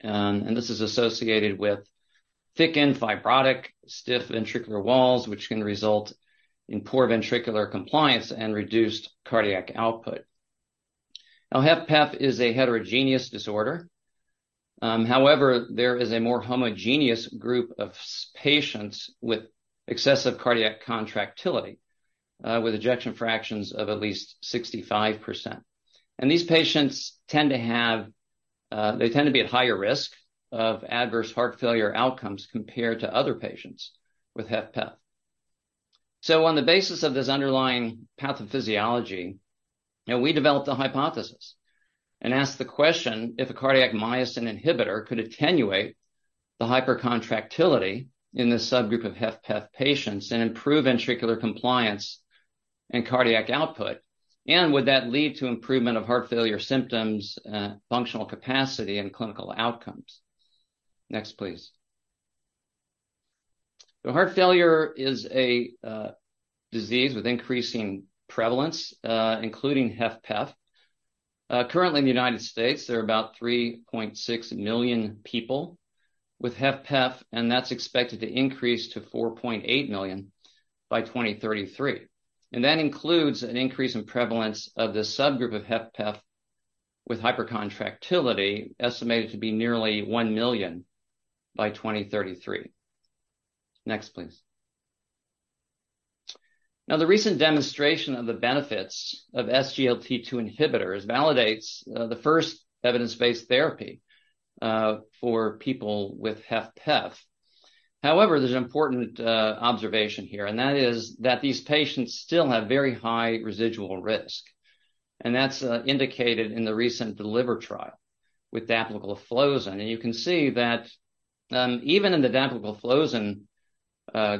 And this is associated with thickened, fibrotic, stiff ventricular walls, which can result in poor ventricular compliance and reduced cardiac output. Now, HFpEF is a heterogeneous disorder. However, there is a more homogeneous group of patients with excessive cardiac contractility, with ejection fractions of at least 65%. These patients tend to have, they tend to be at higher risk of adverse heart failure outcomes compared to other patients with HFpEF. So on the basis of this underlying pathophysiology, now we developed a hypothesis and asked the question if a cardiac myosin inhibitor could attenuate the hypercontractility in this subgroup of HFpEF patients and improve ventricular compliance and cardiac output, and would that lead to improvement of heart failure symptoms, functional capacity, and clinical outcomes? Next, please. Heart failure is a disease with increasing prevalence, including HFpEF. Currently in the United States, there are about 3.6 million people with HFpEF, and that's expected to increase to 4.8 million by 2033. That includes an increase in prevalence of this subgroup of HFpEF with hypercontractility, estimated to be nearly 1 million by 2033. Next, please. Now, the recent demonstration of the benefits of SGLT2 inhibitors validates the first evidence-based therapy for people with HFpEF. However, there's an important observation here, and that is that these patients still have very high residual risk, and that's indicated in the recent DELIVER trial with dapagliflozin. And you can see that even in the dapagliflozin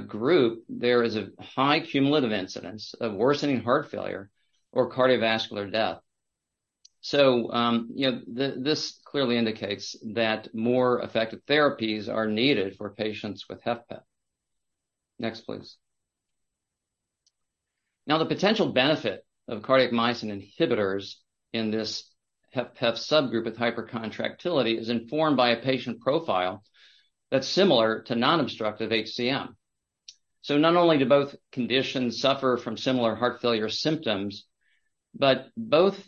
group, there is a high cumulative incidence of worsening heart failure or cardiovascular death. So, you know, this clearly indicates that more effective therapies are needed for patients with HFpEF. Next, please. Now, the potential benefit of cardiac myosin inhibitors in this HFpEF subgroup with hypercontractility is informed by a patient profile that's similar to non-obstructive HCM. So not only do both conditions suffer from similar heart failure symptoms, but both,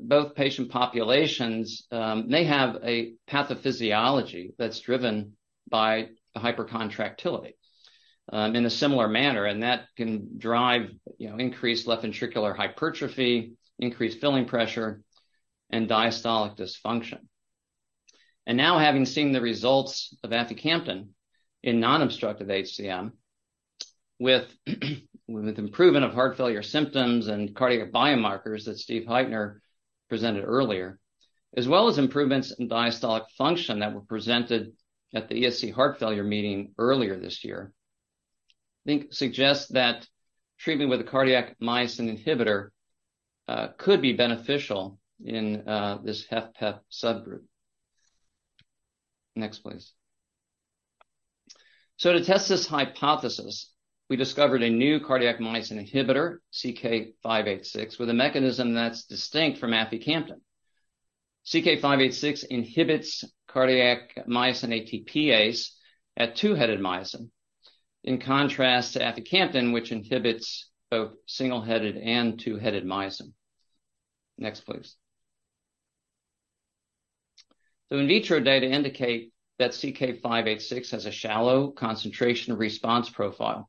both patient populations, may have a pathophysiology that's driven by hypercontractility, in a similar manner, and that can drive, you know, increased left ventricular hypertrophy, increased filling pressure, and diastolic dysfunction. And now, having seen the results of aficamten in non-obstructive HCM with, with improvement of heart failure symptoms and cardiac biomarkers that Steve Heitner presented earlier, as well as improvements in diastolic function that were presented at the ESC heart failure meeting earlier this year, I think suggests that treatment with a cardiac myosin inhibitor, could be beneficial in, this HFpEF subgroup. Next, please. So to test this hypothesis, we discovered a new cardiac myosin inhibitor, CK-586, with a mechanism that's distinct from aficamten.... CK-586 inhibits cardiac myosin ATPase at two-headed myosin, in contrast to aficamten, which inhibits both single-headed and two-headed myosin. Next, please. So in vitro data indicate that CK-586 has a shallow concentration-response profile,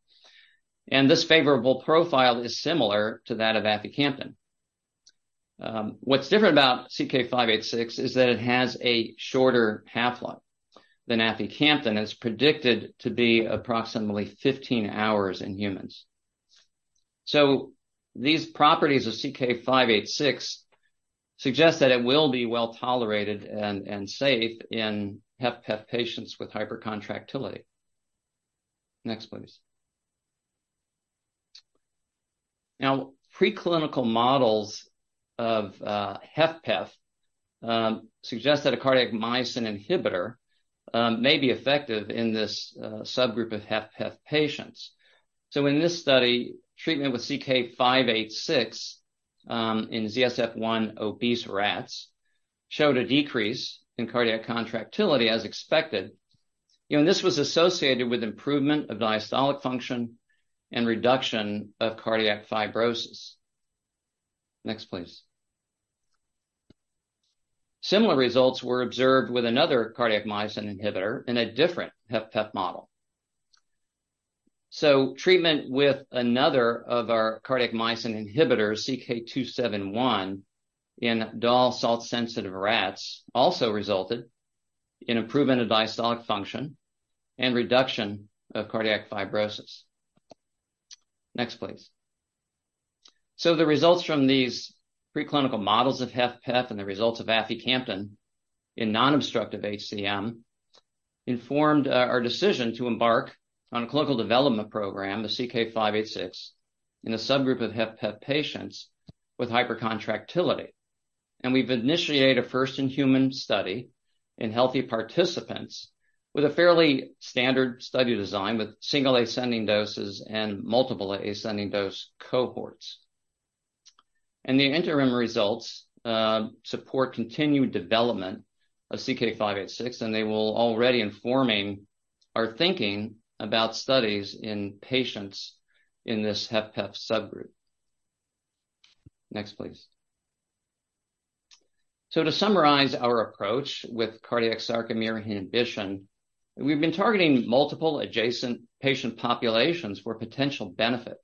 and this favorable profile is similar to that of aficamten. What's different about CK-586 is that it has a shorter half-life than aficamten, and it's predicted to be approximately 15 hours in humans. So these properties of CK-586 suggest that it will be well-tolerated and safe in HFpEF patients with hypercontractility. Next, please. Now, preclinical models of HFpEF suggest that a cardiac myosin inhibitor may be effective in this subgroup of HFpEF patients. So in this study, treatment with CK-586 in ZSF-1 obese rats showed a decrease in cardiac contractility, as expected. You know, and this was associated with improvement of diastolic function and reduction of cardiac fibrosis. Next, please. Similar results were observed with another cardiac myosin inhibitor in a different HFpEF model. So treatment with another of our cardiac myosin inhibitors, CK-271, in Dahl salt-sensitive rats, also resulted in improvement of diastolic function and reduction of cardiac fibrosis. Next, please. So the results from these preclinical models of HFpEF and the results of aficamten in non-obstructive HCM informed our decision to embark on a clinical development program, the CK-586, in a subgroup of HFpEF patients with hypercontractility. And we've initiated a first-in-human study in healthy participants with a fairly standard study design, with single ascending doses and multiple ascending dose cohorts. The interim results support continued development of CK-586, and they will already informing our thinking about studies in patients in this HFpEF subgroup. Next, please. To summarize our approach with cardiac sarcomere inhibition, we've been targeting multiple adjacent patient populations for potential benefit.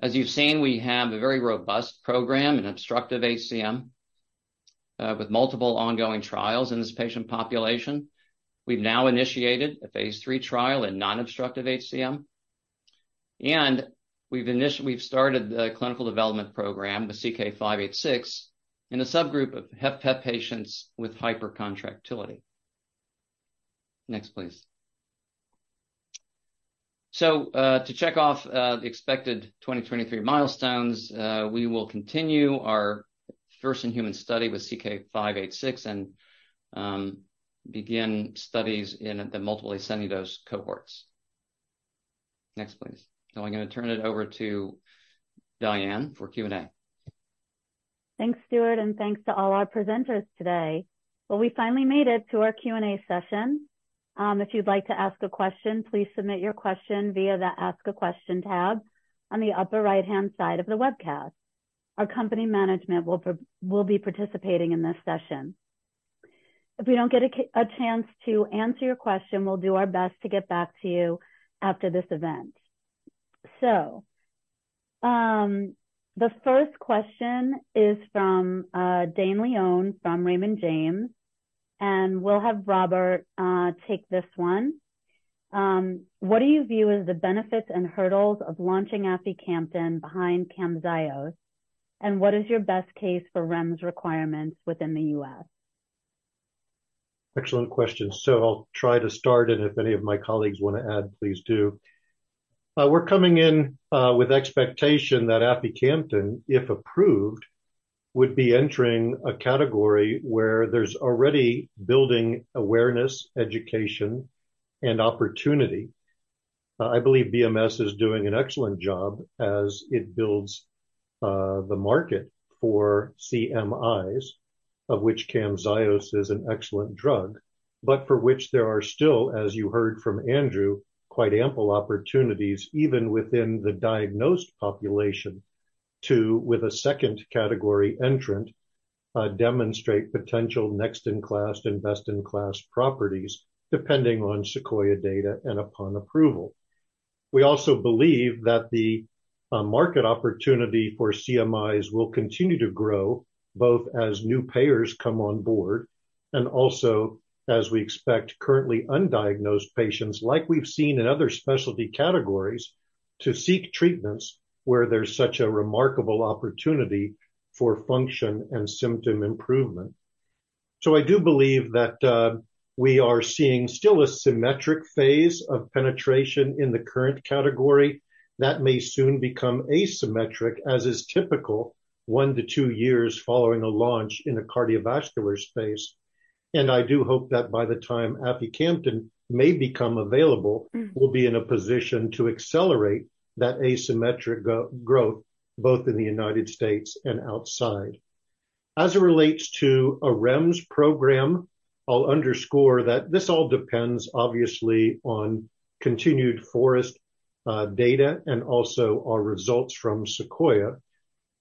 As you've seen, we have a very robust program in obstructive HCM with multiple ongoing trials in this patient population. We've now initiated a Phase 3 trial in non-obstructive HCM, and we've started the clinical development program, the CK-586, in a subgroup of HFpEF patients with hypercontractility. Next, please. To check off the expected 2023 milestones, we will continue our first-in-human study with CK-586 and begin studies in the multiple ascending dose cohorts. Next, please. Now I'm gonna turn it over to Diane for Q&A. Thanks, Stuart, and thanks to all our presenters today. Well, we finally made it to our Q&A session. If you'd like to ask a question, please submit your question via the Ask a Question tab on the upper right-hand side of the webcast. Our company management will be participating in this session. If we don't get a chance to answer your question, we'll do our best to get back to you after this event. So, the first question is from Dane Leone from Raymond James, and we'll have Robert take this one. What do you view as the benefits and hurdles of launching aficamten behind Camzyos, and what is your best case for REMS requirements within the US? Excellent question. So I'll try to start, and if any of my colleagues want to add, please do. We're coming in with expectation that aficamten, if approved, would be entering a category where there's already building awareness, education, and opportunity. I believe BMS is doing an excellent job as it builds the market for CMIs, of which Camzyos is an excellent drug, but for which there are still, as you heard from Andrew, quite ample opportunities, even within the diagnosed population, to, with a second category entrant, demonstrate potential next-in-class and best-in-class properties, depending on SEQUOIA data and upon approval. We also believe that the market opportunity for CMIs will continue to grow, both as new payers come on board and also as we expect currently undiagnosed patients, like we've seen in other specialty categories, to seek treatments where there's such a remarkable opportunity for function and symptom improvement. So I do believe that we are seeing still a symmetric phase of penetration in the current category that may soon become asymmetric, as is typical 1-2 years following a launch in a cardiovascular space.... And I do hope that by the time aficamten may become available, we'll be in a position to accelerate that asymmetric growth, both in the United States and outside. As it relates to a REMS program, I'll underscore that this all depends, obviously, on continued FOREST data and also our results from SEQUOIA.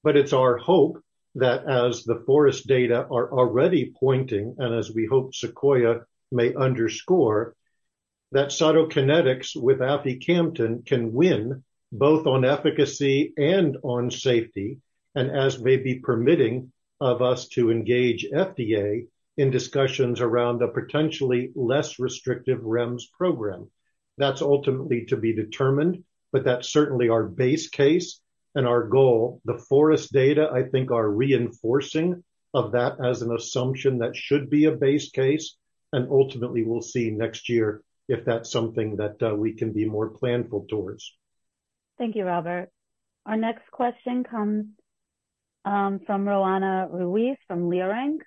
But it's our hope that as the FOREST data are already pointing, and as we hope SEQUOIA may underscore, that Cytokinetics with aficamten can win both on efficacy and on safety, and as may be permitting of us to engage FDA in discussions around a potentially less restrictive REMS program. That's ultimately to be determined, but that's certainly our base case and our goal. The FOREST data, I think, are reinforcing of that as an assumption that should be a base case, and ultimately, we'll see next year if that's something that, we can be more planful towards. Thank you, Robert. Our next question comes from Roanna Ruiz from Leerink.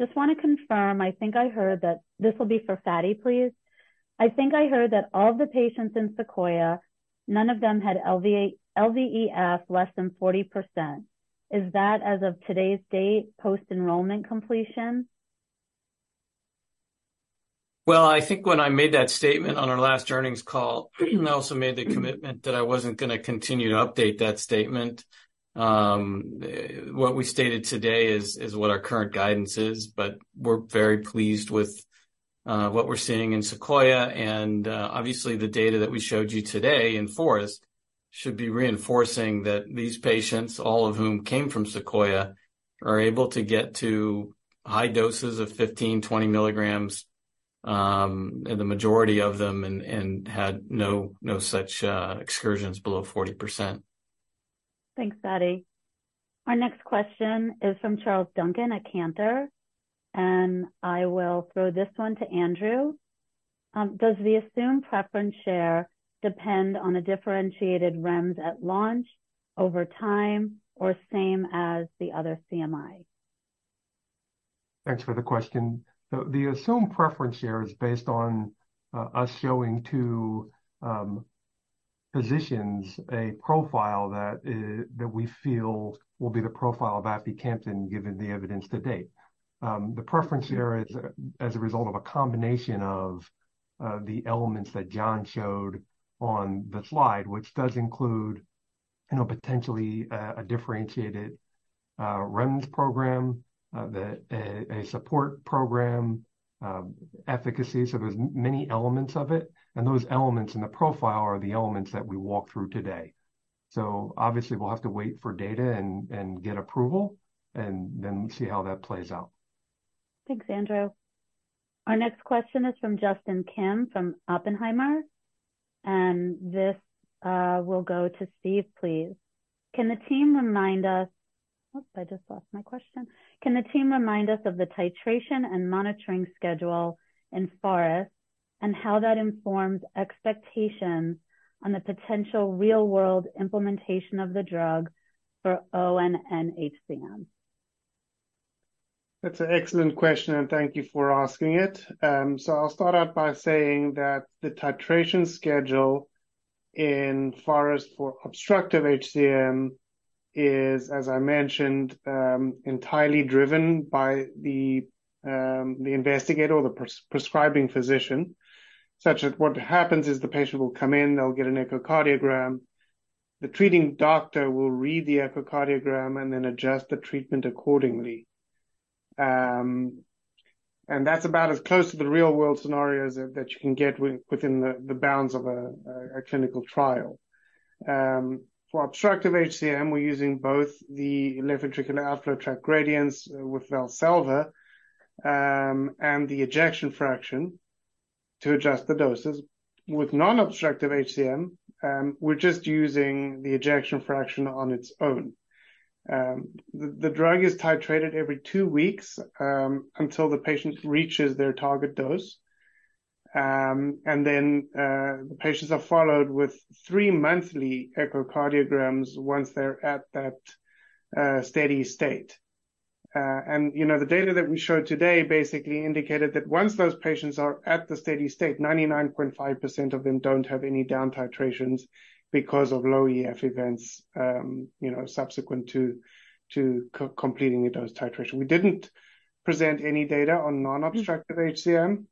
Just want to confirm, I think I heard that... This will be for Fady, please. I think I heard that all of the patients in SEQUOIA, none of them had LVEF less than 40%. Is that as of today's date, post-enrollment completion? Well, I think when I made that statement on our last earnings call, I also made the commitment that I wasn't going to continue to update that statement. What we stated today is what our current guidance is, but we're very pleased with what we're seeing in SEQUOIA. Obviously, the data that we showed you today in FOREST should be reinforcing that these patients, all of whom came from SEQUOIA, are able to get to high doses of 15, 20 milligrams, and the majority of them had no such excursions below 40%. Thanks, Fady. Our next question is from Charles Duncan at Cantor, and I will throw this one to Andrew. Does the assumed preference share depend on a differentiated REMS at launch over time or same as the other CMI? Thanks for the question. The assumed preference share is based on us showing to physicians a profile that that we feel will be the profile of aficamten, given the evidence to date. The preference share is as a result of a combination of the elements that John showed on the slide, which does include, you know, potentially a differentiated REMS program, a support program, efficacy. So there's many elements of it, and those elements in the profile are the elements that we walked through today. So obviously, we'll have to wait for data and get approval, and then see how that plays out. Thanks, Andrew. Our next question is from Justin Kim from Oppenheimer, and this will go to Steve, please. Can the team remind us... Oops, I just lost my question. Can the team remind us of the titration and monitoring schedule in FOREST, and how that informs expectations on the potential real-world implementation of the drug for oHCM and HCM? That's an excellent question, and thank you for asking it. So I'll start out by saying that the titration schedule in FOREST-HCM for obstructive HCM is, as I mentioned, entirely driven by the investigator or the prescribing physician, such that what happens is the patient will come in, they'll get an echocardiogram. The treating doctor will read the echocardiogram and then adjust the treatment accordingly. And that's about as close to the real-world scenario as you can get within the bounds of a clinical trial. For obstructive HCM, we're using both the left ventricular outflow tract gradients with Valsalva, and the ejection fraction to adjust the doses. With non-obstructive HCM, we're just using the ejection fraction on its own. The drug is titrated every two weeks until the patient reaches their target dose. And then, the patients are followed with three monthly echocardiograms once they're at that steady state. And, you know, the data that we showed today basically indicated that once those patients are at the steady state, 99.5% of them don't have any down titrations because of low EF events, you know, subsequent to completing the dose titration. We didn't present any data on non-obstructive HCM,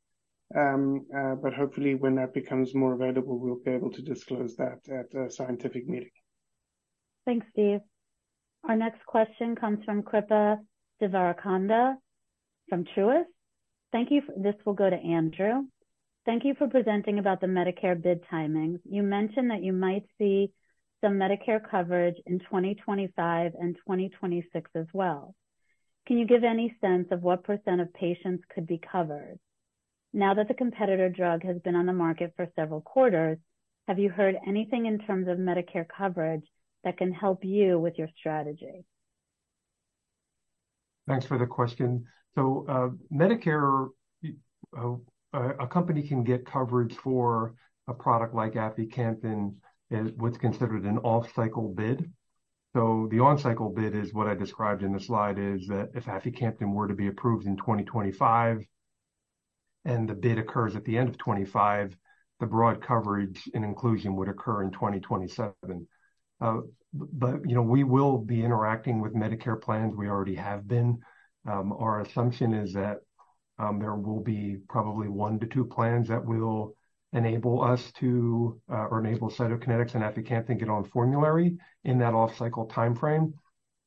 but hopefully, when that becomes more available, we'll be able to disclose that at a scientific meeting. Thanks, Steve. Our next question comes from Kripa Devarakonda from Truist. Thank you... This will go to Andrew. Thank you for presenting about the Medicare bid timing. You mentioned that you might see some Medicare coverage in 2025 and 2026 as well. Can you give any sense of what % of patients could be covered? Now that the competitor drug has been on the market for several quarters, have you heard anything in terms of Medicare coverage that can help you with your strategy? Thanks for the question. So, Medicare, a company can get coverage for a product like aficamten in what's considered an off-cycle bid.... So the on-cycle bid is what I described in the slide, is that if aficamten were to be approved in 2025, and the bid occurs at the end of 2025, the broad coverage and inclusion would occur in 2027. But, you know, we will be interacting with Medicare plans. We already have been. Our assumption is that, there will be probably 1-2 plans that will enable us to, or enable Cytokinetics and aficamten to get on formulary in that off-cycle timeframe.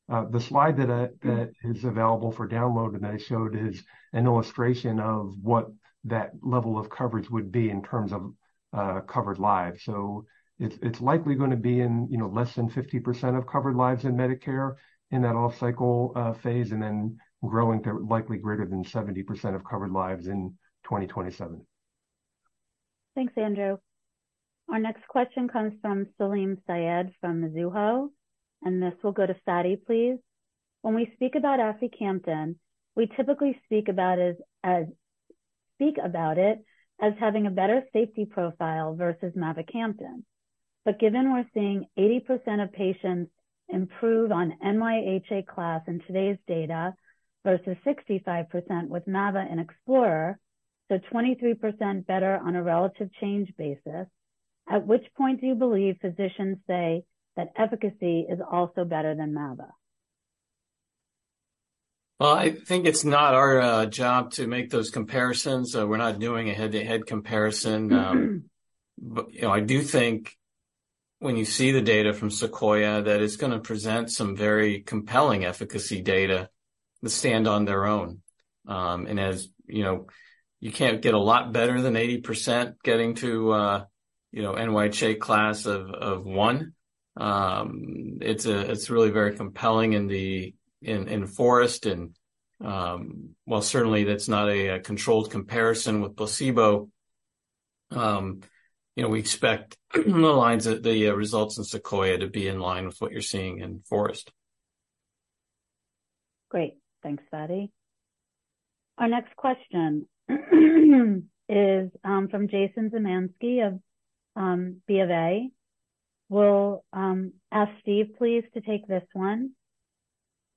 The slide that, that is available for download and I showed is an illustration of what that level of coverage would be in terms of, covered lives. So it's, it's likely gonna be in, you know, less than 50% of covered lives in Medicare in that off-cycle phase, and then growing to likely greater than 70% of covered lives in 2027. Thanks, Andrew. Our next question comes from Salim Syed from Mizuho, and this will go to Fady, please. When we speak about aficamten, we typically speak about it as having a better safety profile versus mavacamten. But given we're seeing 80% of patients improve on NYHA class in today's data versus 65% with mava in EXPLORER, so 23% better on a relative change basis, at which point do you believe physicians say that efficacy is also better than mava? Well, I think it's not our job to make those comparisons. We're not doing a head-to-head comparison. But, you know, I do think when you see the data from SEQUOIA, that it's gonna present some very compelling efficacy data to stand on their own. And as you know, you can't get a lot better than 80% getting to, you know, NYHA Class I. It's really very compelling in the in FOREST and, while certainly that's not a controlled comparison with placebo, you know, we expect the lines that the results in SEQUOIA to be in line with what you're seeing in FOREST. Great. Thanks, Fady. Our next question is from Jason Zemansky of B of A. We'll ask Steve, please, to take this one.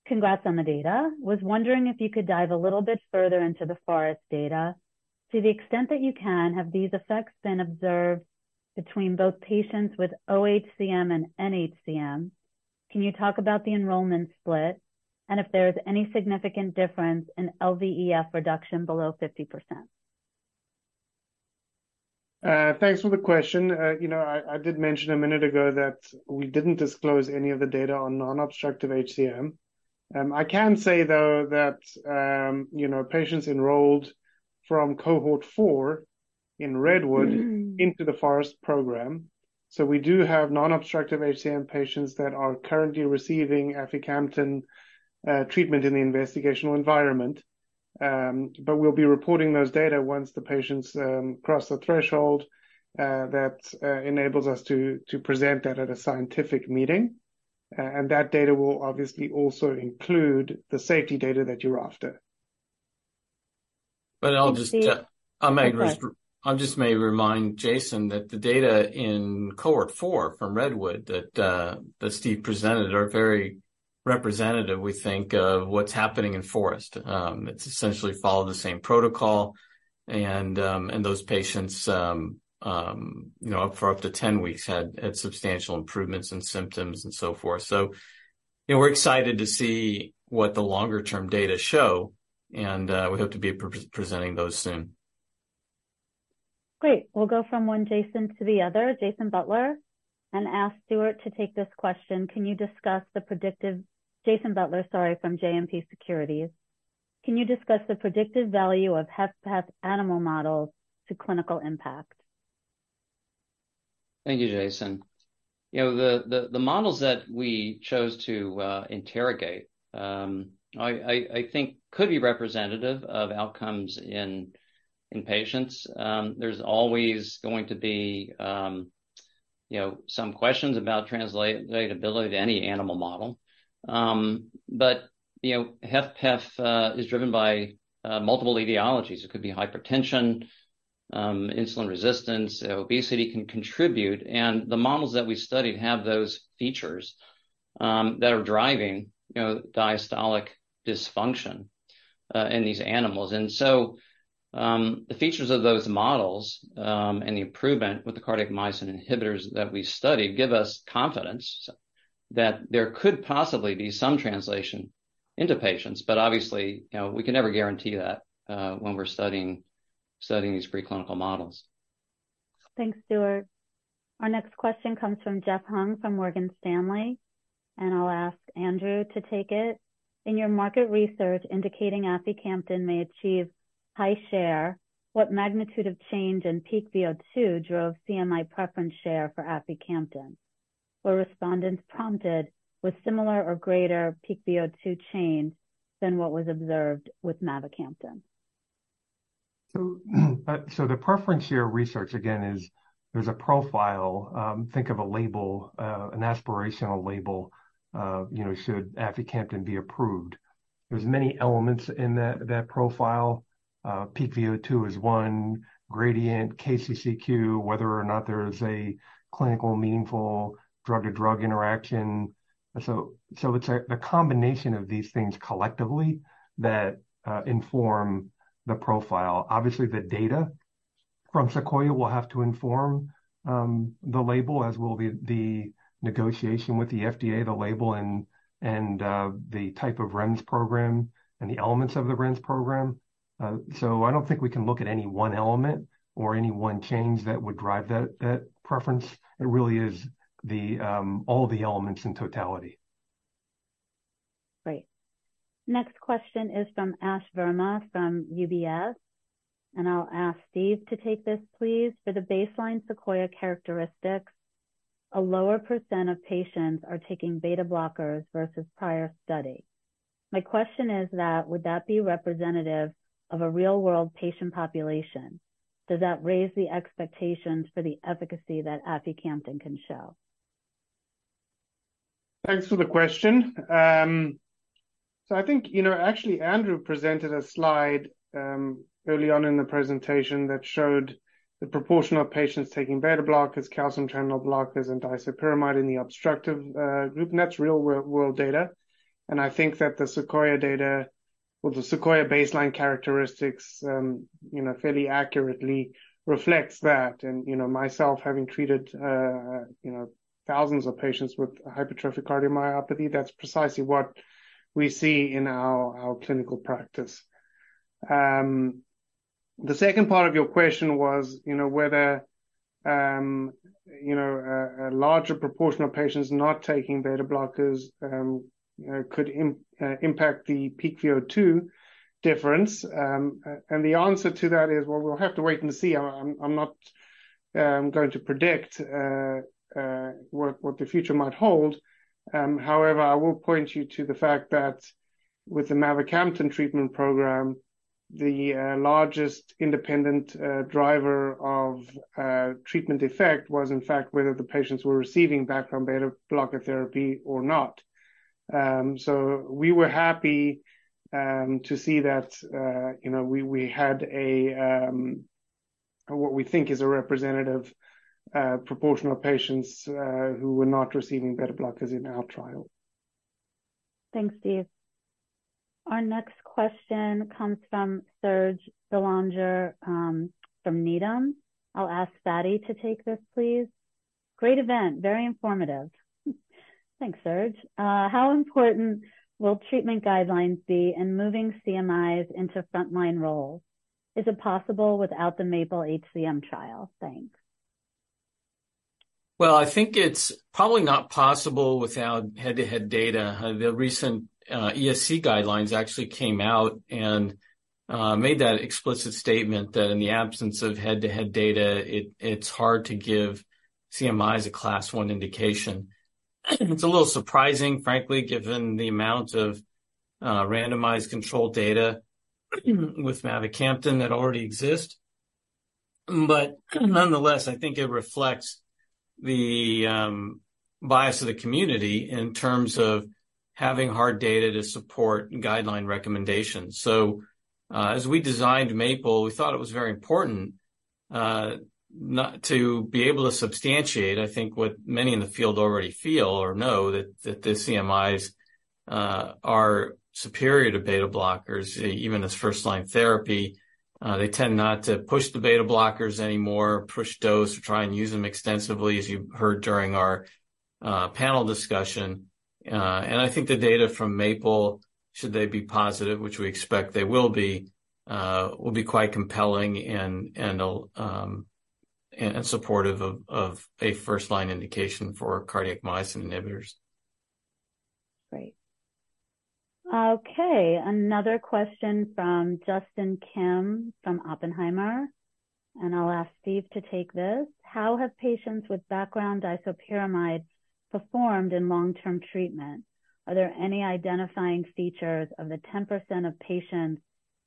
Congrats on the data. Was wondering if you could dive a little bit further into the FOREST data. To the extent that you can, have these effects been observed between both patients with oHCM and nHCM? Can you talk about the enrollment split, and if there is any significant difference in LVEF reduction below 50%? Thanks for the question. You know, I did mention a minute ago that we didn't disclose any of the data on non-obstructive HCM. I can say, though, that, you know, patients enrolled from cohort 4 in REDWOOD-HCM into the FOREST-HCM program. So we do have non-obstructive HCM patients that are currently receiving aficamten treatment in the investigational environment. But we'll be reporting those data once the patients cross the threshold that enables us to present that at a scientific meeting. And that data will obviously also include the safety data that you're after. But I'll just, Go ahead. I'll just may remind Jason that the data in cohort 4 from REDWOOD that that Steve presented are very representative, we think, of what's happening in FOREST. It's essentially followed the same protocol, and those patients, you know, for up to 10 weeks, had substantial improvements in symptoms and so forth. So, you know, we're excited to see what the longer-term data show, and we hope to be presenting those soon. Great. We'll go from one Jason to the other, Jason Butler, and ask Stuart to take this question: Can you discuss the predictive... Jason Butler, sorry, from JMP Securities. Can you discuss the predictive value of HFpEF animal models to clinical impact? Thank you, Jason. You know, the models that we chose to interrogate, I think could be representative of outcomes in patients. There's always going to be, you know, some questions about translatability to any animal model. But, you know, HFpEF is driven by multiple etiologies. It could be hypertension, insulin resistance, obesity can contribute, and the models that we studied have those features that are driving, you know, diastolic dysfunction in these animals. And so, the features of those models and the improvement with the cardiac myosin inhibitors that we studied give us confidence that there could possibly be some translation into patients. But obviously, you know, we can never guarantee that when we're studying these preclinical models. Thanks, Stuart. Our next question comes from Jeff Hung, from Morgan Stanley, and I'll ask Andrew to take it. In your market research indicating aficamten may achieve high share, what magnitude of change in peak VO2 drove CMI preference share for aficamten, where respondents prompted with similar or greater peak VO2 change than what was observed with mavacamten? So the preference share research, again, is there's a profile, think of a label, an aspirational label, you know, should aficamten be approved?... There's many elements in that profile. Peak VO2 is one, gradient, KCCQ, whether or not there is a clinical meaningful drug-to-drug interaction. So it's a combination of these things collectively that inform the profile. Obviously, the data from SEQUOIA will have to inform the label, as will the negotiation with the FDA, the label and the type of REMS program and the elements of the REMS program. So I don't think we can look at any one element or any one change that would drive that preference. It really is all the elements in totality. Great. Next question is from Ash Verma, from UBS, and I'll ask Steve to take this, please. For the baseline SEQUOIA characteristics, a lower % of patients are taking beta blockers versus prior study. My question is that, would that be representative of a real-world patient population? Does that raise the expectations for the efficacy that mavacamten can show? Thanks for the question. So I think, you know, actually, Andrew presented a slide, early on in the presentation that showed the proportion of patients taking beta blockers, calcium channel blockers, and disopyramide in the obstructive, group. And that's real-world data, and I think that the SEQUOIA data or the SEQUOIA baseline characteristics, you know, fairly accurately reflects that. And, you know, myself, having treated, you know, thousands of patients with hypertrophic cardiomyopathy, that's precisely what we see in our clinical practice. The second part of your question was, you know, whether, you know, a larger proportion of patients not taking beta blockers, you know, could impact the peak VO2 difference. And the answer to that is, well, we'll have to wait and see. I'm not going to predict what the future might hold. However, I will point you to the fact that with the mavacamten treatment program, the largest independent driver of treatment effect was, in fact, whether the patients were receiving background beta blocker therapy or not. So we were happy to see that, you know, we had what we think is a representative proportion of patients who were not receiving beta blockers in our trial. Thanks, Steve. Our next question comes from Serge Bélanger from Needham. I'll ask Fady to take this, please. Great event, very informative. Thanks, Serge. How important will treatment guidelines be in moving CMIs into frontline roles? Is it possible without the MAPLE-HCM trial? Thanks. Well, I think it's probably not possible without head-to-head data. The recent ESC guidelines actually came out and made that explicit statement that in the absence of head-to-head data, it's hard to give CMIs a Class I indication. It's a little surprising, frankly, given the amount of randomized controlled data with mavacamten that already exist. But nonetheless, I think it reflects the bias of the community in terms of having hard data to support guideline recommendations. So, as we designed MAPLE, we thought it was very important not to be able to substantiate, I think, what many in the field already feel or know that the CMIs are superior to beta blockers, even as first-line therapy. They tend not to push the beta blockers anymore, push dose or try and use them extensively, as you heard during our panel discussion. And I think the data from MAPLE, should they be positive, which we expect they will be, will be quite compelling and supportive of a first-line indication for cardiac myosin inhibitors. Great. Okay, another question from Justin Kim from Oppenheimer, and I'll ask Steve to take this: How have patients with background disopyramide performed in long-term treatment? Are there any identifying features of the 10% of patients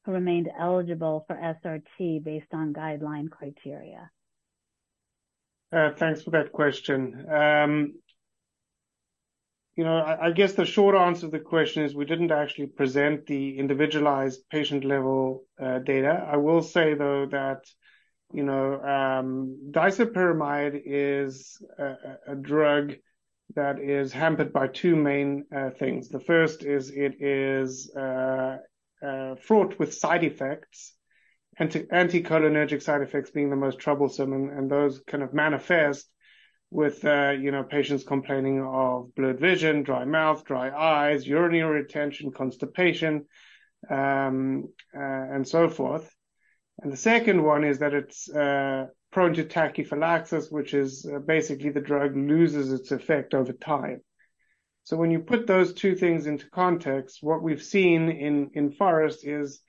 who remained eligible for SRT based on guideline criteria? Thanks for that question. You know, I guess the short answer to the question is, we didn't actually present the individualized patient-level data. I will say, though, that, you know, disopyramide is a drug that is hampered by two main things. The first is it is fraught with side effects, anticholinergic side effects being the most troublesome, and those kind of manifest with, you know, patients complaining of blurred vision, dry mouth, dry eyes, urinary retention, constipation, and so forth. The second one is that it's prone to tachyphylaxis, which is basically the drug loses its effect over time. So when you put those two things into context, what we've seen in FOREST is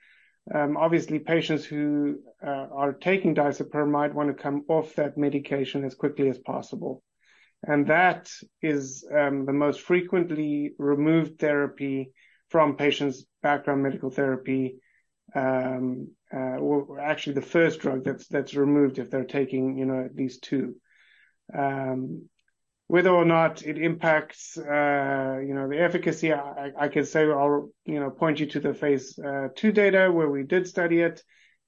obviously patients who are taking disopyramide want to come off that medication as quickly as possible. And that is the most frequently removed therapy from patients' background medical therapy, or actually the first drug that's removed if they're taking, you know, these two. Whether or not it impacts you know the efficacy, I can say I'll you know point you to the phase two data where we did study it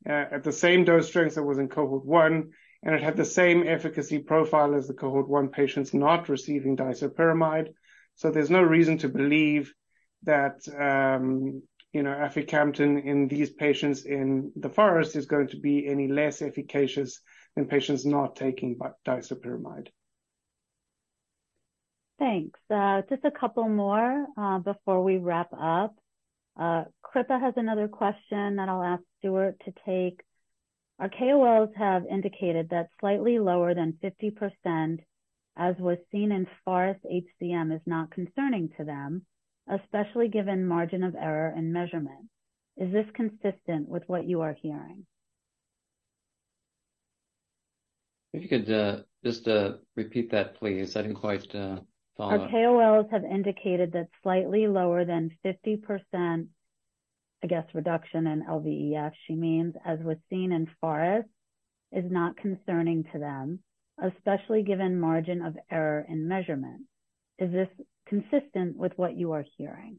at the same dose strength that was in cohort one, and it had the same efficacy profile as the cohort one patients not receiving disopyramide. So there's no reason to believe that, you know, aficamten in these patients in the FOREST-HCM is going to be any less efficacious than patients not taking disopyramide. Thanks. Just a couple more, before we wrap up. Kripa has another question that I'll ask Stuart to take. Our KOLs have indicated that slightly lower than 50%, as was seen in FOREST-HCM, is not concerning to them, especially given margin of error in measurement. Is this consistent with what you are hearing? If you could, just, repeat that, please. I didn't quite, follow. Our KOLs have indicated that slightly lower than 50%, I guess, reduction in LVEF, she means, as was seen in FOREST, is not concerning to them, especially given margin of error in measurement. Is this consistent with what you are hearing?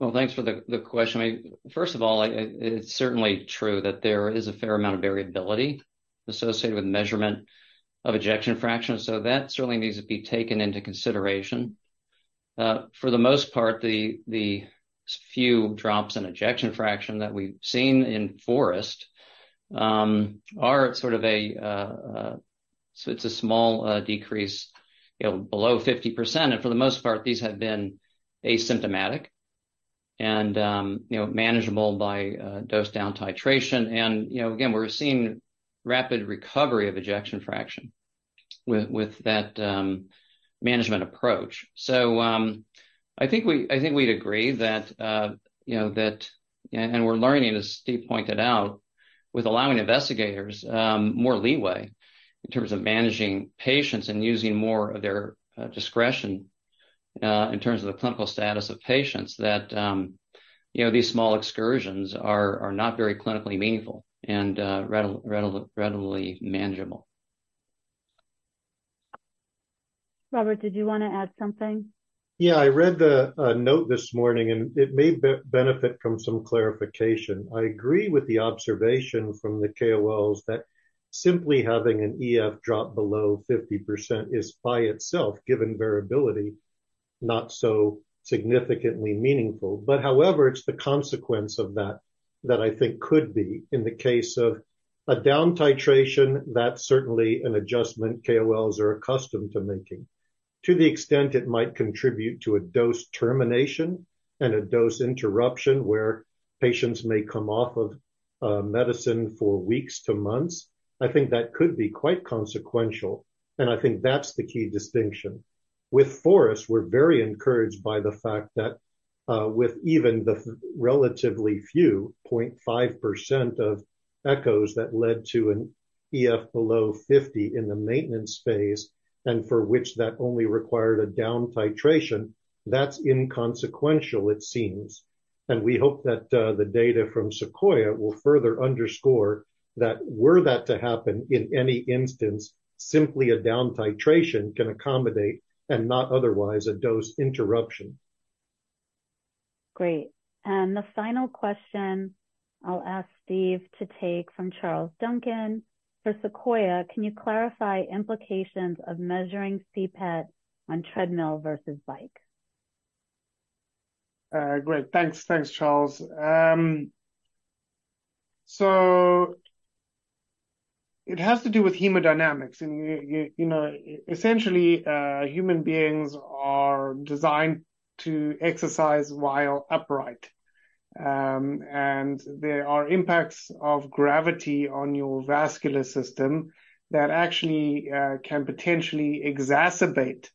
Well, thanks for the question. First of all, it's certainly true that there is a fair amount of variability associated with measurement of ejection fraction, so that certainly needs to be taken into consideration. For the most part, the few drops in ejection fraction that we've seen in FOREST are sort of a small decrease, you know, below 50%. And for the most part, these have been asymptomatic and, you know, manageable by dose-down titration. And, you know, again, we're seeing rapid recovery of ejection fraction with that management approach. So, I think we, I think we'd agree that, you know, that and, and we're learning, as Steve pointed out, with allowing investigators more leeway in terms of managing patients and using more of their discretion in terms of the clinical status of patients, that, you know, these small excursions are not very clinically meaningful and readily manageable. Robert, did you want to add something? Yeah, I read the note this morning, and it may benefit from some clarification. I agree with the observation from the KOLs that simply having an EF drop below 50% is, by itself, given variability, not so significantly meaningful. But however, it's the consequence of that that I think could be in the case of a down titration, that's certainly an adjustment KOLs are accustomed to making. To the extent it might contribute to a dose termination and a dose interruption where patients may come off of medicine for weeks to months, I think that could be quite consequential, and I think that's the key distinction. With FOREST, we're very encouraged by the fact that, with even the relatively few, 0.5% of echoes that led to an EF below 50 in the maintenance phase, and for which that only required a down titration, that's inconsequential, it seems. And we hope that, the data from SEQUOIA will further underscore that were that to happen in any instance, simply a down titration can accommodate and not otherwise a dose interruption. Great. And the final question I'll ask Steve to take from Charles Duncan. For SEQUOIA, can you clarify implications of measuring CPET on treadmill versus bike? Great. Thanks. Thanks, Charles. So it has to do with hemodynamics. And you know, essentially, human beings are designed to exercise while upright. And there are impacts of gravity on your vascular system that actually can potentially exacerbate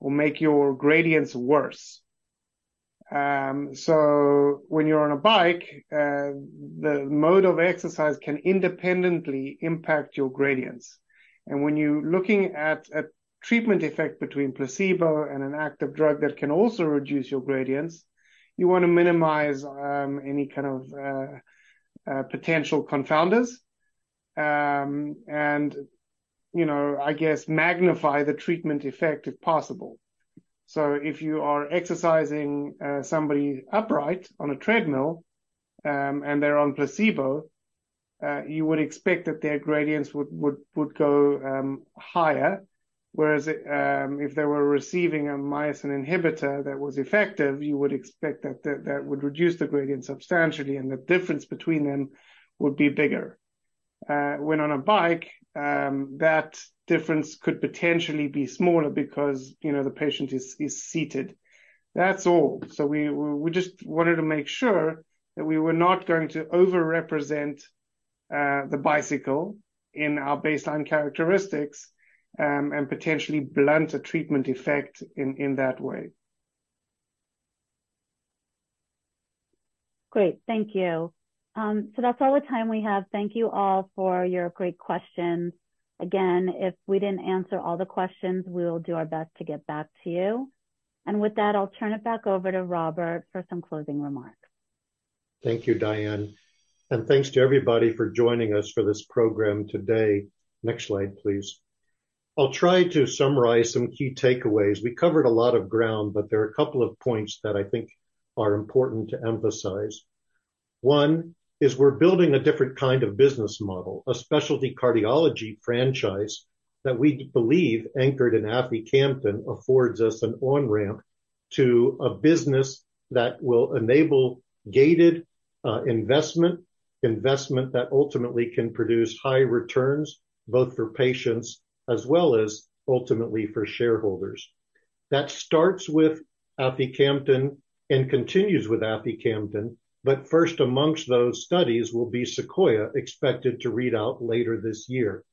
or make your gradients worse. So when you're on a bike, the mode of exercise can independently impact your gradients. And when you're looking at a treatment effect between placebo and an active drug, that can also reduce your gradients, you want to minimize any kind of potential confounders, and you know, I guess, magnify the treatment effect, if possible. So if you are exercising somebody upright on a treadmill, and they're on placebo, you would expect that their gradients would go higher, whereas if they were receiving a myosin inhibitor that was effective, you would expect that that would reduce the gradient substantially, and the difference between them would be bigger. When on a bike, that difference could potentially be smaller because, you know, the patient is seated. That's all. So we just wanted to make sure that we were not going to overrepresent the bicycle in our baseline characteristics, and potentially blunt a treatment effect in that way. Great. Thank you. So that's all the time we have. Thank you all for your great questions. Again, if we didn't answer all the questions, we will do our best to get back to you. With that, I'll turn it back over to Robert for some closing remarks.... Thank you, Diane, and thanks to everybody for joining us for this program today. Next slide, please. I'll try to summarize some key takeaways. We covered a lot of ground, but there are a couple of points that I think are important to emphasize. One, is we're building a different kind of business model, a specialty cardiology franchise that we believe anchored in aficamten affords us an on-ramp to a business that will enable gated, investment, investment that ultimately can produce high returns, both for patients as well as ultimately for shareholders. That starts with aficamten and continues with aficamten, but first amongst those studies will be SEQUOIA, expected to read out later this year.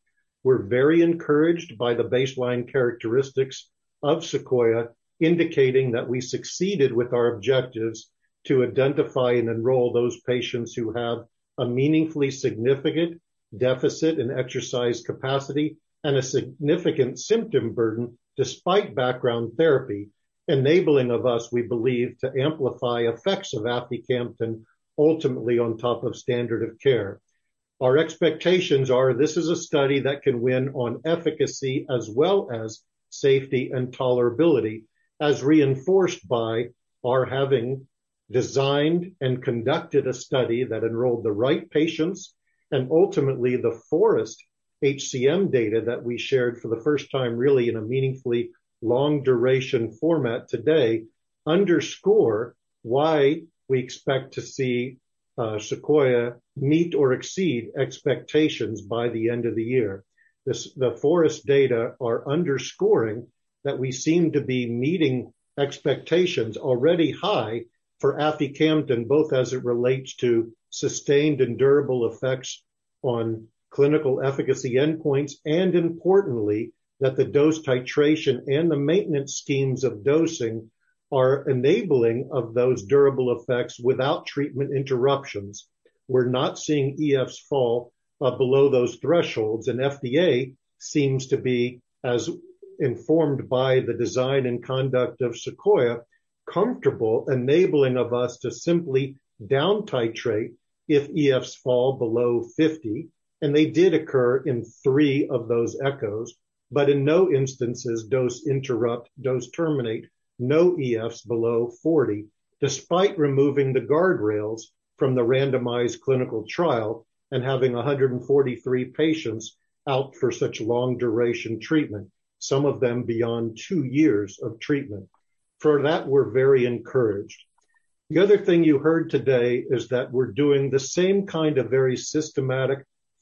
We're very encouraged by the baseline characteristics of SEQUOIA, indicating that we succeeded with our objectives to identify and enroll those patients who have a meaningfully significant deficit in exercise capacity and a significant symptom burden despite background therapy, enabling of us, we believe, to amplify effects of aficamten ultimately on top of standard of care. Our expectations are this is a study that can win on efficacy as well as safety and tolerability, as reinforced by our having designed and conducted a study that enrolled the right patients and ultimately the FOREST-HCM data that we shared for the first time, really in a meaningfully long duration format today, underscore why we expect to see SEQUOIA meet or exceed expectations by the end of the year. The FOREST data are underscoring that we seem to be meeting expectations already high for aficamten, both as it relates to sustained and durable effects on clinical efficacy endpoints, and importantly, that the dose titration and the maintenance schemes of dosing are enabling of those durable effects without treatment interruptions. We're not seeing EFs fall below those thresholds, and FDA seems to be, as informed by the design and conduct of SEQUOIA, comfortable enabling of us to simply down titrate if EFs fall below 50, and they did occur in three of those echoes. But in no instances, dose interrupt, dose terminate, no EFs below 40, despite removing the guardrails from the randomized clinical trial and having 143 patients out for such long duration treatment, some of them beyond two years of treatment. For that, we're very encouraged. The other thing you heard today is that we're doing the same kind of very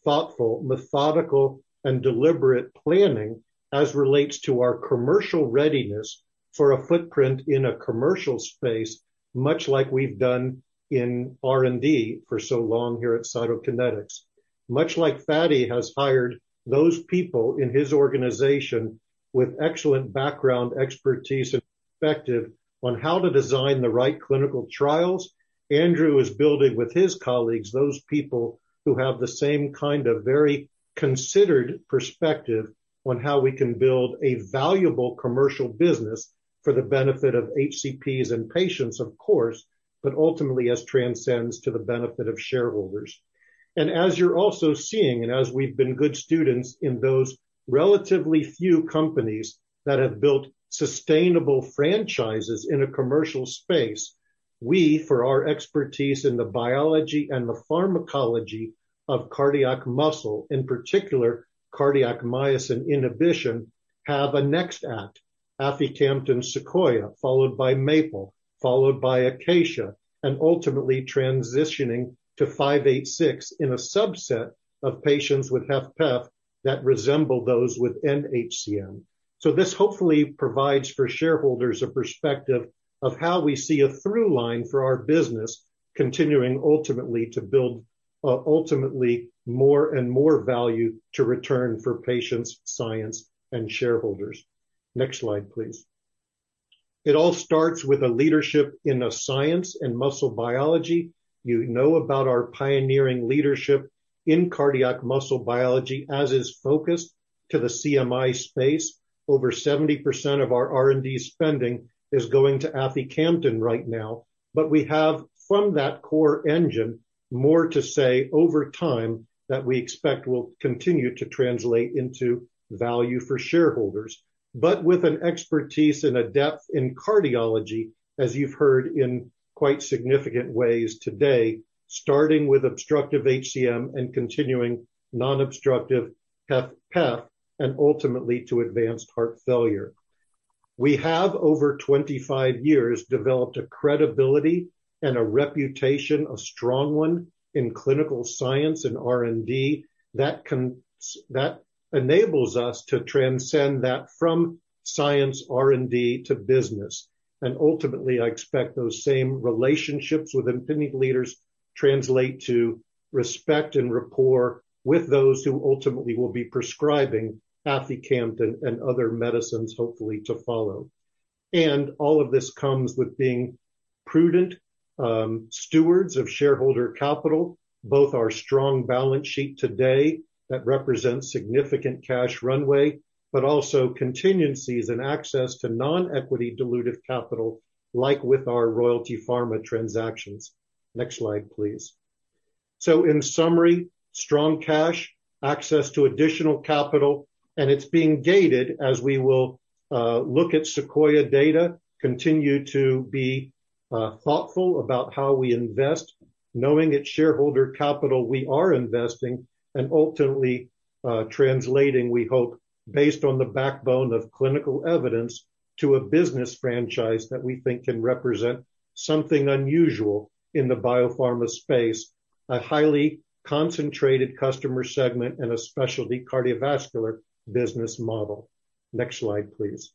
systematic, thoughtful, methodical, and deliberate planning as relates to our commercial readiness for a footprint in a commercial space, much like we've done in R&D for so long here at Cytokinetics. Much like Fady has hired those people in his organization with excellent background expertise and perspective on how to design the right clinical trials, Andrew is building with his colleagues, those people who have the same kind of very considered perspective on how we can build a valuable commercial business for the benefit of HCPs and patients, of course, but ultimately, as transcends to the benefit of shareholders. As you're also seeing, and as we've been good students in those relatively few companies that have built sustainable franchises in a commercial space, we, for our expertise in the biology and the pharmacology of cardiac muscle, in particular, cardiac myosin inhibition, have a next act, aficamten SEQUOIA, followed by MAPLE, followed by ACACIA, and ultimately transitioning to 586 in a subset of patients with HFpEF that resemble those with nHCM. So this hopefully provides for shareholders a perspective of how we see a through line for our business, continuing ultimately to build, ultimately more and more value to return for patients, science, and shareholders. Next slide, please. It all starts with a leadership in the science and muscle biology. You know about our pioneering leadership in cardiac muscle biology, as is focused to the CMI space. Over 70% of our R&D spending is going to aficamten right now. But we have, from that core engine, more to say over time, that we expect will continue to translate into value for shareholders. But with an expertise and a depth in cardiology, as you've heard in quite significant ways today, starting with obstructive HCM and continuing non-obstructive HFpEF, and ultimately to advanced heart failure. We have, over 25 years, developed a credibility and a reputation, a strong one, in clinical science and R&D that enables us to transcend that from science R&D to business. And ultimately, I expect those same relationships with opinion leaders translate to respect and rapport with those who ultimately will be prescribing aficamten and other medicines, hopefully to follow. And all of this comes with being prudent stewards of shareholder capital, both our strong balance sheet today that represents significant cash runway, but also contingencies and access to non-equity dilutive capital, like with our Royalty Pharma transactions. Next slide, please. So in summary, strong cash, access to additional capital, and it's being gated as we will look at SEQUOIA data, continue to be thoughtful about how we invest, knowing it's shareholder capital we are investing and ultimately translating, we hope, based on the backbone of clinical evidence, to a business franchise that we think can represent something unusual in the biopharma space, a highly concentrated customer segment and a specialty cardiovascular business model. Next slide, please.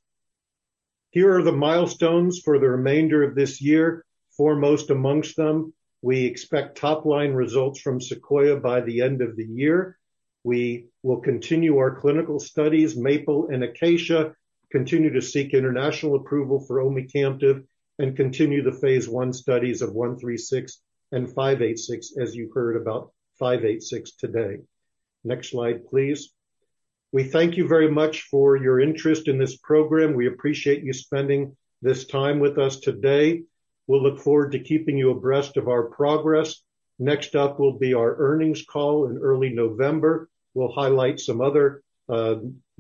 Here are the milestones for the remainder of this year. Foremost amongst them, we expect top-line results from SEQUOIA by the end of the year. We will continue our clinical studies, MAPLE-HCM and ACACIA-HCM, continue to seek international approval for omecamtiv mecarbil, and continue the phase I studies of CK-136 and CK-586, as you heard about CK-586 today. Next slide, please. We thank you very much for your interest in this program. We appreciate you spending this time with us today. We'll look forward to keeping you abreast of our progress. Next up will be our earnings call in early November. We'll highlight some other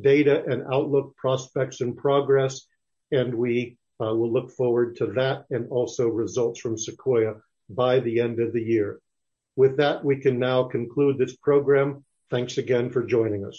data and outlook prospects in progress, and we will look forward to that and also results from SEQUOIA-HCM by the end of the year. With that, we can now conclude this program. Thanks again for joining us.